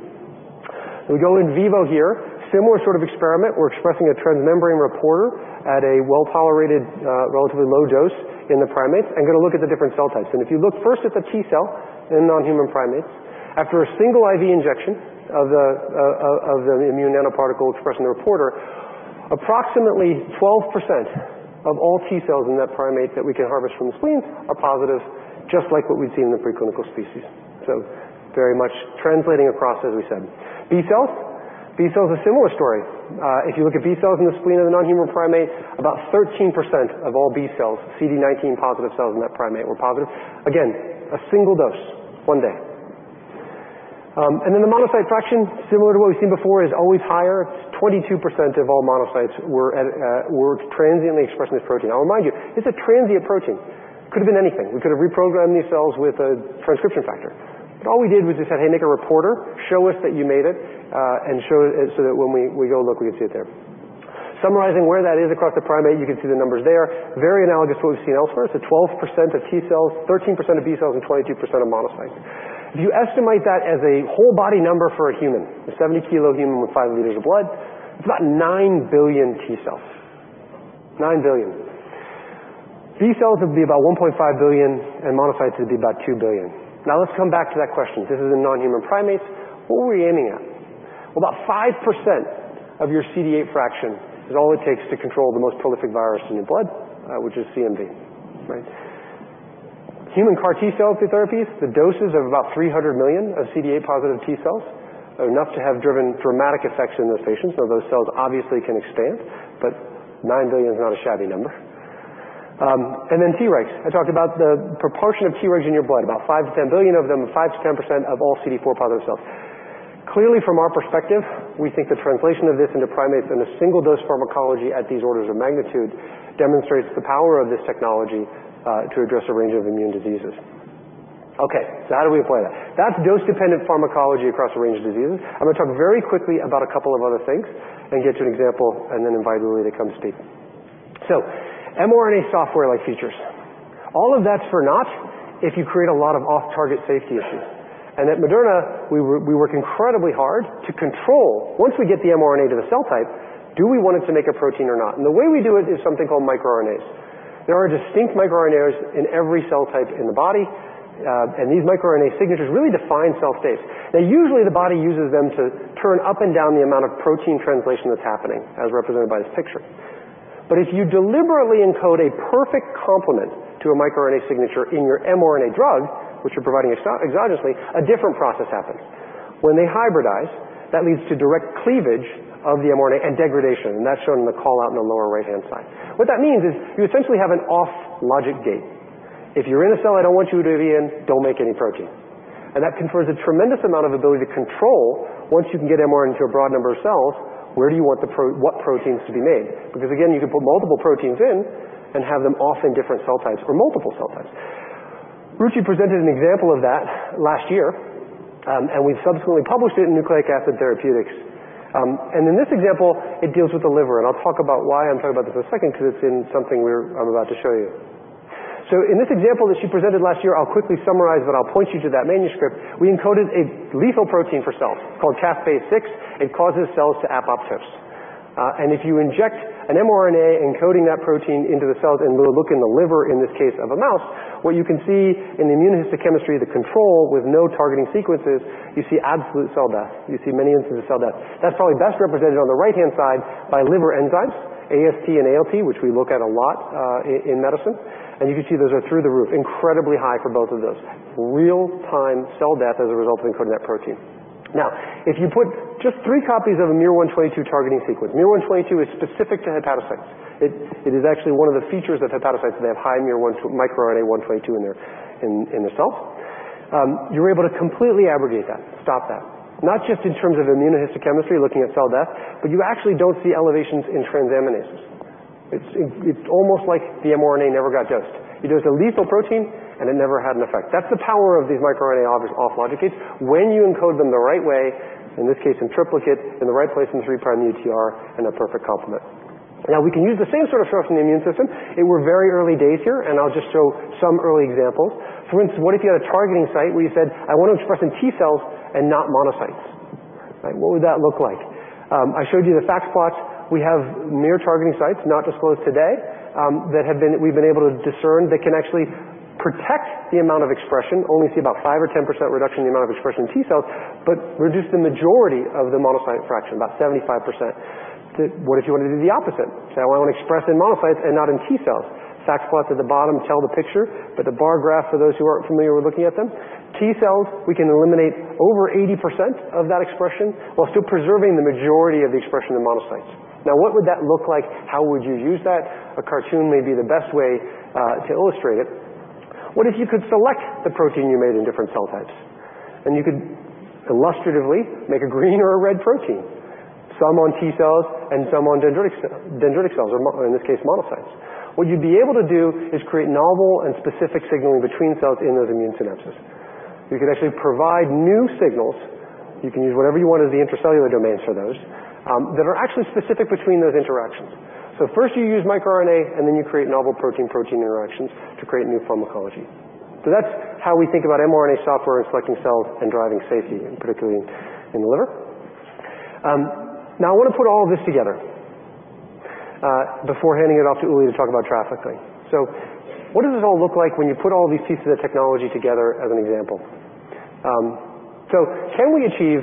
S2: We go in vivo here, similar sort of experiment. We're expressing a transmembrane reporter at a well-tolerated, relatively low dose in the primate and going to look at the different cell types. If you look first at the T cell in non-human primates, after a single IV injection of the immune nanoparticle expressing the reporter, approximately 12% of all T cells in that primate that we can harvest from the spleen are positive, just like what we've seen in the preclinical species. Very much translating across, as we said. B cells. B cells, a similar story. If you look at B cells in the spleen of the non-human primate, about 13% of all B cells, CD19 positive cells in that primate were positive. A single dose, one day. The monocyte fraction, similar to what we've seen before, is always higher. 22% of all monocytes were transiently expressing this protein. I'll remind you, it's a transient protein. Could have been anything. We could have reprogrammed these cells with a transcription factor. All we did was we said, "Hey, make a reporter, show us that you made it, and show it so that when we go look, we can see it there." Summarizing where that is across the primate, you can see the numbers there. Very analogous to what we've seen elsewhere. 12% of T cells, 13% of B cells, and 22% of monocytes. If you estimate that as a whole body number for a human, a 70 kg human with 5 liters of blood, it's about 9 billion T cells. 9 billion. B cells would be about 1.5 billion, and monocytes would be about 2 billion. Let's come back to that question. This is in non-human primates. What are we aiming at? About 5% of your CD8 fraction is all it takes to control the most prolific virus in your blood, which is CMV. Right? Human CAR T-cell therapies, the doses of about 300 million of CD8 positive T cells are enough to have driven dramatic effects in those patients, so those cells obviously can expand, but 9 billion is not a shabby number. Tregs. I talked about the proportion of Tregs in your blood, about 5 billion-10 billion of them, 5%-10% of all CD4 positive cells. Clearly, from our perspective, we think the translation of this into primates in a single-dose pharmacology at these orders of magnitude demonstrates the power of this technology to address a range of immune diseases. How do we apply that? That's dose-dependent pharmacology across a range of diseases. I'm going to talk very quickly about a couple of other things and get to an example, and then invite Ruchi to come speak. mRNA software-like features. All of that's for naught if you create a lot of off-target safety issues. At Moderna, we work incredibly hard to control, once we get the mRNA to the cell type, do we want it to make a protein or not? The way we do it is something called microRNAs. There are distinct microRNAs in every cell type in the body, and these microRNA signatures really define cell states. Usually, the body uses them to turn up and down the amount of protein translation that's happening, as represented by this picture. If you deliberately encode a perfect complement to a microRNA signature in your mRNA drug, which you're providing exogenously, a different process happens. When they hybridize, that leads to direct cleavage of the mRNA and degradation, and that's shown in the call-out in the lower right-hand side. What that means is you essentially have an off logic gate. If you're in a cell I don't want you to be in, don't make any protein. That confers a tremendous amount of ability to control once you can get mRNA into a broad number of cells, where do you want the pro-- what proteins to be made? Because again, you can put multiple proteins in and have them off in different cell types or multiple cell types. Ruchi presented an example of that last year, and we've subsequently published it in Nucleic Acid Therapeutics. In this example, it deals with the liver, and I'll talk about why I'm talking about this in a second, because it's in something I'm about to show you. In this example that she presented last year, I'll quickly summarize, but I'll point you to that manuscript. We encoded a lethal protein for cells called caspase-6. It causes cells to apoptosis. If you inject an mRNA encoding that protein into the cells, and we'll look in the liver, in this case, of a mouse, what you can see in the immunohistochemistry, the control with no targeting sequences, you see absolute cell death. You see many instances of cell death. That's probably best represented on the right-hand side by liver enzymes, AST and ALT, which we look at a lot, in medicine. You can see those are through the roof, incredibly high for both of those. Real-time cell death as a result of encoding that protein. If you put just three copies of a miR-122 targeting sequence, miR-122 is specific to hepatocytes. It is actually one of the features of hepatocytes. They have high miR-122, microRNA-122 in their cells. You're able to completely abrogate that, stop that. Not just in terms of immunohistochemistry, looking at cell death, but you actually don't see elevations in transaminases. It's almost like the mRNA never got dosed. It is a lethal protein, and it never had an effect. That's the power of these microRNA off logic gates when you encode them the right way, in this case, in triplicate, in the right place in the 3' UTR, and a perfect complement. We can use the same sort of stuff from the immune system, and we're very early days here, and I'll just show some early examples. For instance, what if you had a targeting site where you said, "I want to express in T cells and not monocytes?" What would that look like? I showed you the FACS plots. We have mere targeting sites, not disclosed today, that we've been able to discern that can actually protect the amount of expression, only see about 5% or 10% reduction in the amount of expression in T cells, but reduce the majority of the monocyte fraction, about 75%. What if you want to do the opposite? Say I want to express in monocytes and not in T cells. FACS plots at the bottom tell the picture, but the bar graph for those who aren't familiar with looking at them, T cells, we can eliminate over 80% of that expression while still preserving the majority of the expression in monocytes. What would that look like? How would you use that? A cartoon may be the best way to illustrate it. What if you could select the protein you made in different cell types, and you could illustratively make a green or a red protein, some on T cells and some on dendritic cells, or in this case, monocytes. What you'd be able to do is create novel and specific signaling between cells in those immune synapses. You could actually provide new signals, you can use whatever you want as the intracellular domains for those, that are actually specific between those interactions. First you use microRNA, then you create novel protein-protein interactions to create new pharmacology. That's how we think about mRNA software in selecting cells and driving safety, and particularly in the liver. I want to put all this together before handing it off to Uli to talk about trafficking. What does this all look like when you put all these pieces of technology together as an example? Can we achieve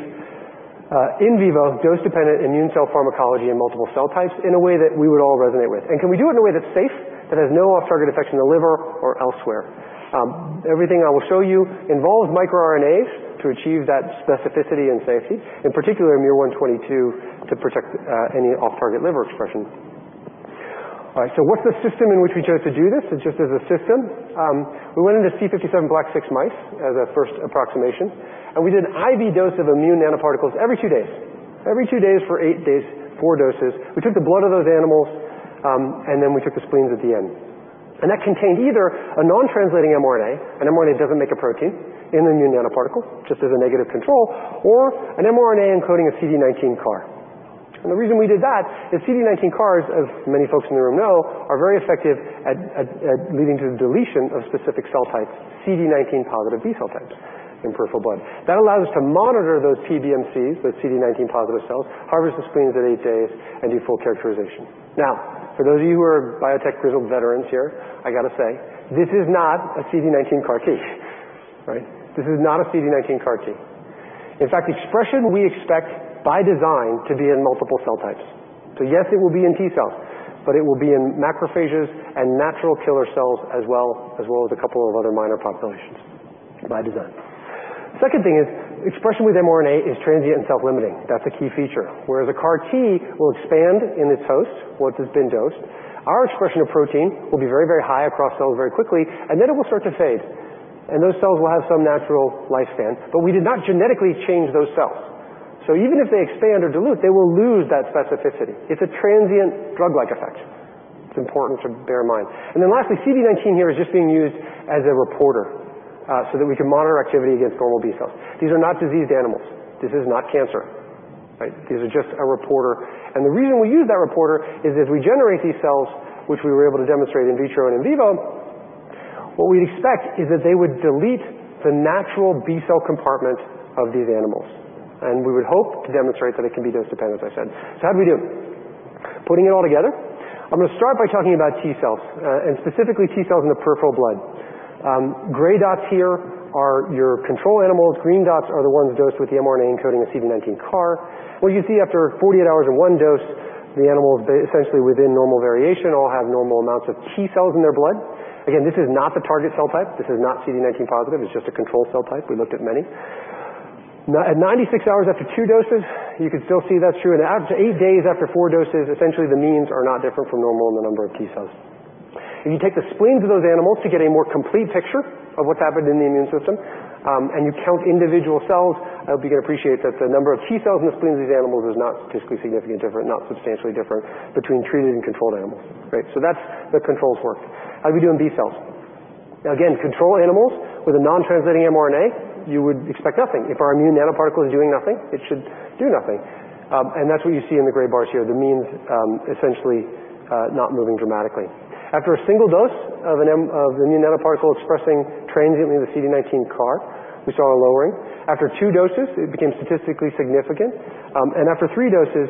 S2: in vivo dose-dependent immune cell pharmacology in multiple cell types in a way that we would all resonate with? And can we do it in a way that's safe, that has no off-target effects in the liver or elsewhere? Everything I will show you involves microRNAs to achieve that specificity and safety, in particular, miR-122 to protect any off-target liver expression. All right. What's the system in which we chose to do this, just as a system? We went into C57BL/6 mice as a first approximation, and we did an IV dose of lipid nanoparticles every two days for eight days, four doses. We took the blood of those animals, and then we took the spleens at the end. That contained either a non-translating mRNA, an mRNA that doesn't make a protein in a lipid nanoparticle, just as a negative control, or an mRNA encoding a CD19 CAR. The reason we did that is CD19 CARs, as many folks in the room know, are very effective at leading to the deletion of specific cell types, CD19 positive B-cell types in peripheral blood. That allowed us to monitor those PBMCs, those CD19 positive cells, harvest the spleens at 8 days, and do full characterization. Now, for those of you who are biotech grizzled veterans here, I got to say, this is not a CD19 CAR T. This is not a CD19 CAR T. In fact, expression we expect by design to be in multiple cell types. Yes, it will be in T cells, but it will be in macrophages and natural killer cells as well, as well as a couple of other minor populations by design. Second thing is expression with mRNA is transient and self-limiting. That's a key feature. Whereas a CAR T will expand in its host, once it's been dosed, our expression of protein will be very, very high across cells very quickly, and then it will start to fade, and those cells will have some natural lifespan. But we did not genetically change those cells. Even if they expand or dilute, they will lose that specificity. It's a transient drug-like effect. It's important to bear in mind. And then lastly, CD19 here is just being used as a reporter, so that we can monitor activity against normal B cells. These are not diseased animals. This is not cancer. These are just a reporter. The reason we use that reporter is as we generate these cells, which we were able to demonstrate in vitro and in vivo, what we'd expect is that they would delete the natural B cell compartment of these animals. And we would hope to demonstrate that it can be dose-dependent, as I said. How did we do? Putting it all together, I'm going to start by talking about T cells, and specifically T cells in the peripheral blood. Gray dots here are your control animals. Green dots are the ones dosed with the mRNA encoding a CD19 CAR. What you see after 48 hours of one dose, the animals, essentially within normal variation, all have normal amounts of T cells in their blood. Again, this is not the target cell type. This is not CD19 positive. It's just a control cell type. We looked at many. At 96 hours after two doses, you can still see that's true, and after eight days after four doses, essentially the means are not different from normal in the number of T cells. If you take the spleens of those animals to get a more complete picture of what's happened in the immune system, and you count individual cells, you can appreciate that the number of T cells in the spleens of these animals is not statistically significant different, not substantially different between treated and controlled animals. That's the controls work. How did we do on B cells? Again, control animals with a non-translating mRNA, you would expect nothing. If our immune nanoparticle is doing nothing, it should do nothing. That's what you see in the gray bars here, the means essentially not moving dramatically. After a single dose of immune nanoparticle expressing transiently the CD19 CAR, we saw a lowering. After two doses, it became statistically significant, and after three doses,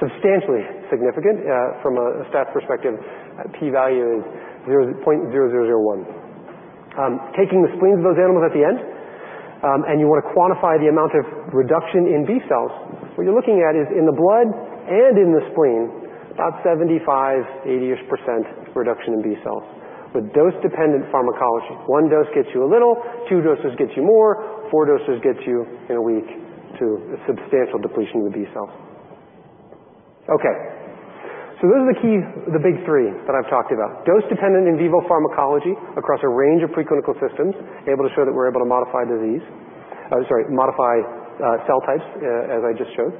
S2: substantially significant from a stats perspective, P value is 0.0001. Taking the spleens of those animals at the end, and you want to quantify the amount of reduction in B cells, what you're looking at is in the blood and in the spleen, about 75%, 80-ish percent reduction in B cells with dose-dependent pharmacology. One dose gets you a little, two doses gets you more, four doses gets you in a week to a substantial depletion of the B cell. Okay. Those are the big three that I've talked about. Dose-dependent in vivo pharmacology across a range of preclinical systems, able to show that we're able to modify cell types, as I just showed.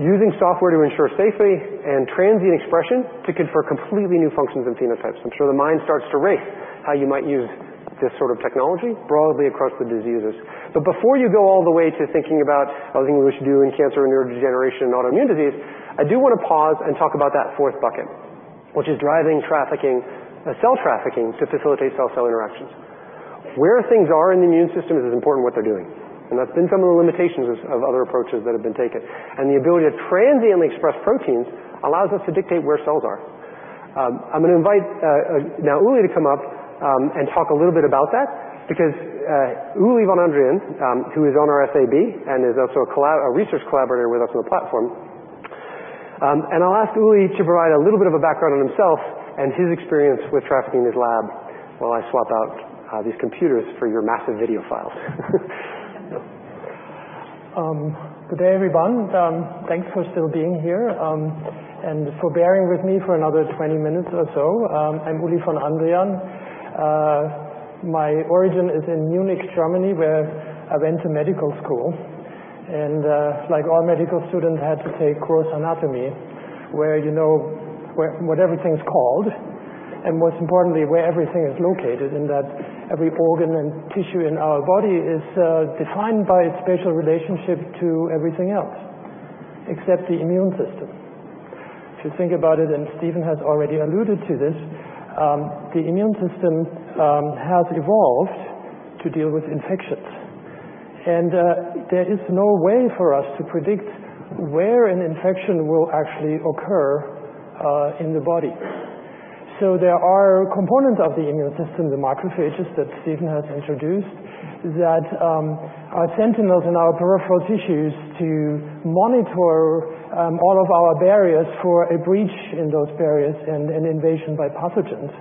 S2: Using software to ensure safety and transient expression to confer completely new functions and phenotypes. I'm sure the mind starts to race how you might use this sort of technology broadly across the diseases. Before you go all the way to thinking about other things we should do in cancer and neurodegeneration and autoimmune disease, I do want to pause and talk about that fourth bucket, which is driving cell trafficking to facilitate cell-cell interactions. Where things are in the immune system is as important as what they're doing, and that's been some of the limitations of other approaches that have been taken. The ability to transiently express proteins allows us to dictate where cells are. I'm going to invite now Uli to come up and talk a little bit about that, because Ulrich von Andrian, who is on our SAB and is also a research collaborator with us on the platform. I'll ask Uli to provide a little bit of a background on himself and his experience with trafficking in his lab while I swap out these computers for your massive video files.
S6: Good day, everyone. Thanks for still being here, for bearing with me for another 20 minutes or so. I'm Ulrich von Andrian. My origin is in Munich, Germany, where I went to medical school. Like all medical students, had to take course anatomy, where what everything's called, and most importantly, where everything is located in that every organ and tissue in our body is defined by its spatial relationship to everything else, except the immune system. If you think about it, Stephen has already alluded to this, the immune system has evolved to deal with infections. There is no way for us to predict where an infection will actually occur in the body. There are components of the immune system, the macrophages that Stephen has introduced, that are sentinels in our peripheral tissues to monitor all of our barriers for a breach in those barriers and an invasion by pathogens.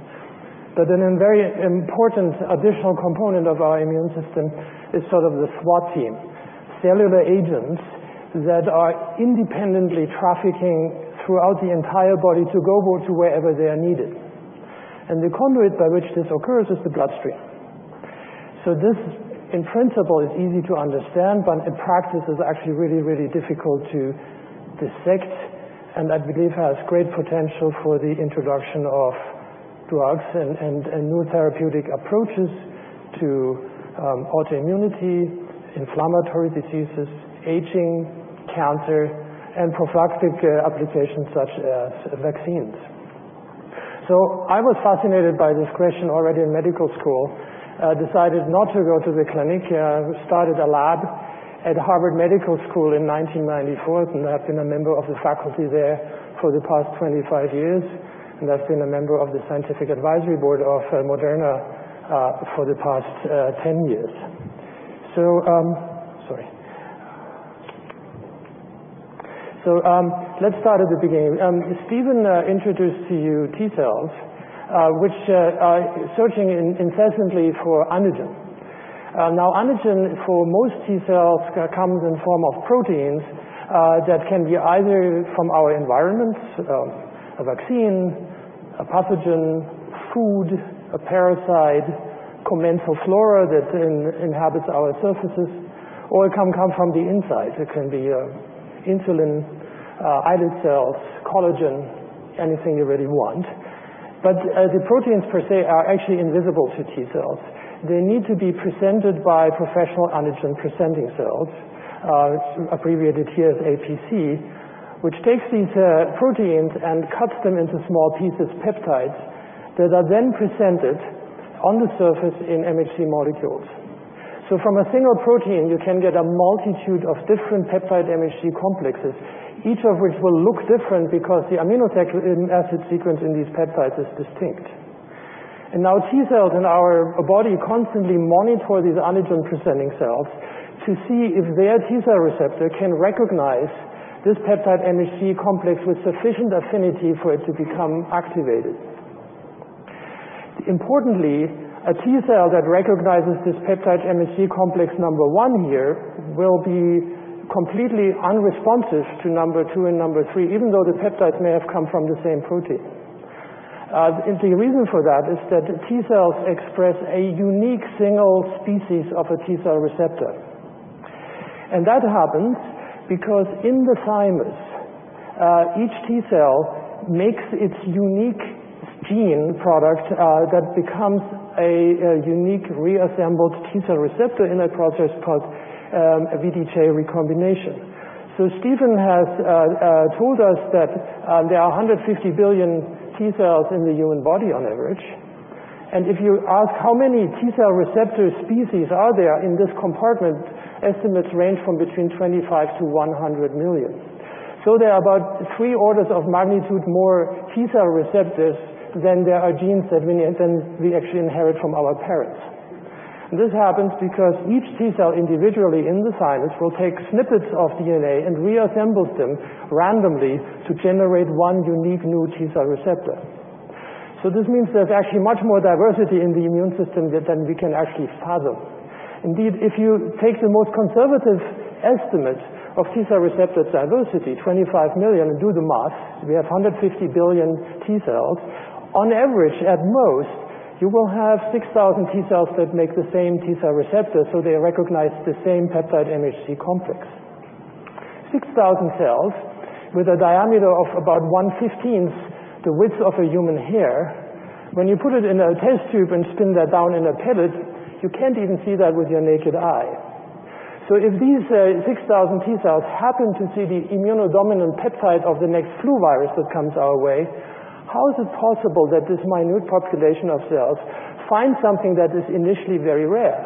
S6: A very important additional component of our immune system is sort of the SWAT team, cellular agents that are independently trafficking throughout the entire body to go to wherever they are needed. The conduit by which this occurs is the bloodstream. This, in principle, is easy to understand, but in practice is actually really, really difficult to dissect, and I believe has great potential for the introduction of drugs and new therapeutic approaches to autoimmunity, inflammatory diseases, aging, cancer, and prophylactic applications such as vaccines. I was fascinated by this question already in medical school, decided not to go to the clinic, started a lab at Harvard Medical School in 1994, and I've been a member of the faculty there for the past 25 years, and I've been a member of the scientific advisory board of Moderna for the past 10 years. Sorry. Let's start at the beginning. Stephen introduced to you T cells, which are searching incessantly for antigen. Antigen for most T cells comes in form of proteins that can be either from our environment, a vaccine, a pathogen, food, a parasite, commensal flora that inhabits our surfaces, or it can come from the inside. It can be insulin, island cells, collagen, anything you really want. The proteins per se are actually invisible to T cells. They need to be presented by professional antigen-presenting cells, abbreviated here as APC, which takes these proteins and cuts them into small pieces, peptides, that are then presented on the surface in MHC molecules. From a single protein, you can get a multitude of different peptide MHC complexes, each of which will look different because the amino acid sequence in these peptides is distinct. T cells in our body constantly monitor these antigen-presenting cells to see if their T cell receptor can recognize this peptide MHC complex with sufficient affinity for it to become activated. Importantly, a T cell that recognizes this peptide MHC complex number 1 here will be completely unresponsive to number 2 and number 3, even though the peptides may have come from the same protein. The reason for that is that the T cells express a unique single species of a T cell receptor. That happens because in the thymus, each T cell makes its unique gene product that becomes a unique reassembled T cell receptor in a process called V(D)J recombination. Stephen has told us that there are 150 billion T cells in the human body on average, and if you ask how many T cell receptor species are there in this compartment, estimates range from between 25 million to 100 million. There are about three orders of magnitude more T cell receptors than there are genes than we actually inherit from our parents. This happens because each T cell individually in the thymus will take snippets of DNA and reassembles them randomly to generate one unique new T cell receptor. So this means there's actually much more diversity in the immune system than we can actually fathom. Indeed, if you take the most conservative estimate of T cell receptor diversity, 25 million, do the math, we have 150 billion T cells. On average, at most, you will have 6,000 T cells that make the same T cell receptor, so they recognize the same peptide MHC complex. 6,000 cells with a diameter of about one-fifteenth the width of a human hair. When you put it in a test tube and spin that down in a pellet, you can't even see that with your naked eye. If these 6,000 T cells happen to see the immunodominant peptide of the next flu virus that comes our way, how is it possible that this minute population of cells finds something that is initially very rare,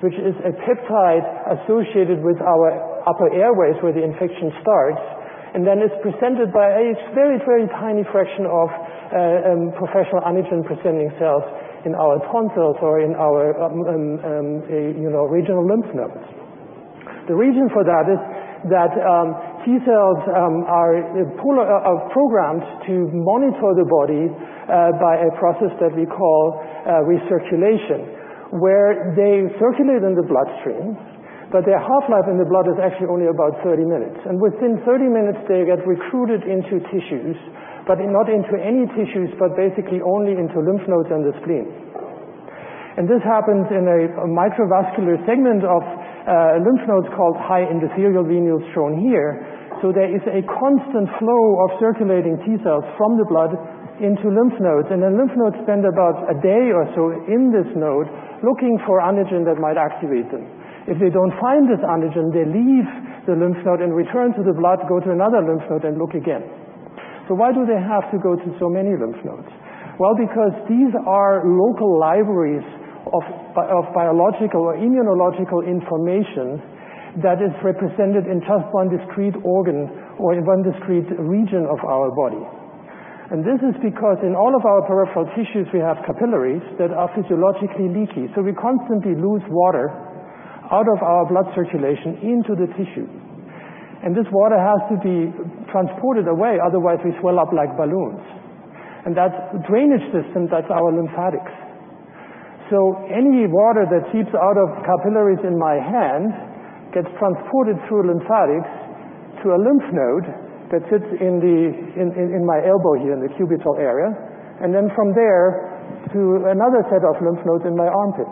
S6: which is a peptide associated with our upper airways where the infection starts, and then it's presented by a very, very tiny fraction of professional antigen-presenting cells in our tonsils or in our regional lymph nodes? The reason for that is that T cells are programmed to monitor the body by a process that we call recirculation, where they circulate in the bloodstream, but their half-life in the blood is actually only about 30 minutes. Within 30 minutes, they get recruited into tissues, but not into any tissues, but basically only into lymph nodes and the spleen. This happens in a microvascular segment of lymph nodes called high endothelial venules, shown here. There is a constant flow of circulating T cells from the blood into lymph nodes. Lymph nodes spend about a day or so in this node looking for antigen that might activate them. If they don't find this antigen, they leave the lymph node and return to the blood, go to another lymph node, and look again. Why do they have to go to so many lymph nodes? Well, because these are local libraries of biological or immunological information that is represented in just one discrete organ or in one discrete region of our body. This is because in all of our peripheral tissues, we have capillaries that are physiologically leaky. We constantly lose water out of our blood circulation into the tissue, this water has to be transported away, otherwise we swell up like balloons. That drainage system, that's our lymphatics. Any water that seeps out of capillaries in my hand gets transported through lymphatics to a lymph node that sits in my elbow here, in the cubital area, then from there to another set of lymph nodes in my armpit.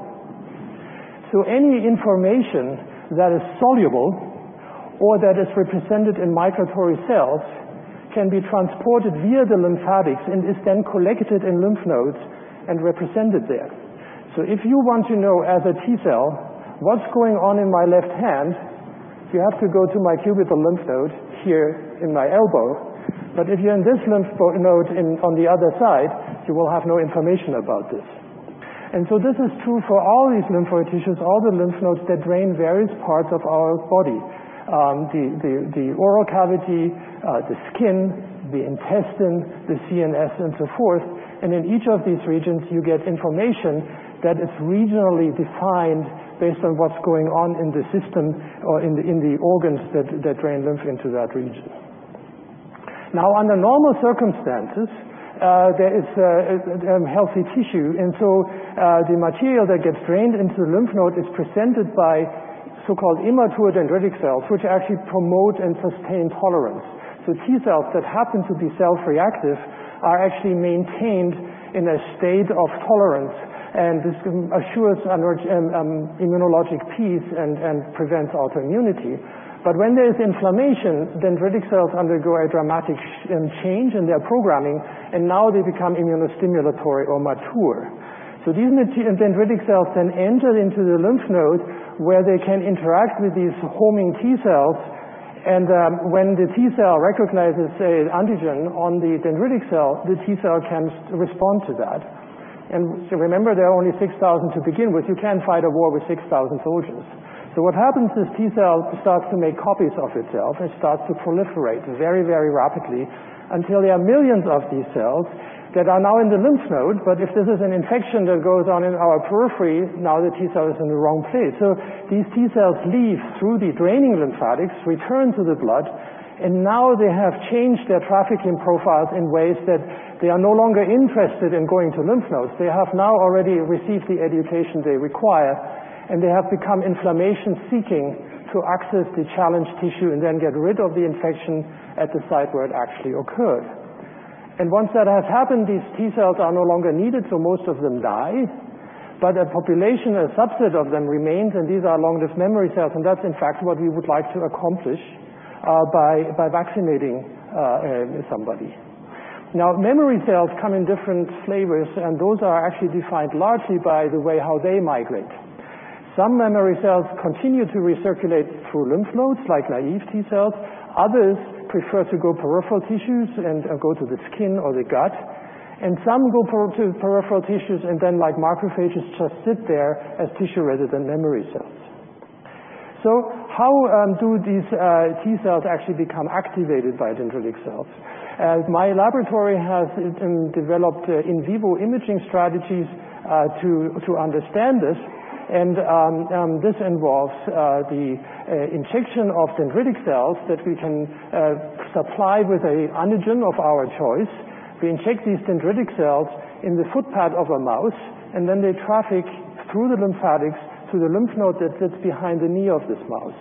S6: Any information that is soluble or that is represented in migratory cells can be transported via the lymphatics and is then collected in lymph nodes and represented there. If you want to know as a T cell what's going on in my left hand, you have to go to my cubital lymph node here in my elbow. If you're in this lymph node on the other side, you will have no information about this. This is true for all these lymphoid tissues, all the lymph nodes that drain various parts of our body. The oral cavity, the skin, the intestine, the CNS, and so forth. In each of these regions, you get information that is regionally defined based on what's going on in the system or in the organs that drain lymph into that region. Under normal circumstances, there is healthy tissue, the material that gets drained into the lymph node is presented by so-called immature dendritic cells, which actually promote and sustain tolerance. T cells that happen to be self-reactive are actually maintained in a state of tolerance, this assures immunologic peace and prevents autoimmunity. When there is inflammation, dendritic cells undergo a dramatic change in their programming, now they become immunostimulatory or mature. These dendritic cells then enter into the lymph node, where they can interact with these homing T cells, when the T cell recognizes an antigen on the dendritic cell, the T cell can respond to that. Remember, there are only 6,000 to begin with. You can't fight a war with 6,000 soldiers. What happens is T cell starts to make copies of itself and starts to proliferate very, very rapidly until there are millions of these cells that are now in the lymph node. If this is an infection that goes on in our periphery, now the T cell is in the wrong place. These T cells leave through the draining lymphatics, return to the blood, now they have changed their trafficking profiles in ways that they are no longer interested in going to lymph nodes. They have now already received the education they require, they have become inflammation-seeking to access the challenged tissue and then get rid of the infection at the site where it actually occurred. Once that has happened, these T cells are no longer needed, most of them die. A population, a subset of them remains, these are long-lived memory cells, that's, in fact, what we would like to accomplish by vaccinating somebody. Memory cells come in different flavors, those are actually defined largely by the way how they migrate. Some memory cells continue to recirculate through lymph nodes, like naive T cells. Others prefer to go peripheral tissues and go to the skin or the gut, and some go to peripheral tissues and then, like macrophages, just sit there as tissue rather than memory cells. How do these T cells actually become activated by dendritic cells? My laboratory has developed in vivo imaging strategies to understand this. This involves the injection of dendritic cells that we can supply with an antigen of our choice. We inject these dendritic cells in the footpad of a mouse, and they traffic through the lymphatics to the lymph node that sits behind the knee of this mouse.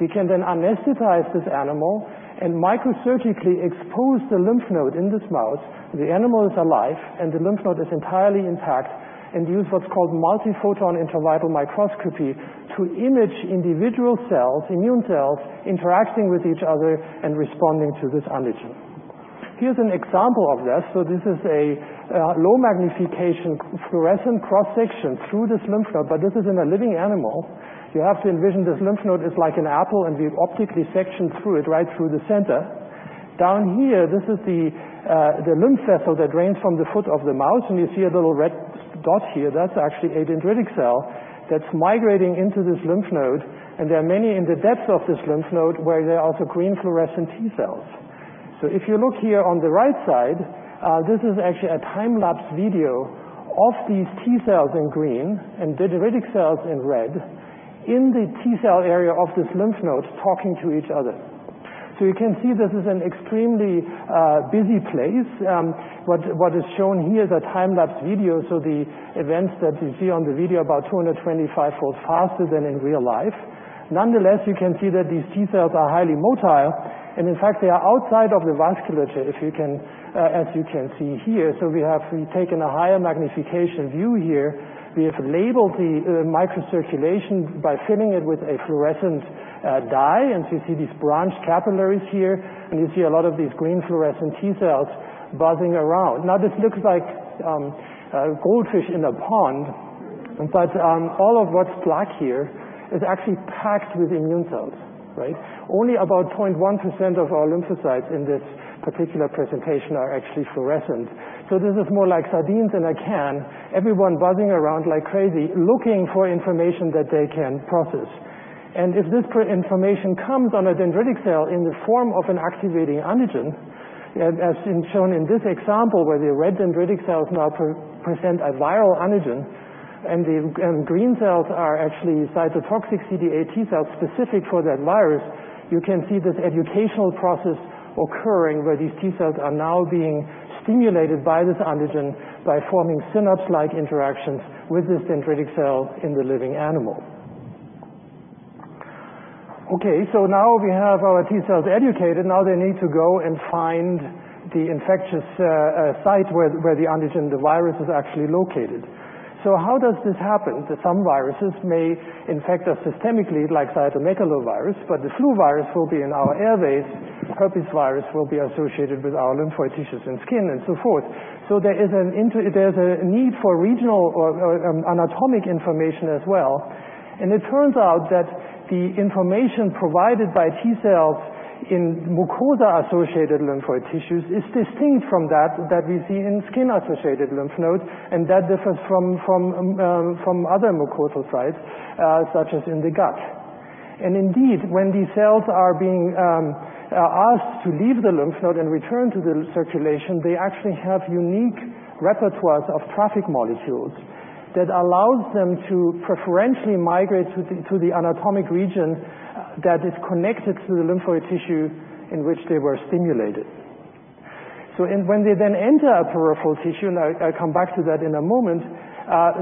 S6: We can anesthetize this animal and microsurgically expose the lymph node in this mouse. The animal is alive, and the lymph node is entirely intact, and use what's called multiphoton intravital microscopy to image individual cells, immune cells, interacting with each other and responding to this antigen. Here's an example of that. This is a low magnification fluorescent cross-section through this lymph node, but this is in a living animal. You have to envision this lymph node as like an apple, and we've optically sectioned through it right through the center. Down here, this is the lymph vessel that drains from the foot of the mouse, and you see a little red dot here. That's actually a dendritic cell that's migrating into this lymph node, and there are many in the depths of this lymph node where there are also green fluorescent T cells. If you look here on the right side, this is actually a time-lapse video of these T cells in green and dendritic cells in red in the T cell area of this lymph node talking to each other. You can see this is an extremely busy place. What is shown here is a time-lapse video, so the events that you see on the video are about 225 folds faster than in real life. Nonetheless, you can see that these T cells are highly motile, and in fact, they are outside of the vasculature, as you can see here. We have taken a higher magnification view here. We have labeled the microcirculation by filling it with a fluorescent dye, and you see these branched capillaries here, and you see a lot of these green fluorescent T cells buzzing around. This looks like goldfish in a pond, but all of what's black here is actually packed with immune cells, right? Only about 0.1% of our lymphocytes in this particular presentation are actually fluorescent. This is more like sardines in a can, everyone buzzing around like crazy, looking for information that they can process. If this information comes on a dendritic cell in the form of an activating antigen, as shown in this example, where the red dendritic cells now present a viral antigen, and green cells are actually cytotoxic CD8 T cells specific for that virus. You can see this educational process occurring, where these T cells are now being stimulated by this antigen by forming synapse-like interactions with this dendritic cell in the living animal. Now we have our T cells educated. Now they need to go and find the infectious site where the antigen, the virus, is actually located. How does this happen that some viruses may infect us systemically, like cytomegalovirus, but the flu virus will be in our airways, herpes virus will be associated with our lymphoid tissues and skin, and so forth. There's a need for regional or anatomic information as well, and it turns out that the information provided by T cells in mucosa-associated lymphoid tissues is distinct from that that we see in skin-associated lymph nodes, and that differs from other mucosal sites, such as in the gut. Indeed, when these cells are being asked to leave the lymph node and return to the circulation, they actually have unique repertoires of traffic molecules that allows them to preferentially migrate to the anatomic region that is connected to the lymphoid tissue in which they were stimulated. When they then enter a peripheral tissue, and I'll come back to that in a moment,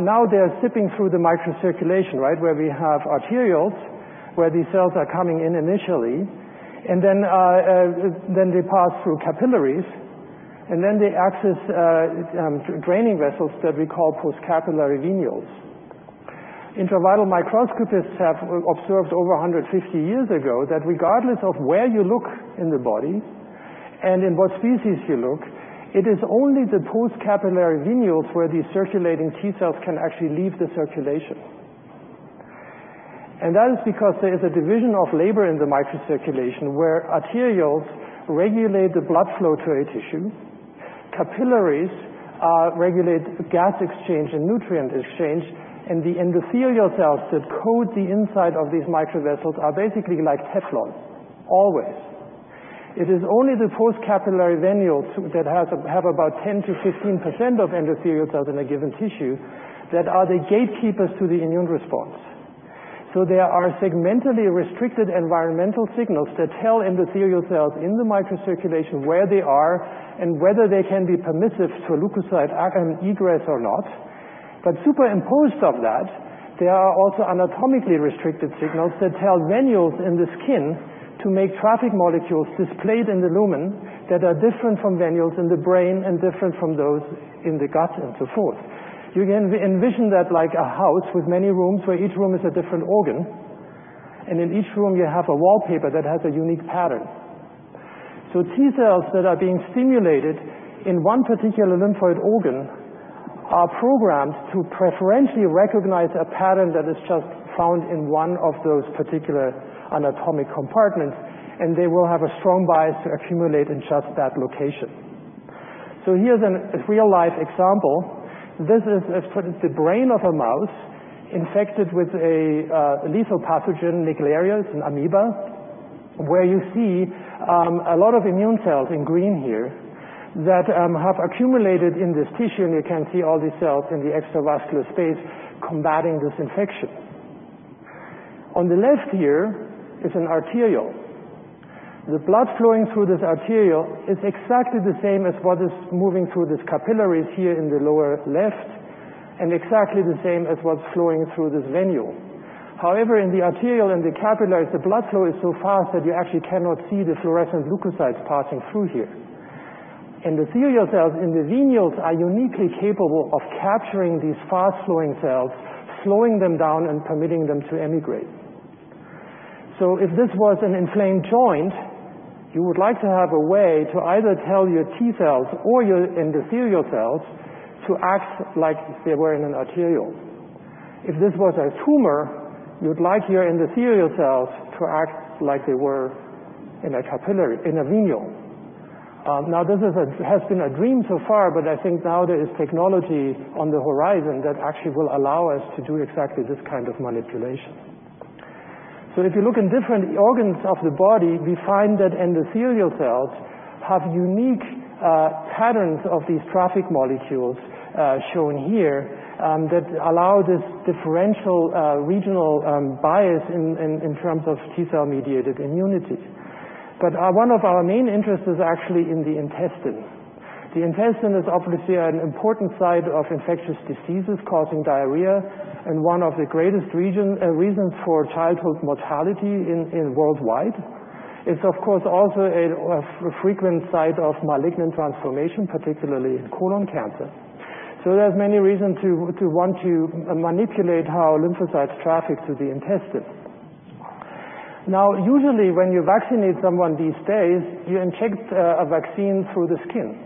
S6: now they're zipping through the microcirculation, right? Where we have arterioles, where these cells are coming in initially, and then they pass through capillaries, and then they access draining vessels that we call postcapillary venules. Intravital microscopists have observed over 150 years ago that regardless of where you look in the body and in what species you look, it is only the postcapillary venules where these circulating T cells can actually leave the circulation. That is because there is a division of labor in the microcirculation where arterioles regulate the blood flow to a tissue, capillaries regulate gas exchange and nutrient exchange, and the endothelial cells that coat the inside of these microvessels are basically like Teflon, always. It is only the postcapillary venules that have about 10%-15% of endothelial cells in a given tissue that are the gatekeepers to the immune response. There are segmentally restricted environmental signals that tell endothelial cells in the microcirculation where they are and whether they can be permissive to leukocyte egress or not. Superimposed on that, there are also anatomically restricted signals that tell venules in the skin to make traffic molecules displayed in the lumen that are different from venules in the brain and different from those in the gut, and so forth. You can envision that like a house with many rooms, where each room is a different organ, and in each room you have a wallpaper that has a unique pattern. T cells that are being stimulated in one particular lymphoid organ are programmed to preferentially recognize a pattern that is just found in one of those particular anatomic compartments, and they will have a strong bias to accumulate in just that location. Here's a real-life example. This is the brain of a mouse infected with a lethal pathogen, Naegleria, it's an amoeba. Where you see a lot of immune cells in green here that have accumulated in this tissue, and you can see all these cells in the extravascular space combating this infection. On the left here is an arteriole. The blood flowing through this arteriole is exactly the same as what is moving through these capillaries here in the lower left and exactly the same as what's flowing through this venule. However, in the arteriole and the capillaries, the blood flow is so fast that you actually cannot see the fluorescent leukocytes passing through here. Endothelial cells in the venules are uniquely capable of capturing these fast-flowing cells, slowing them down, and permitting them to emigrate. If this was an inflamed joint, you would like to have a way to either tell your T cells or your endothelial cells to act like they were in an arteriole. If this was a tumor, you'd like your endothelial cells to act like they were in a venule. This has been a dream so far, but I think now there is technology on the horizon that actually will allow us to do exactly this kind of manipulation. If you look in different organs of the body, we find that endothelial cells have unique patterns of these traffic molecules, shown here, that allow this differential regional bias in terms of T cell-mediated immunity. One of our main interests is actually in the intestine. The intestine is obviously an important site of infectious diseases causing diarrhea and one of the greatest reasons for childhood mortality worldwide. It's of course also a frequent site of malignant transformation, particularly in colon cancer. There's many reasons to want to manipulate how lymphocytes traffic to the intestine. Usually when you vaccinate someone these days, you inject a vaccine through the skin.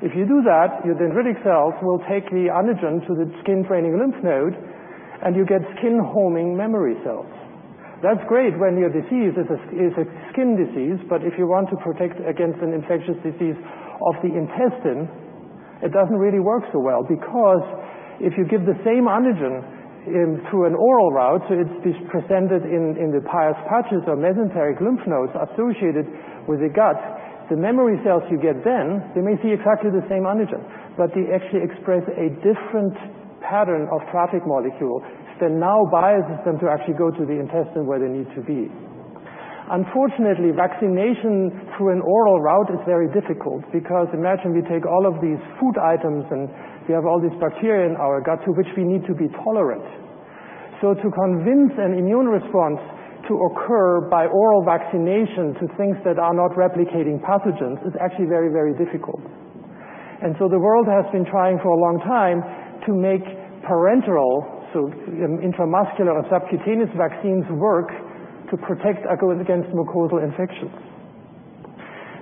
S6: If you do that, your dendritic cells will take the antigen to the skin draining lymph node, and you get skin-homing memory cells. That's great when your disease is a skin disease, but if you want to protect against an infectious disease of the intestine, it doesn't really work so well because if you give the same antigen through an oral route, so it's presented in the Peyer's patches or mesenteric lymph nodes associated with the gut. The memory cells you get then, they may see exactly the same antigen, but they actually express a different pattern of traffic molecules that now biases them to actually go to the intestine where they need to be. Unfortunately, vaccination through an oral route is very difficult because imagine we take all of these food items, and we have all these bacteria in our gut to which we need to be tolerant. To convince an immune response to occur by oral vaccination to things that are not replicating pathogens is actually very, very difficult. The world has been trying for a long time to make parenteral, so intramuscular or subcutaneous vaccines work to protect against mucosal infections.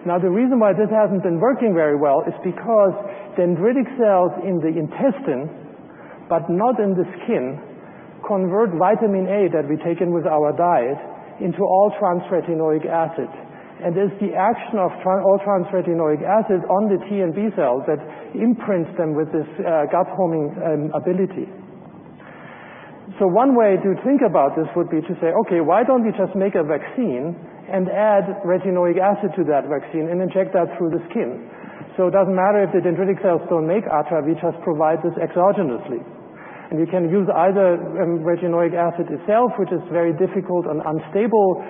S6: The reason why this hasn't been working very well is because dendritic cells in the intestine, but not in the skin, convert vitamin A that we take in with our diet into all-trans retinoic acid. It's the action of all-trans retinoic acid on the T and B cells that imprints them with this gut homing ability. One way to think about this would be to say, okay, why don't we just make a vaccine and add retinoic acid to that vaccine and inject that through the skin? It doesn't matter if the dendritic cells don't make ATRA, we just provide this exogenously. You can use either retinoic acid itself, which is very difficult and unstable,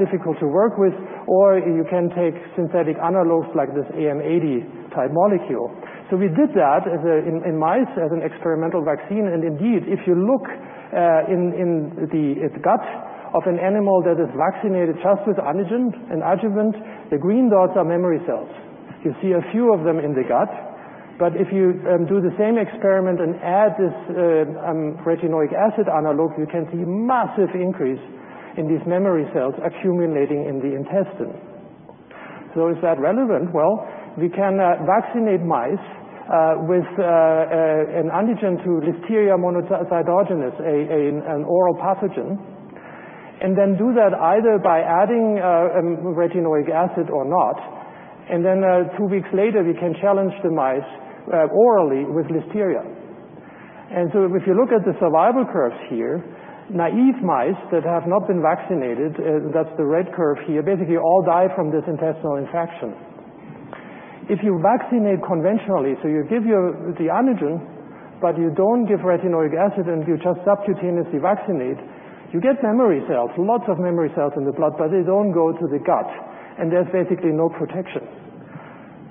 S6: difficult to work with, or you can take synthetic analogs like this AM80-type molecule. We did that in mice as an experimental vaccine, indeed, if you look in the gut of an animal that is vaccinated just with antigen and adjuvant, the green dots are memory cells. You see a few of them in the gut, if you do the same experiment and add this retinoic acid analog, you can see massive increase in these memory cells accumulating in the intestine. Is that relevant? We can vaccinate mice with an antigen to Listeria monocytogenes, an oral pathogen, then do that either by adding retinoic acid or not, then two weeks later, we can challenge the mice orally with Listeria. If you look at the survival curves here, naive mice that have not been vaccinated, that's the red curve here, basically all die from this intestinal infection. If you vaccinate conventionally, you give the antigen, you don't give retinoic acid, you just subcutaneously vaccinate, you get memory cells, lots of memory cells in the blood, they don't go to the gut, there's basically no protection.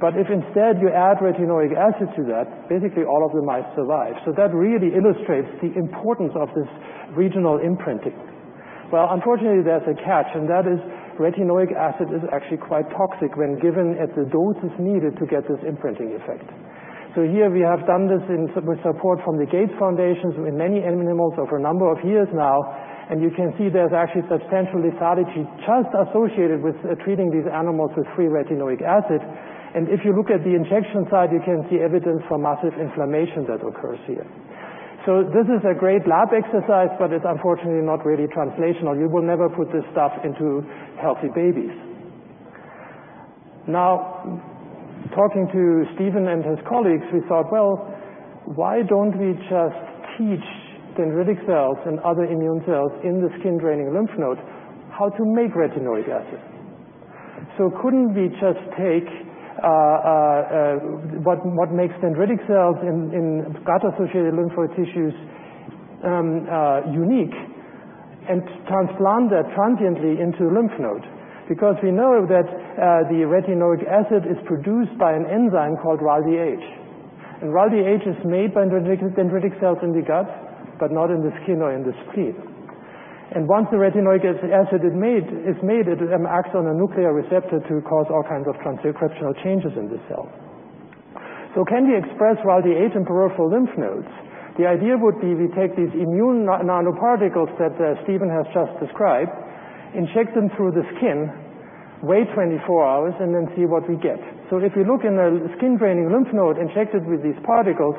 S6: If instead you add retinoic acid to that, basically all of the mice survive. That really illustrates the importance of this regional imprinting. Unfortunately, there's a catch, that is retinoic acid is actually quite toxic when given at the doses needed to get this imprinting effect. Here we have done this with support from the Gates Foundation with many animals over a number of years now, you can see there's actually substantial lethality just associated with treating these animals with free retinoic acid. If you look at the injection site, you can see evidence for massive inflammation that occurs here. This is a great lab exercise, it's unfortunately not really translational. You will never put this stuff into healthy babies. Now, talking to Stephen and his colleagues, we thought, why don't we just teach dendritic cells and other immune cells in the skin-draining lymph node how to make retinoic acid? Couldn't we just take what makes dendritic cells in gut-associated lymphoid tissues unique and transplant that transiently into lymph node? Because we know that the retinoic acid is produced by an enzyme called RALDH is made by dendritic cells in the gut, not in the skin or in the spleen. Once the retinoic acid is made, it acts on a nuclear receptor to cause all kinds of transcriptional changes in the cell. Can we express RALDH in peripheral lymph nodes? The idea would be we take these immune nanoparticles that Stephen has just described, inject them through the skin, wait 24 hours, then see what we get. If we look in a skin-draining lymph node injected with these particles,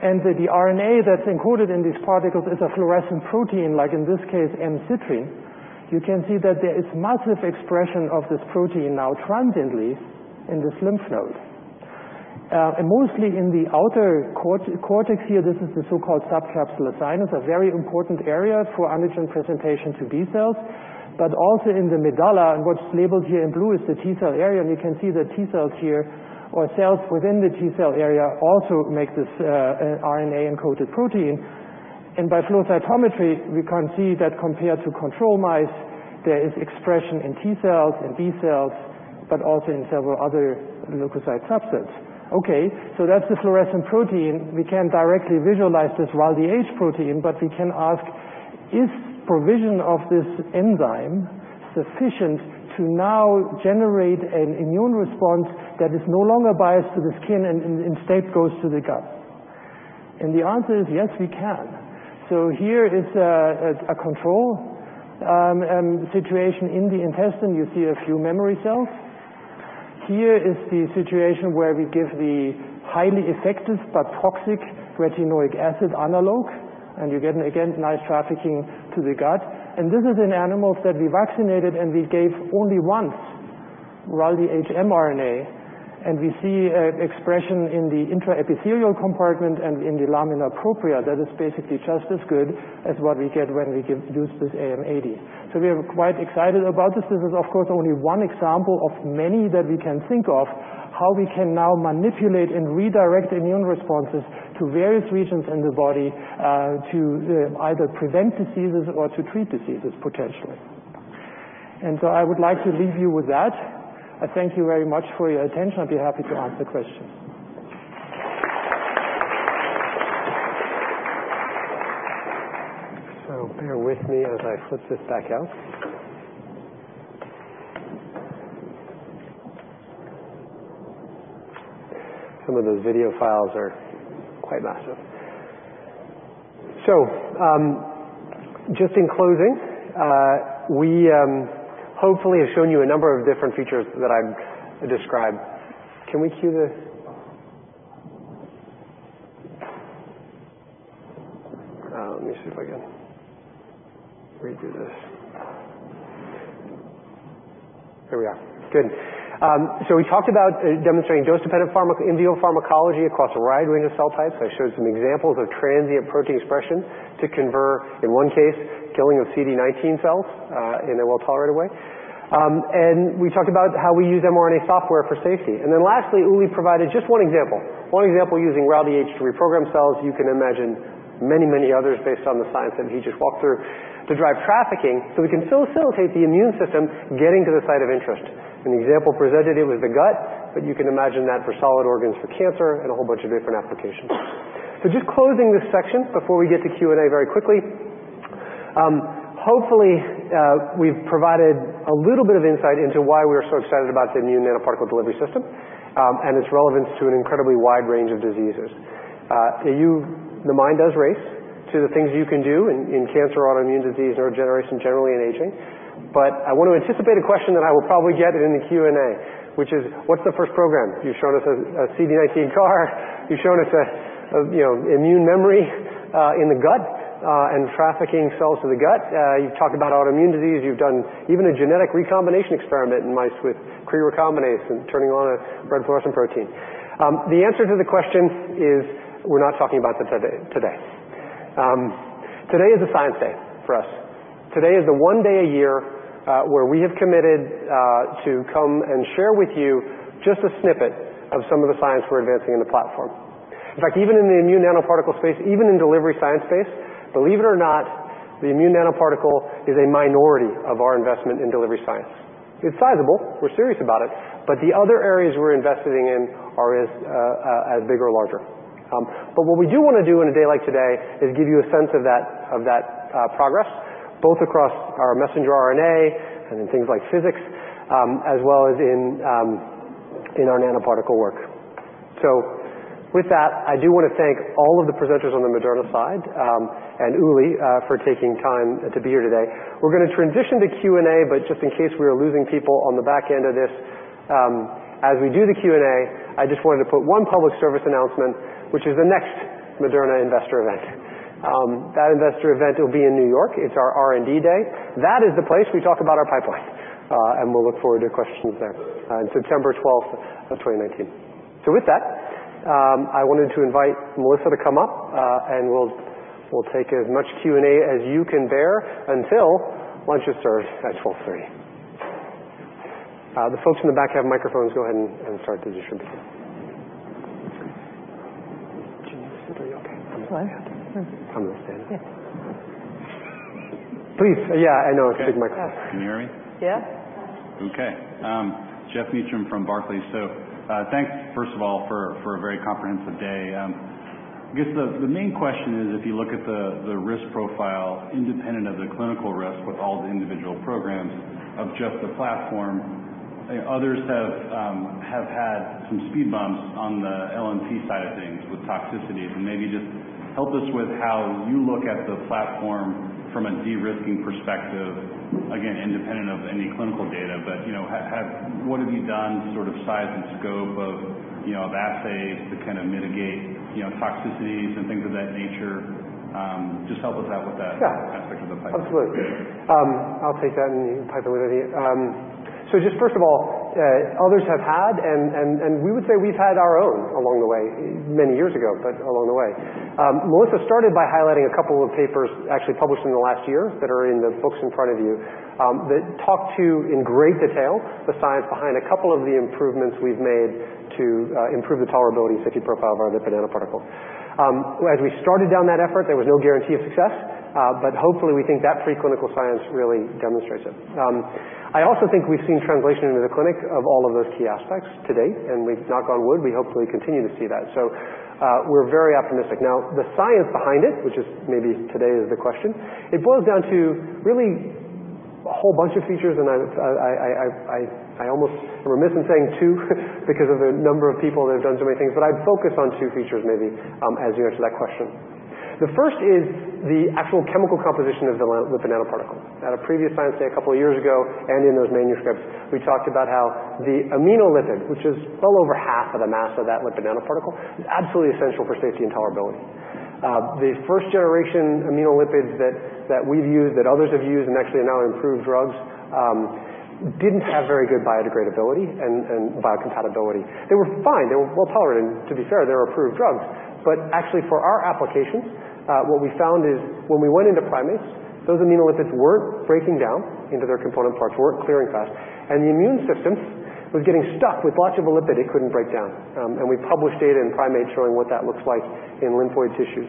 S6: and the RNA that's encoded in these particles is a fluorescent protein, like in this case mCitrine, you can see that there is massive expression of this protein now transiently in this lymph node. Mostly in the outer cortex here, this is the so-called subcapsular sinus, a very important area for antigen presentation to B cells, but also in the medulla, and what's labeled here in blue is the T cell area, and you can see the T cells here, or cells within the T cell area also make this RNA-encoded protein, and by flow cytometry, we can see that compared to control mice, there is expression in T cells and B cells, but also in several other leukocyte subsets. That's the fluorescent protein. We can't directly visualize this RALDH protein, but we can ask, is provision of this enzyme sufficient to now generate an immune response that is no longer biased to the skin and instead goes to the gut? The answer is yes, we can. Here is a control situation in the intestine, you see a few memory cells. Here is the situation where we give the highly effective but toxic retinoic acid analog, and you're getting, again, nice trafficking to the gut. This is in animals that we vaccinated and we gave only once RALDH mRNA, and we see expression in the intraepithelial compartment and in the lamina propria that is basically just as good as what we get when we use this AM80. We are quite excited about this. This is, of course, only one example of many that we can think of how we can now manipulate and redirect immune responses to various regions in the body to either prevent diseases or to treat diseases potentially. I would like to leave you with that. I thank you very much for your attention. I'd be happy to answer questions.
S2: Bear with me as I clip this back out. Some of those video files are quite massive. Just in closing, we hopefully have shown you a number of different features that I've described. Can we cue this? Let me see if I can redo this. Here we are. We talked about demonstrating dose-dependent in vivo pharmacology across a wide range of cell types. I showed some examples of transient protein expression to convert, in one case, killing of CD19 cells in a well-tolerated way. We talked about how we use mRNA software for safety. Lastly, Uli provided just one example, one example using RALDH to reprogram cells. You can imagine many others based on the science that he just walked through to drive trafficking, so we can facilitate the immune system getting to the site of interest. In the example presented, it was the gut, you can imagine that for solid organs for cancer and a whole bunch of different applications. Just closing this section before we get to Q&A very quickly, hopefully, we've provided a little bit of insight into why we're so excited about the immune nanoparticle delivery system and its relevance to an incredibly wide range of diseases. The mind does race to the things you can do in cancer, autoimmune disease, neurodegeneration generally, and aging. I want to anticipate a question that I will probably get in the Q&A, which is, what's the first program? You showed us a CD19 CAR, you've shown us immune memory in the gut and trafficking cells to the gut, you've talked about autoimmune disease, you've done even a genetic recombination experiment in mice with Cre recombinase and turning on a red fluorescent protein. The answer to the question is we're not talking about that today. Today is a science day for us. Today is the one day a year where we have committed to come and share with you just a snippet of some of the science we're advancing in the platform. In fact, even in the immune nanoparticle space, even in delivery science space, believe it or not, the immune nanoparticle is a minority of our investment in delivery science. It's sizable, we're serious about it. The other areas we're investing in are as big or larger. What we do want to do on a day like today is give you a sense of that progress, both across our messenger RNA and in things like physics, as well as in our nanoparticle work. With that, I do want to thank all of the presenters on the Moderna side, and Uli for taking time to be here today. We're going to transition to Q&A. Just in case we are losing people on the back end of this, as we do the Q&A, I just wanted to put one public service announcement, which is the next Moderna investor event. That investor event will be in New York. It's our R&D day. That is the place we talk about our pipeline, and we'll look forward to questions there on September 12th of 2019. With that, I wanted to invite Melissa to come up, and we'll take as much Q&A as you can bear until lunch is served at 12:30 P.M. The folks in the back have microphones. Go ahead and start distribution. Are you okay? What? I'm going to stand. Yeah. Please. Yeah, I know. Take the microphone.
S7: Can you hear me?
S2: Yes.
S7: Geoffrey Meacham from Barclays. Thanks, first of all, for a very comprehensive day. I guess the main question is, if you look at the risk profile independent of the clinical risk with all the individual programs of just the platform, others have had some speed bumps on the LNP side of things with toxicities. Maybe just help us with how you look at the platform from a de-risking perspective, again, independent of any clinical data, but what have you done, sort of size and scope of assays to kind of mitigate toxicities and things of that nature? Just help us out with that aspect of the pipeline.
S2: Yeah. Absolutely. I'll take that, and you can pipe in with any Just first of all, others have had, and we would say we've had our own along the way, many years ago, but along the way. Melissa started by highlighting a couple of papers actually published in the last year that are in the books in front of you, that talk to, in great detail, the science behind a couple of the improvements we've made to improve the tolerability safety profile of our lipid nanoparticle. As we started down that effort, there was no guarantee of success, but hopefully we think that preclinical science really demonstrates it. I also think we've seen translation into the clinic of all of those key aspects to date, and knock on wood, we hopefully continue to see that. We're very optimistic. The science behind it, which is maybe today is the question, it boils down to really a whole bunch of features, and I almost am remiss in saying two because of the number of people that have done so many things, but I'd focus on two features maybe, as you answer that question. The first is the actual chemical composition of the lipid nanoparticles. At a previous science day a couple of years ago, and in those manuscripts, we talked about how the aminolipid, which is well over half of the mass of that lipid nanoparticle, is absolutely essential for safety and tolerability. The first-generation aminolipids that we've used, that others have used, and actually are now in approved drugs, didn't have very good biodegradability and biocompatibility. They were fine. They were well-tolerated, and to be fair, they were approved drugs. Actually for our applications, what we found is when we went into primates, those aminolipids were breaking down into their component parts, were clearing fast, and the immune system was getting stuck with lots of lipid it couldn't break down, and we published data in primates showing what that looks like in lymphoid tissues.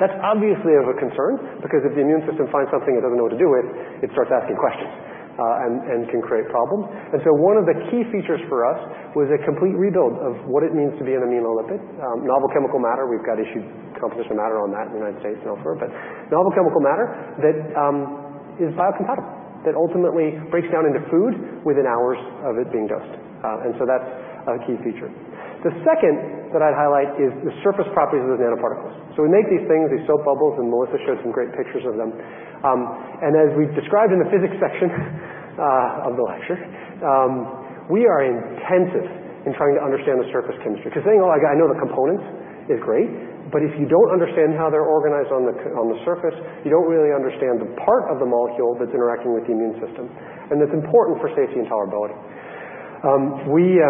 S2: That's obviously of a concern because if the immune system finds something it doesn't know what to do with, it starts asking questions and can create problems. So one of the key features for us was a complete rebuild of what it means to be an aminolipid. Novel chemical matter, we've got issued composition matter on that in the United States and elsewhere, but novel chemical matter that is biocompatible, that ultimately breaks down into food within hours of it being dosed. So that's a key feature. The second that I'd highlight is the surface properties of the nanoparticles. We make these things, these soap bubbles, and Melissa showed some great pictures of them. As we've described in the physics section of the lecture, we are intensive in trying to understand the surface chemistry, because saying, "Oh, I know the components," is great, but if you don't understand how they're organized on the surface, you don't really understand the part of the molecule that's interacting with the immune system and that's important for safety and tolerability. We,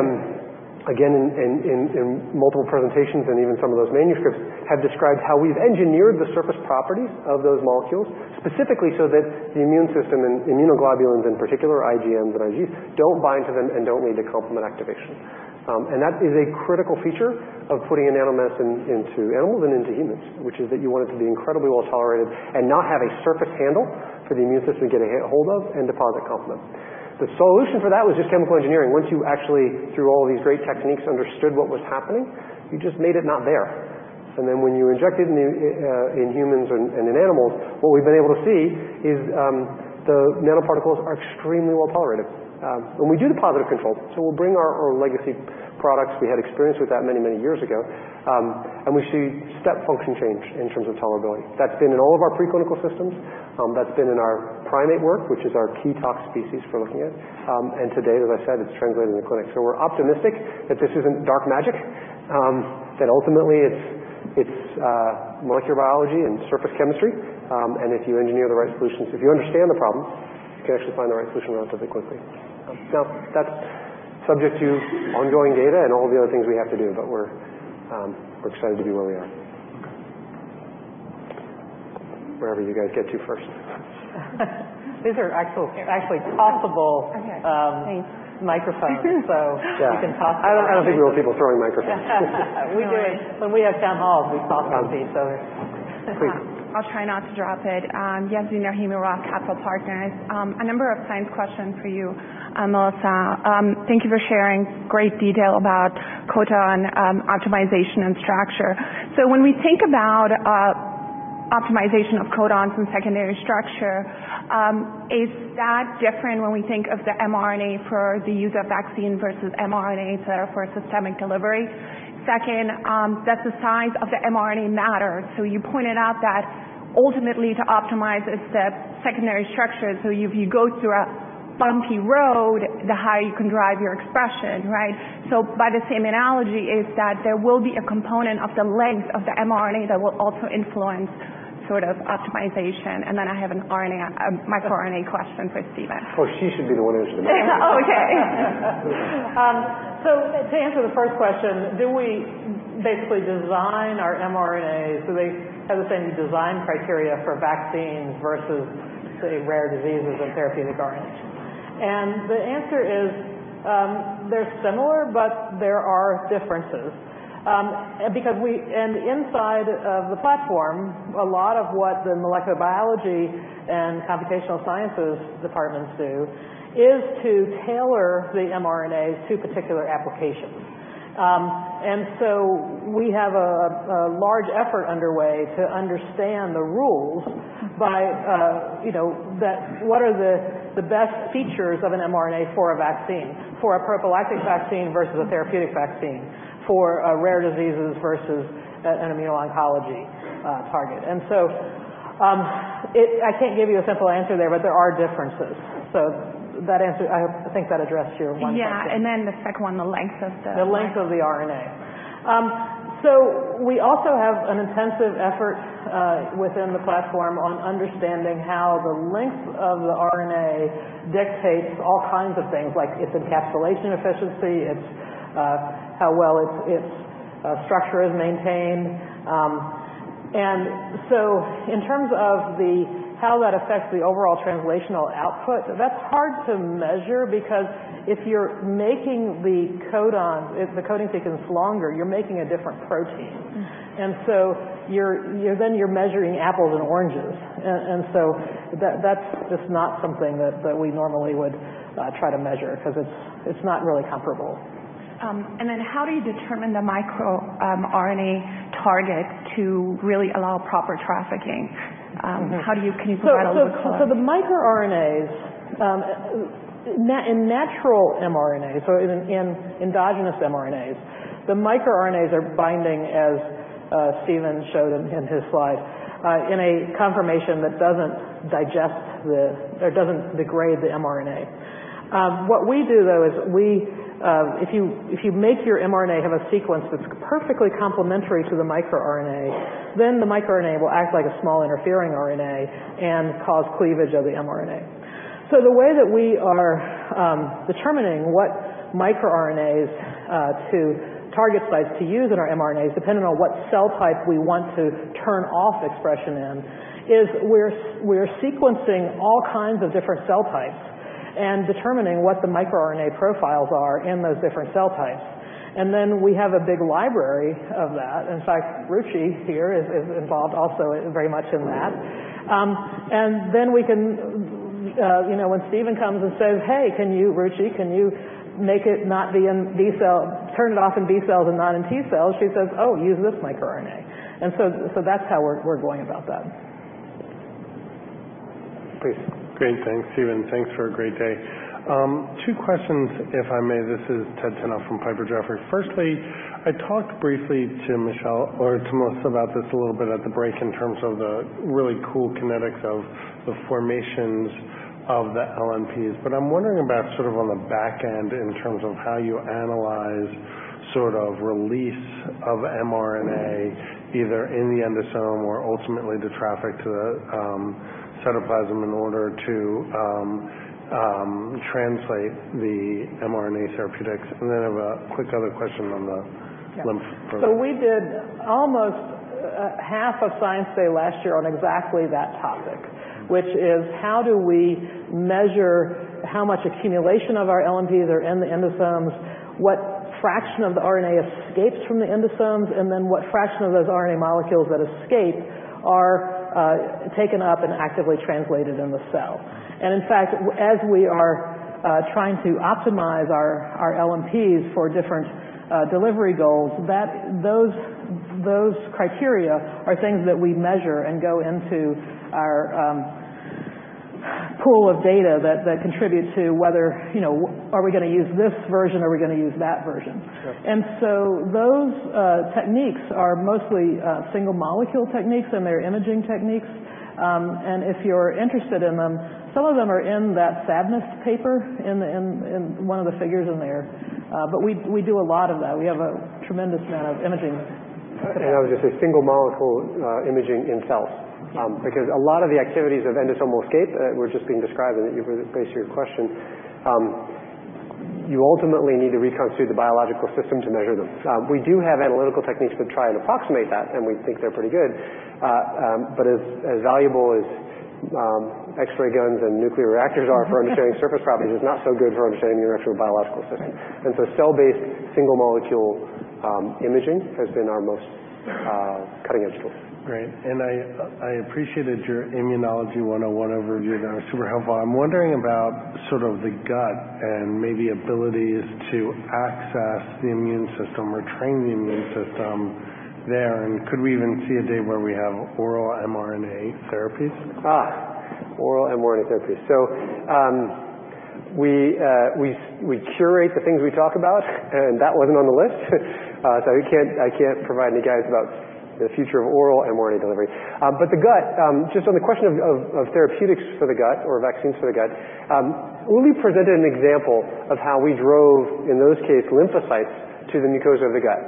S2: again, in multiple presentations and even some of those manuscripts, have described how we've engineered the surface properties of those molecules specifically so that the immune system and immunoglobulins in particular, IgM and IgGs, don't bind to them and don't lead to complement activation. That is a critical feature of putting a nanomedicine into animals and into humans, which is that you want it to be incredibly well-tolerated and not have a surface handle for the immune system to get a hold of and deposit complement. The solution for that was just chemical engineering. Once you actually, through all of these great techniques, understood what was happening, you just made it not there. Then when you inject it in humans and in animals, what we've been able to see is the nanoparticles are extremely well-tolerated. We do deposit of controls, so we'll bring our own legacy products, we had experience with that many years ago, and we see step function change in terms of tolerability. That's been in all of our preclinical systems. That's been in our primate work, which is our key tox species we're looking at. Today, as I said, it's translated in the clinic. We're optimistic that this isn't dark magic, that ultimately it's molecular biology and surface chemistry, and if you engineer the right solutions, if you understand the problem, you can actually find the right solution relatively quickly. That's subject to ongoing data and all the other things we have to do, but we're excited to be where we are. Wherever you guys get to first. These are actually tossable. Okay. Thanks, microphones, so you can toss them around. I don't think we want people throwing microphones. We do it when we have town halls, we toss on stage. Please.
S8: I'll try not to drop it. Yasmeen Rahimi, ROTH Capital Partners. A number of science questions for you, Melissa. Thank you for sharing great detail about codon optimization and structure. When we think about optimization of codons and secondary structure, is that different when we think of the mRNA for the use of vaccine versus mRNAs that are for systemic delivery? Second, does the size of the mRNA matter? You pointed out that- Ultimately to optimize its secondary structure, if you go through a bumpy road, the higher you can drive your expression, right? By the same analogy is that there will be a component of the length of the mRNA that will also influence optimization, and then I have a microRNA question for Stephen.
S3: Oh, she should be the one answering that.
S8: Okay.
S3: To answer the first question, do we basically design our mRNAs so they have the same design criteria for vaccines versus, say, rare diseases and therapeutic RNAs? The answer is, they're similar, but there are differences. Inside of the platform, a lot of what the molecular biology and computational sciences departments do is to tailor the mRNAs to particular applications. We have a large effort underway to understand the rules by what are the best features of an mRNA for a vaccine, for a prophylactic vaccine versus a therapeutic vaccine, for rare diseases versus an immuno-oncology target. I can't give you a simple answer there, but there are differences. I think that addressed your one question.
S8: Yeah, the second one, the length of the RNA.
S3: The length of the RNA. We also have an intensive effort within the platform on understanding how the length of the RNA dictates all kinds of things, like its encapsulation efficiency, how well its structure is maintained. In terms of how that affects the overall translational output, that's hard to measure because if the coding sequence longer, you're making a different protein. You're measuring apples and oranges, that's just not something that we normally would try to measure because it's not really comparable.
S8: How do you determine the microRNA target to really allow proper trafficking? Can you provide a little color on that?
S3: The microRNAs, in natural mRNAs, in endogenous mRNAs, the microRNAs are binding, as Stephen showed in his slide, in a conformation that doesn't degrade the mRNA. What we do, though, is if you make your mRNA have a sequence that's perfectly complementary to the microRNA, then the microRNA will act like a small interfering RNA and cause cleavage of the mRNA. The way that we are determining what microRNAs to target sites to use in our mRNAs, depending on what cell type we want to turn off expression in, is we're sequencing all kinds of different cell types and determining what the microRNA profiles are in those different cell types. Then we have a big library of that. In fact, Ruchi here is involved also very much in that. When Stephen comes and says, "Hey, Ruchi, can you turn it off in B cells and not in T cells?" She says, "Oh, use this microRNA." That's how we're going about that.
S9: Great. Thanks, Stephen. Thanks for a great day. Two questions, if I may. This is Ted Tenthoff from Piper Jaffray. Firstly, I talked briefly to Michelle or to Melissa about this a little bit at the break in terms of the really cool kinetics of the formations of the LNPs. I'm wondering about sort of on the back end in terms of how you analyze sort of release of mRNA, either in the endosome or ultimately to traffic to the cytoplasm in order to translate the mRNA therapeutics. Then I have a quick other question on the lymph program.
S3: We did almost half a science day last year on exactly that topic, which is how do we measure how much accumulation of our LNPs are in the endosomes, what fraction of the RNA escapes from the endosomes, and then what fraction of those RNA molecules that escape are taken up and actively translated in the cell. In fact, as we are trying to optimize our LNPs for different delivery goals, those criteria are things that we measure and go into our pool of data that contribute to whether are we going to use this version or are we going to use that version.
S9: Sure.
S3: Those techniques are mostly single molecule techniques, and they're imaging techniques. If you're interested in them, some of them are in that SAXS/SANS paper in one of the figures in there. We do a lot of that. We have a tremendous amount of imaging.
S2: I would just say single molecule imaging in cells. Yeah. Because a lot of the activities of endosomal escape that were just being described and that you base your question, you ultimately need to reconstitute the biological system to measure them. We do have analytical techniques that try and approximate that, and we think they're pretty good. As valuable as X-ray guns and nuclear reactors are for understanding surface properties, it's not so good for understanding the actual biological system. Cell-based single molecule imaging has been our most cutting-edge tool.
S9: Great. I appreciated your Immunology 101 overview there. Super helpful. I'm wondering about sort of the gut and maybe abilities to access the immune system or train the immune system there, and could we even see a day where we have oral mRNA therapies?
S2: Oral mRNA therapies. We curate the things we talk about, that wasn't on the list. I can't provide any guidance about the future of oral mRNA delivery. The gut, just on the question of therapeutics for the gut or vaccines for the gut, Uli presented an example of how we drove, in those case, lymphocytes to the mucosa of the gut.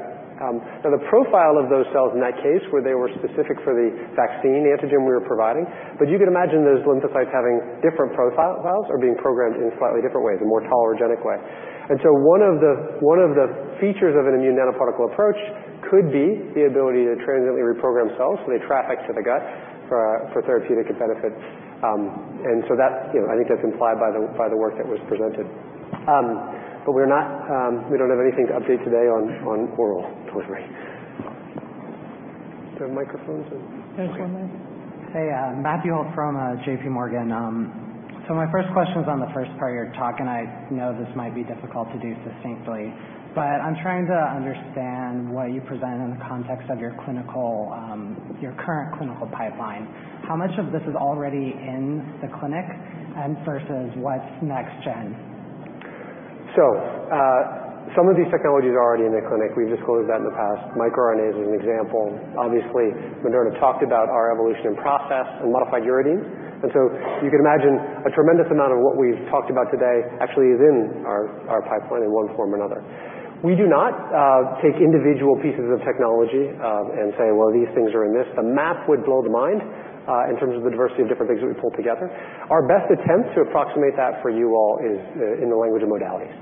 S2: The profile of those cells in that case, where they were specific for the vaccine antigen we were providing, but you could imagine those lymphocytes having different profiles or being programmed in slightly different ways, a more tolerogenic way. One of the features of an immune nanoparticle approach could be the ability to transiently reprogram cells so they traffic to the gut for therapeutic benefit. I think that's implied by the work that was presented. We don't have anything to update today on oral delivery. Is there a microphone somewhere?
S3: There's one there.
S10: Hey, Matthew Holt from JPMorgan. My first question was on the first part of your talk, I know this might be difficult to do succinctly, I'm trying to understand what you present in the context of your current clinical pipeline. How much of this is already in the clinic versus what's next gen?
S2: Some of these technologies are already in the clinic. We've disclosed that in the past. microRNA is an example. Obviously, Moderna talked about our evolution in process and modified uridine. You can imagine a tremendous amount of what we've talked about today actually is in our pipeline in one form or another. We do not take individual pieces of technology and say, "Well, these things are in this." The map would blow the mind in terms of the diversity of different things that we pull together. Our best attempt to approximate that for you all is in the language of modalities.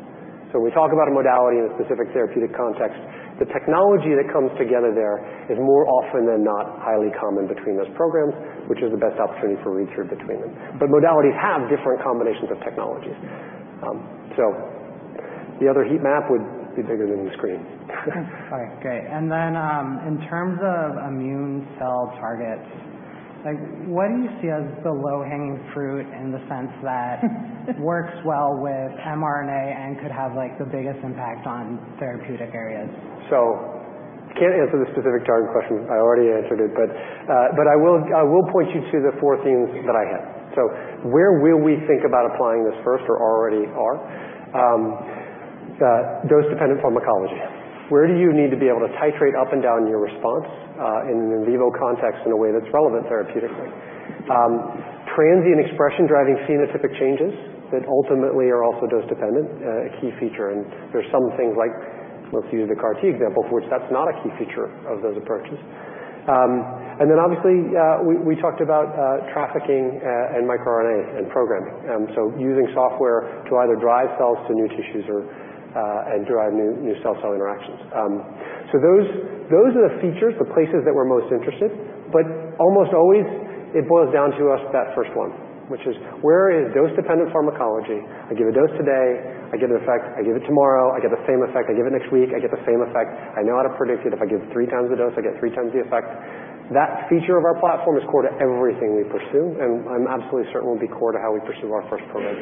S2: When we talk about a modality in a specific therapeutic context, the technology that comes together there is more often than not highly common between those programs, which is the best opportunity for research between them. Modalities have different combinations of technologies. The other heat map would be bigger than the screen.
S10: All right, great. Then in terms of immune cell targets, what do you see as the low-hanging fruit in the sense that works well with mRNA and could have the biggest impact on therapeutic areas?
S2: Can't answer the specific target question. I already answered it, but I will point you to the four themes that I have. Where will we think about applying this first or already are? Dose-dependent pharmacology. Where do you need to be able to titrate up and down your response in an in vivo context in a way that's relevant therapeutically? Transient expression driving phenotypic changes that ultimately are also dose-dependent, a key feature, and there's some things like, let's use the CAR T example, for which that's not a key feature of those approaches. Then obviously, we talked about trafficking and microRNA and programming. Using software to either drive cells to new tissues and drive new cell-cell interactions. Those are the features, the places that we're most interested, but almost always it boils down to that first one, which is where is dose-dependent pharmacology? I give a dose today, I get an effect. I give it tomorrow, I get the same effect. I give it next week, I get the same effect. I know how to predict it. If I give three times the dose, I get three times the effect. That feature of our platform is core to everything we pursue, and I'm absolutely certain will be core to how we pursue our first programs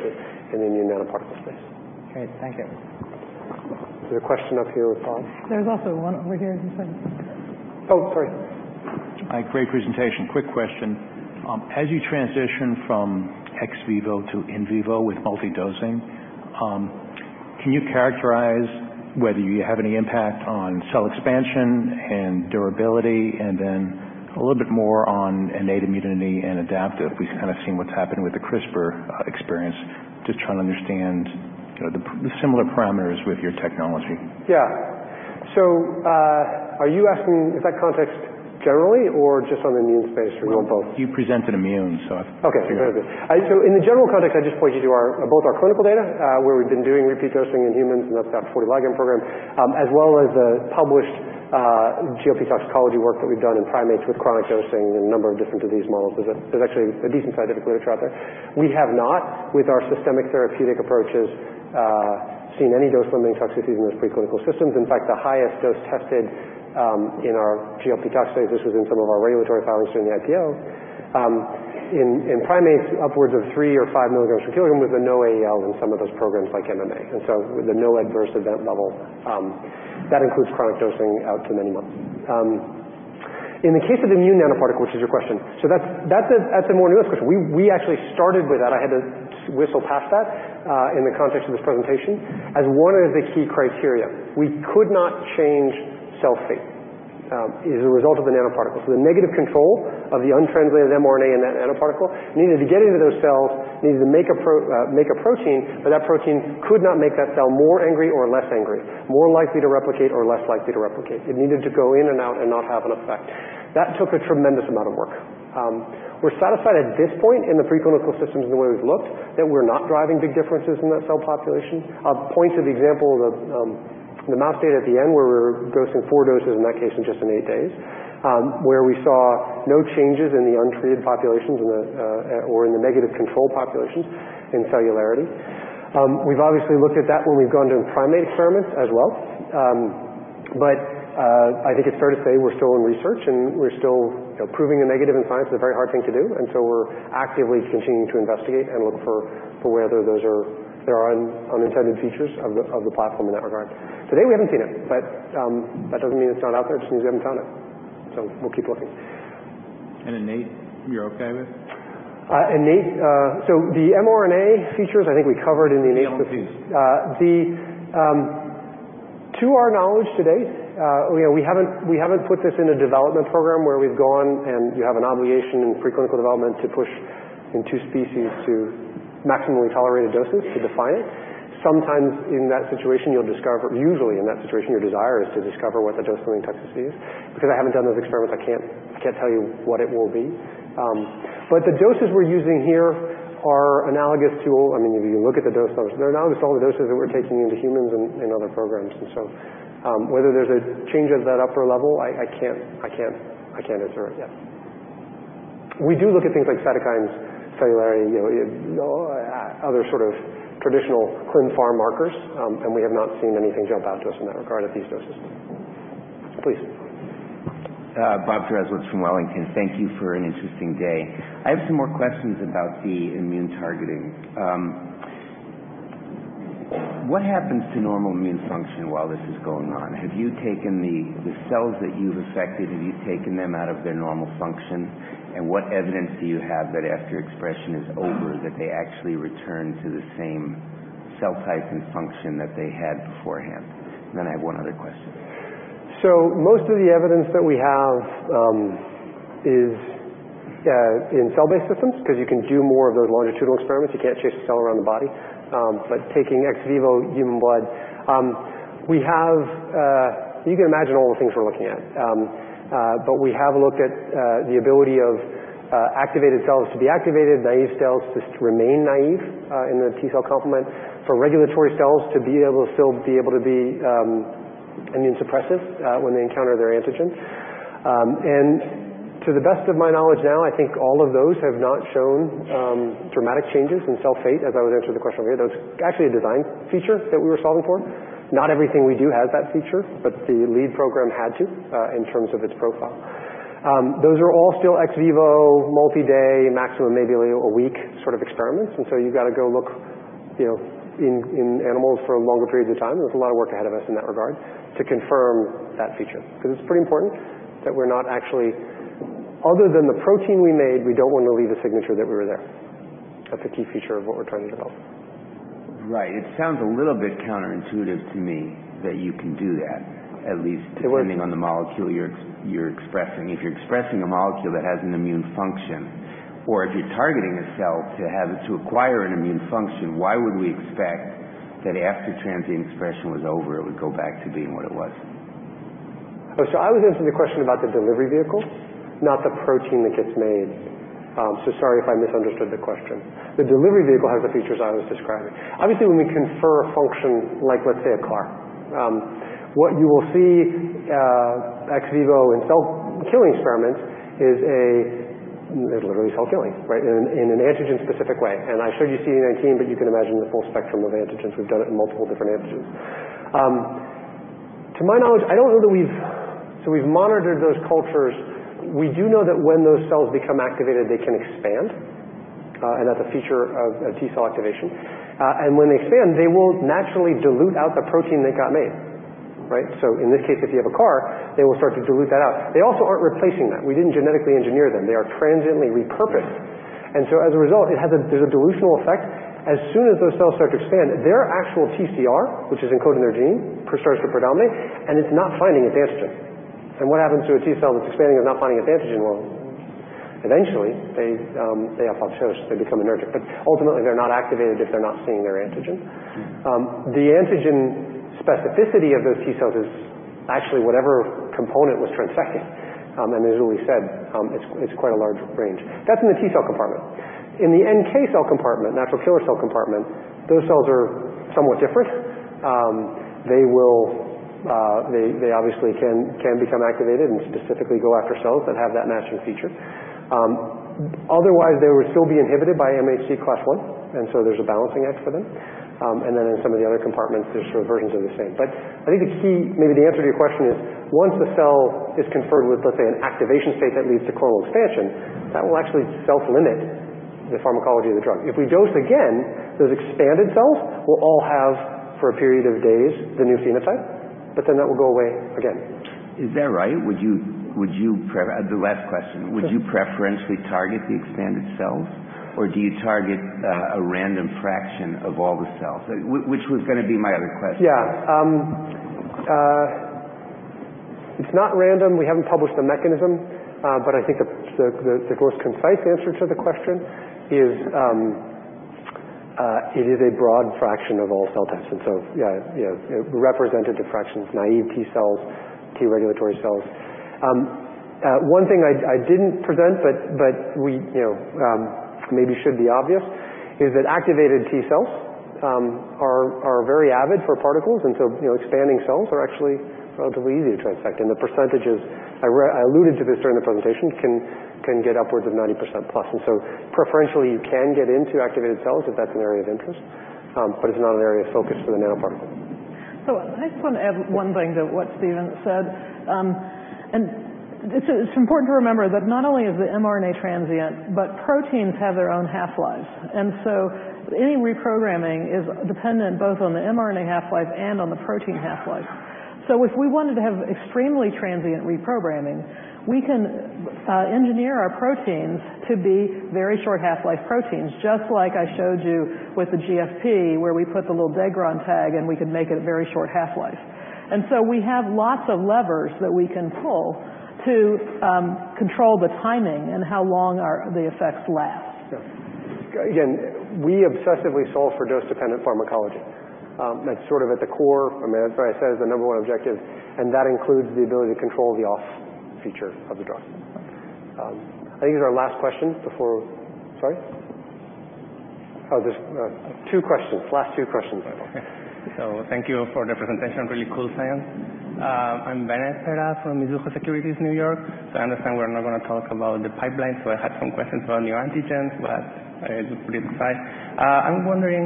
S2: in the immune nanoparticle space.
S10: Great. Thank you.
S2: Is there a question up here with Paul?
S3: There's also one over here as you said.
S2: Oh, sorry.
S11: Hi. Great presentation. Quick question. As you transition from ex vivo to in vivo with multi-dosing, can you characterize whether you have any impact on cell expansion and durability, and then a little bit more on innate immunity and adaptive? We've kind of seen what's happened with the CRISPR experience. Just trying to understand the similar parameters with your technology.
S2: Yeah. Are you asking, is that context generally or just on immune space or on both?
S11: You presented immune.
S2: In the general context, I'd just point you to both our clinical data, where we've been doing repeat dosing in humans, and that's that OX40 ligand program, as well as the published GLP toxicology work that we've done in primates with chronic dosing in a number of different disease models. There's actually a decent scientific literature out there. We have not, with our systemic therapeutic approaches, seen any dose-limiting toxicity in those preclinical systems. In fact, the highest dose tested in our GLP tox studies, this was in some of our regulatory filings during the IPO, in primates upwards of three or five milligrams per kilogram with a NOAEL in some of those programs like MMA. The no adverse event level, that includes chronic dosing out to many months. In the case of immune nanoparticle, which is your question, that's a more newest question. We actually started with that, I had to whistle past that in the context of this presentation, as one of the key criteria. We could not change cell fate as a result of the nanoparticle. The negative control of the untranslated mRNA in that nanoparticle needed to get into those cells, needed to make a protein, but that protein could not make that cell more angry or less angry, more likely to replicate or less likely to replicate. It needed to go in and out and not have an effect. That took a tremendous amount of work. We're satisfied at this point in the preclinical systems and the way we've looked that we're not driving big differences in that cell population. I'll point to the example of the mouse data at the end, where we're dosing four doses, in that case just in eight days, where we saw no changes in the untreated populations or in the negative control populations in cellularity. We've obviously looked at that when we've gone to primate experiments as well. I think it's fair to say we're still in research, and we're still proving the negative in science is a very hard thing to do, we're actively continuing to investigate and look for whether there are unintended features of the platform in that regard. To date we haven't seen it, but that doesn't mean it's not out there. It just means we haven't found it. We'll keep looking.
S3: Innate you're okay with?
S2: Innate? The mRNA features, I think we covered in the innate.
S3: The L2s.
S2: To our knowledge to date, we haven't put this in a development program where we've gone and you have an obligation in preclinical development to push in two species to maximally tolerated doses to define it. Sometimes in that situation you'll discover. Usually in that situation, your desire is to discover what the dose-limiting toxicity is. Because I haven't done those experiments, I can't tell you what it will be. The doses we're using here are analogous to, if you look at the dose levels, they're analogous to all the doses that we're taking into humans and other programs. Whether there's a change at that upper level, I can't answer it yet. We do look at things like cytokines, cellular, other sort of traditional clin pharm markers, and we have not seen anything jump out to us in that regard at these doses. Please.
S12: Bob [Dresler] from Wellington. Thank you for an interesting day. I have some more questions about the immune targeting. What happens to normal immune function while this is going on? The cells that you've affected, have you taken them out of their normal function? What evidence do you have that after expression is over, that they actually return to the same cell type and function that they had beforehand? I have one other question.
S2: Most of the evidence that we have is in cell-based systems, because you can do more of those longitudinal experiments. You can't chase a cell around the body. Taking ex vivo human blood. You can imagine all the things we're looking at. We have looked at the ability of activated cells to be activated, naive cells to remain naive in the T cell complement. For regulatory cells to be able to still be able to be immunosuppressive when they encounter their antigen. To the best of my knowledge now, I think all of those have not shown dramatic changes in cell fate, as I was answering the question earlier. That was actually a design feature that we were solving for. Not everything we do has that feature, but the lead program had to in terms of its profile. Those are all still ex vivo, multi-day, maximum maybe a week sort of experiments, you've got to go look in animals for longer periods of time. There's a lot of work ahead of us in that regard to confirm that feature. It's pretty important that, other than the protein we made, we don't want to leave a signature that we were there. That's a key feature of what we're trying to develop.
S12: Right. It sounds a little bit counterintuitive to me that you can do that, at least depending on the molecule you're expressing. If you're expressing a molecule that has an immune function, or if you're targeting a cell to acquire an immune function, why would we expect that after transient expression was over, it would go back to being what it was?
S2: I was answering the question about the delivery vehicle, not the protein that gets made. Sorry if I misunderstood the question. The delivery vehicle has the features I was describing. Obviously, when we confer function, like let's say a CAR, what you will see ex vivo in cell killing experiments is literally cell killing, right? In an antigen-specific way. I showed you CD19, but you can imagine the full spectrum of antigens. We've done it in multiple different antigens. To my knowledge, we've monitored those cultures. We do know that when those cells become activated, they can expand, that's a feature of T cell activation. When they expand, they will naturally dilute out the protein that got made, right? In this case, if you have a CAR, they will start to dilute that out. They also aren't replacing that. We didn't genetically engineer them. They are transiently repurposed. As a result, there's a dilutional effect. As soon as those cells start to expand, their actual TCR, which is encoded in their gene, starts to predominate, and it's not finding its antigen. What happens to a T cell that's expanding and not finding its antigen? Well, eventually, they apoptosis, they become energetic. Ultimately, they're not activated if they're not seeing their antigen. The antigen specificity of those T cells is actually whatever component was transfecting. As Uli said, it's quite a large range. That's in the T cell compartment. In the NK cell compartment, natural killer cell compartment, those cells are somewhat different. They obviously can become activated and specifically go after cells that have that matching feature. Otherwise, they would still be inhibited by MHC class I, and so there's a balancing act for them. Then in some of the other compartments, there's sort of versions of the same. I think the key, maybe the answer to your question is, once the cell is conferred with, let's say, an activation state that leads to clonal expansion, that will actually self-limit the pharmacology of the drug. If we dose again, those expanded cells will all have, for a period of days, the new phenotype, but then that will go away again.
S12: Is that right? The last question.
S2: Sure.
S12: Would you preferentially target the expanded cells, or do you target a random fraction of all the cells? Which was going to be my other question.
S2: It's not random. We haven't published the mechanism. I think the most concise answer to the question is, it is a broad fraction of all cell types, and so yeah, represented the fractions, naive T cells, T regulatory cells. One thing I didn't present, but maybe should be obvious, is that activated T cells are very avid for particles, and so expanding cells are actually relatively easy to transfect. The percentages, I alluded to this during the presentation, can get upwards of 90% plus. Preferentially, you can get into activated cells if that's an area of interest, but it's not an area of focus for the nanoparticle.
S3: I just want to add one thing to what Stephen said. It's important to remember that not only is the mRNA transient, but proteins have their own half-lives. Any reprogramming is dependent both on the mRNA half-life and on the protein half-life. If we wanted to have extremely transient reprogramming, we can engineer our proteins to be very short half-life proteins, just like I showed you with the GFP, where we put the little degron tag and we can make it a very short half-life. We have lots of levers that we can pull to control the timing and how long the effects last.
S2: Again, we obsessively solve for dose-dependent pharmacology. That's sort of at the core, as I said, is the number one objective, and that includes the ability to control the off feature of the drug. I think these are our last questions before-- Sorry? Oh, there are two questions. Last two questions.
S11: Thank you for the presentation. Really cool science. I'm Vamil Divan from Mizuho Securities, New York. I understand we're not going to talk about the pipeline, so I had some questions about new antigens, but I'll just put it aside. I'm wondering,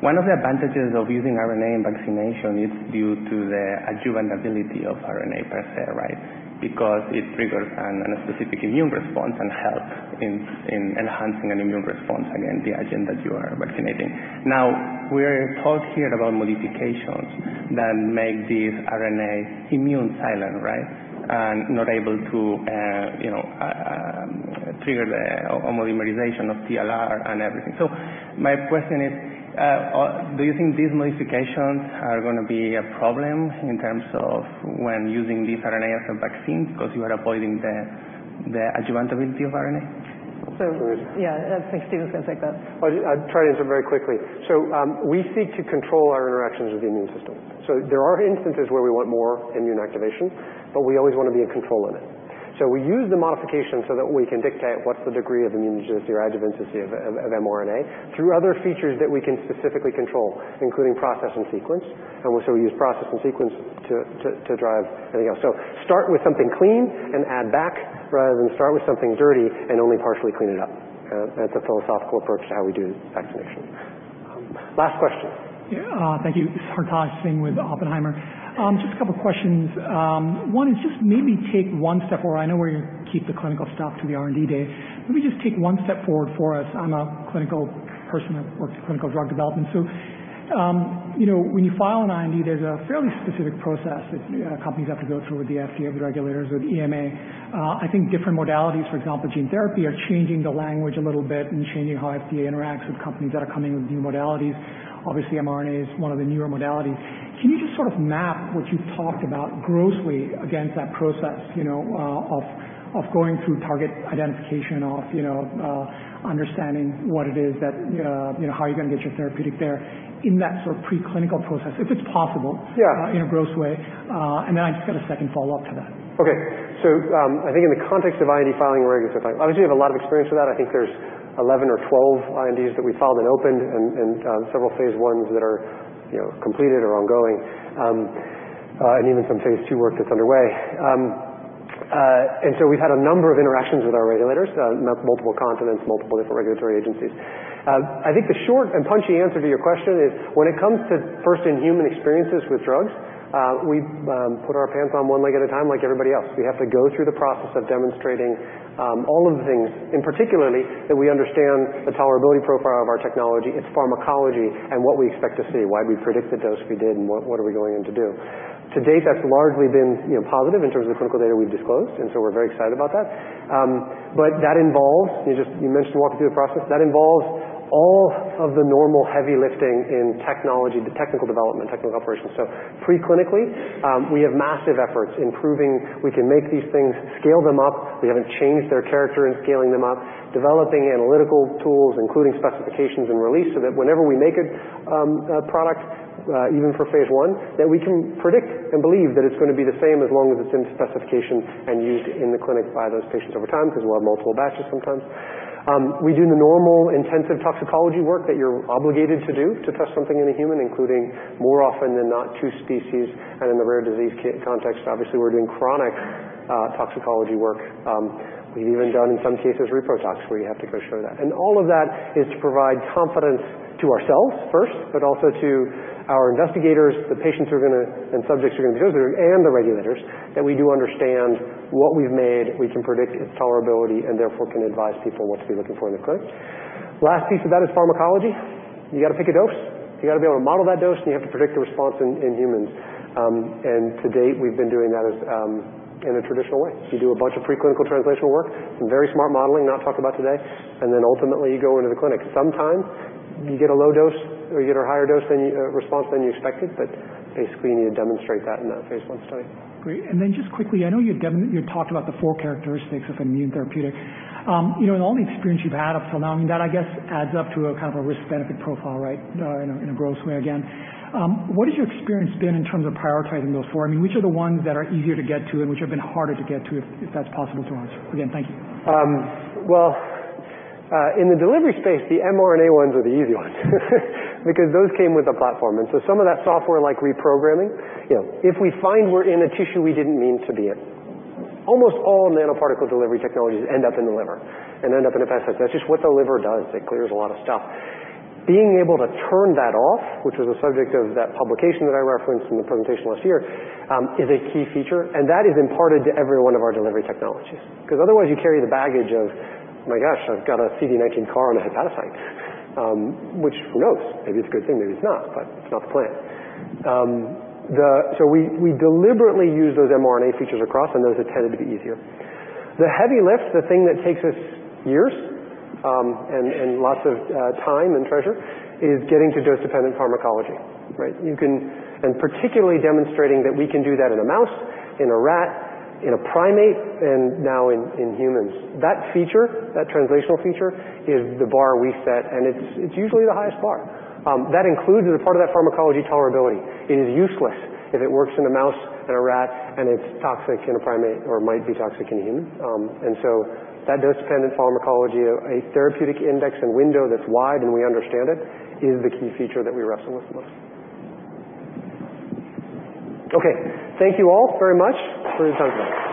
S11: one of the advantages of using RNA in vaccination is due to the adjuvant ability of RNA per se, right? Because it triggers an specific immune response and helps in enhancing an immune response against the antigen that you are vaccinating. We talked here about modifications that make these RNAs immune silent, right? Not able to trigger the homopolymerization of TLR and everything. My question is, do you think these modifications are going to be a problem in terms of when using these RNA as a vaccine because you are avoiding the adjuvant ability of RNA?
S3: Yeah, I think Stephen's going to take that.
S2: I'll try to answer very quickly. We seek to control our interactions with the immune system. There are instances where we want more immune activation, but we always want to be in control of it. We use the modification so that we can dictate what's the degree of immunogenicity or adjuvancy of mRNA through other features that we can specifically control, including process and sequence. We use process and sequence to drive everything else. Start with something clean and add back rather than start with something dirty and only partially clean it up. That's a philosophical approach to how we do vaccination. Last question.
S13: Yeah, thank you. This is Hartaj Singh with Oppenheimer. Just a couple of questions. One is just maybe take one step forward. I know we're going to keep the clinical stuff to the R&D Day. Let me just take one step forward for us. I'm a clinical person. I've worked in clinical drug development. When you file an IND, there's a fairly specific process that companies have to go through with the FDA, the regulators, with EMA. I think different modalities, for example, gene therapy, are changing the language a little bit and changing how FDA interacts with companies that are coming with new modalities. Obviously, mRNA is one of the newer modalities. Can you just sort of map what you've talked about grossly against that process, of going through target identification, of understanding what it is, how you're going to get your therapeutic there in that sort of pre-clinical process, if it's possible-
S2: Yeah
S13: in a gross way? I just got a second follow-up to that.
S2: Okay. I think in the context of IND filing, we're a good fit. Obviously, I have a lot of experience with that. I think there's 11 or 12 INDs that we filed and opened and several phase I that are completed or ongoing, and even some phase II work that's underway. We've had a number of interactions with our regulators, multiple continents, multiple different regulatory agencies. I think the short and punchy answer to your question is when it comes to first in-human experiences with drugs, we put our pants on one leg at a time like everybody else. We have to go through the process of demonstrating all of the things, and particularly, that we understand the tolerability profile of our technology, its pharmacology, and what we expect to see, why we predict the dose we did, and what are we going in to do. To date, that's largely been positive in terms of the clinical data we've disclosed, we're very excited about that. That involves, you mentioned walking through the process, that involves all of the normal heavy lifting in technology, the technical development, technical operations. Pre-clinically, we have massive efforts in proving we can make these things, scale them up. We haven't changed their character in scaling them up, developing analytical tools, including specifications and release, so that whenever we make a product, even for phase I, that we can predict and believe that it's going to be the same as long as it's in specification and used in the clinic by those patients over time, because we'll have multiple batches sometimes. We do the normal intensive toxicology work that you're obligated to do to test something in a human, including more often than not two species, and in the rare disease context, obviously, we're doing chronic toxicology work. We've even done, in some cases, repro tox, where you have to go show that. All of that is to provide confidence to ourselves first, but also to our investigators, the patients and subjects who are going to be visiting, and the regulators, that we do understand what we've made, we can predict its tolerability, and therefore can advise people what to be looking for in the clinic. Last piece of that is pharmacology. You got to pick a dose. You got to be able to model that dose, and you have to predict the response in humans. To date, we've been doing that in a traditional way. You do a bunch of preclinical translational work, some very smart modeling, not talk about today, ultimately, you go into the clinic. Sometimes you get a low dose or you get a higher dose response than you expected, basically, you need to demonstrate that in that phase I study.
S13: Great. Just quickly, I know you talked about the four characteristics of immunotherapeutic. In all the experience you've had up till now, that I guess adds up to a kind of a risk-benefit profile, right? In a gross way, again. What has your experience been in terms of prioritizing those four? I mean, which are the ones that are easier to get to and which have been harder to get to, if that's possible to answer? Again, thank you.
S2: Well, in the delivery space, the mRNA ones are the easy ones because those came with a platform. Some of that software like reprogramming, if we find we're in a tissue we didn't mean to be in, almost all nanoparticle delivery technologies end up in the liver and end up in the hepatocyte. That's just what the liver does. It clears a lot of stuff. Being able to turn that off, which was a subject of that publication that I referenced in the presentation last year, is a key feature, and that is imparted to every one of our delivery technologies. Otherwise you carry the baggage of, my gosh, I've got a CD19 CAR on a hepatocyte, which who knows, maybe it's a good thing, maybe it's not, but it's not the plan. We deliberately use those mRNA features across, and those have tended to be easier. The heavy lift, the thing that takes us years, and lots of time and treasure, is getting to dose-dependent pharmacology, right? Particularly demonstrating that we can do that in a mouse, in a rat, in a primate, and now in humans. That feature, that translational feature, is the bar we set, and it's usually the highest bar. That includes a part of that pharmacology tolerability. It is useless if it works in a mouse and a rat and it's toxic in a primate or might be toxic in a human. That dose-dependent pharmacology, a therapeutic index and window that's wide and we understand it, is the key feature that we wrestle with the most. Okay, thank you all very much for your time today.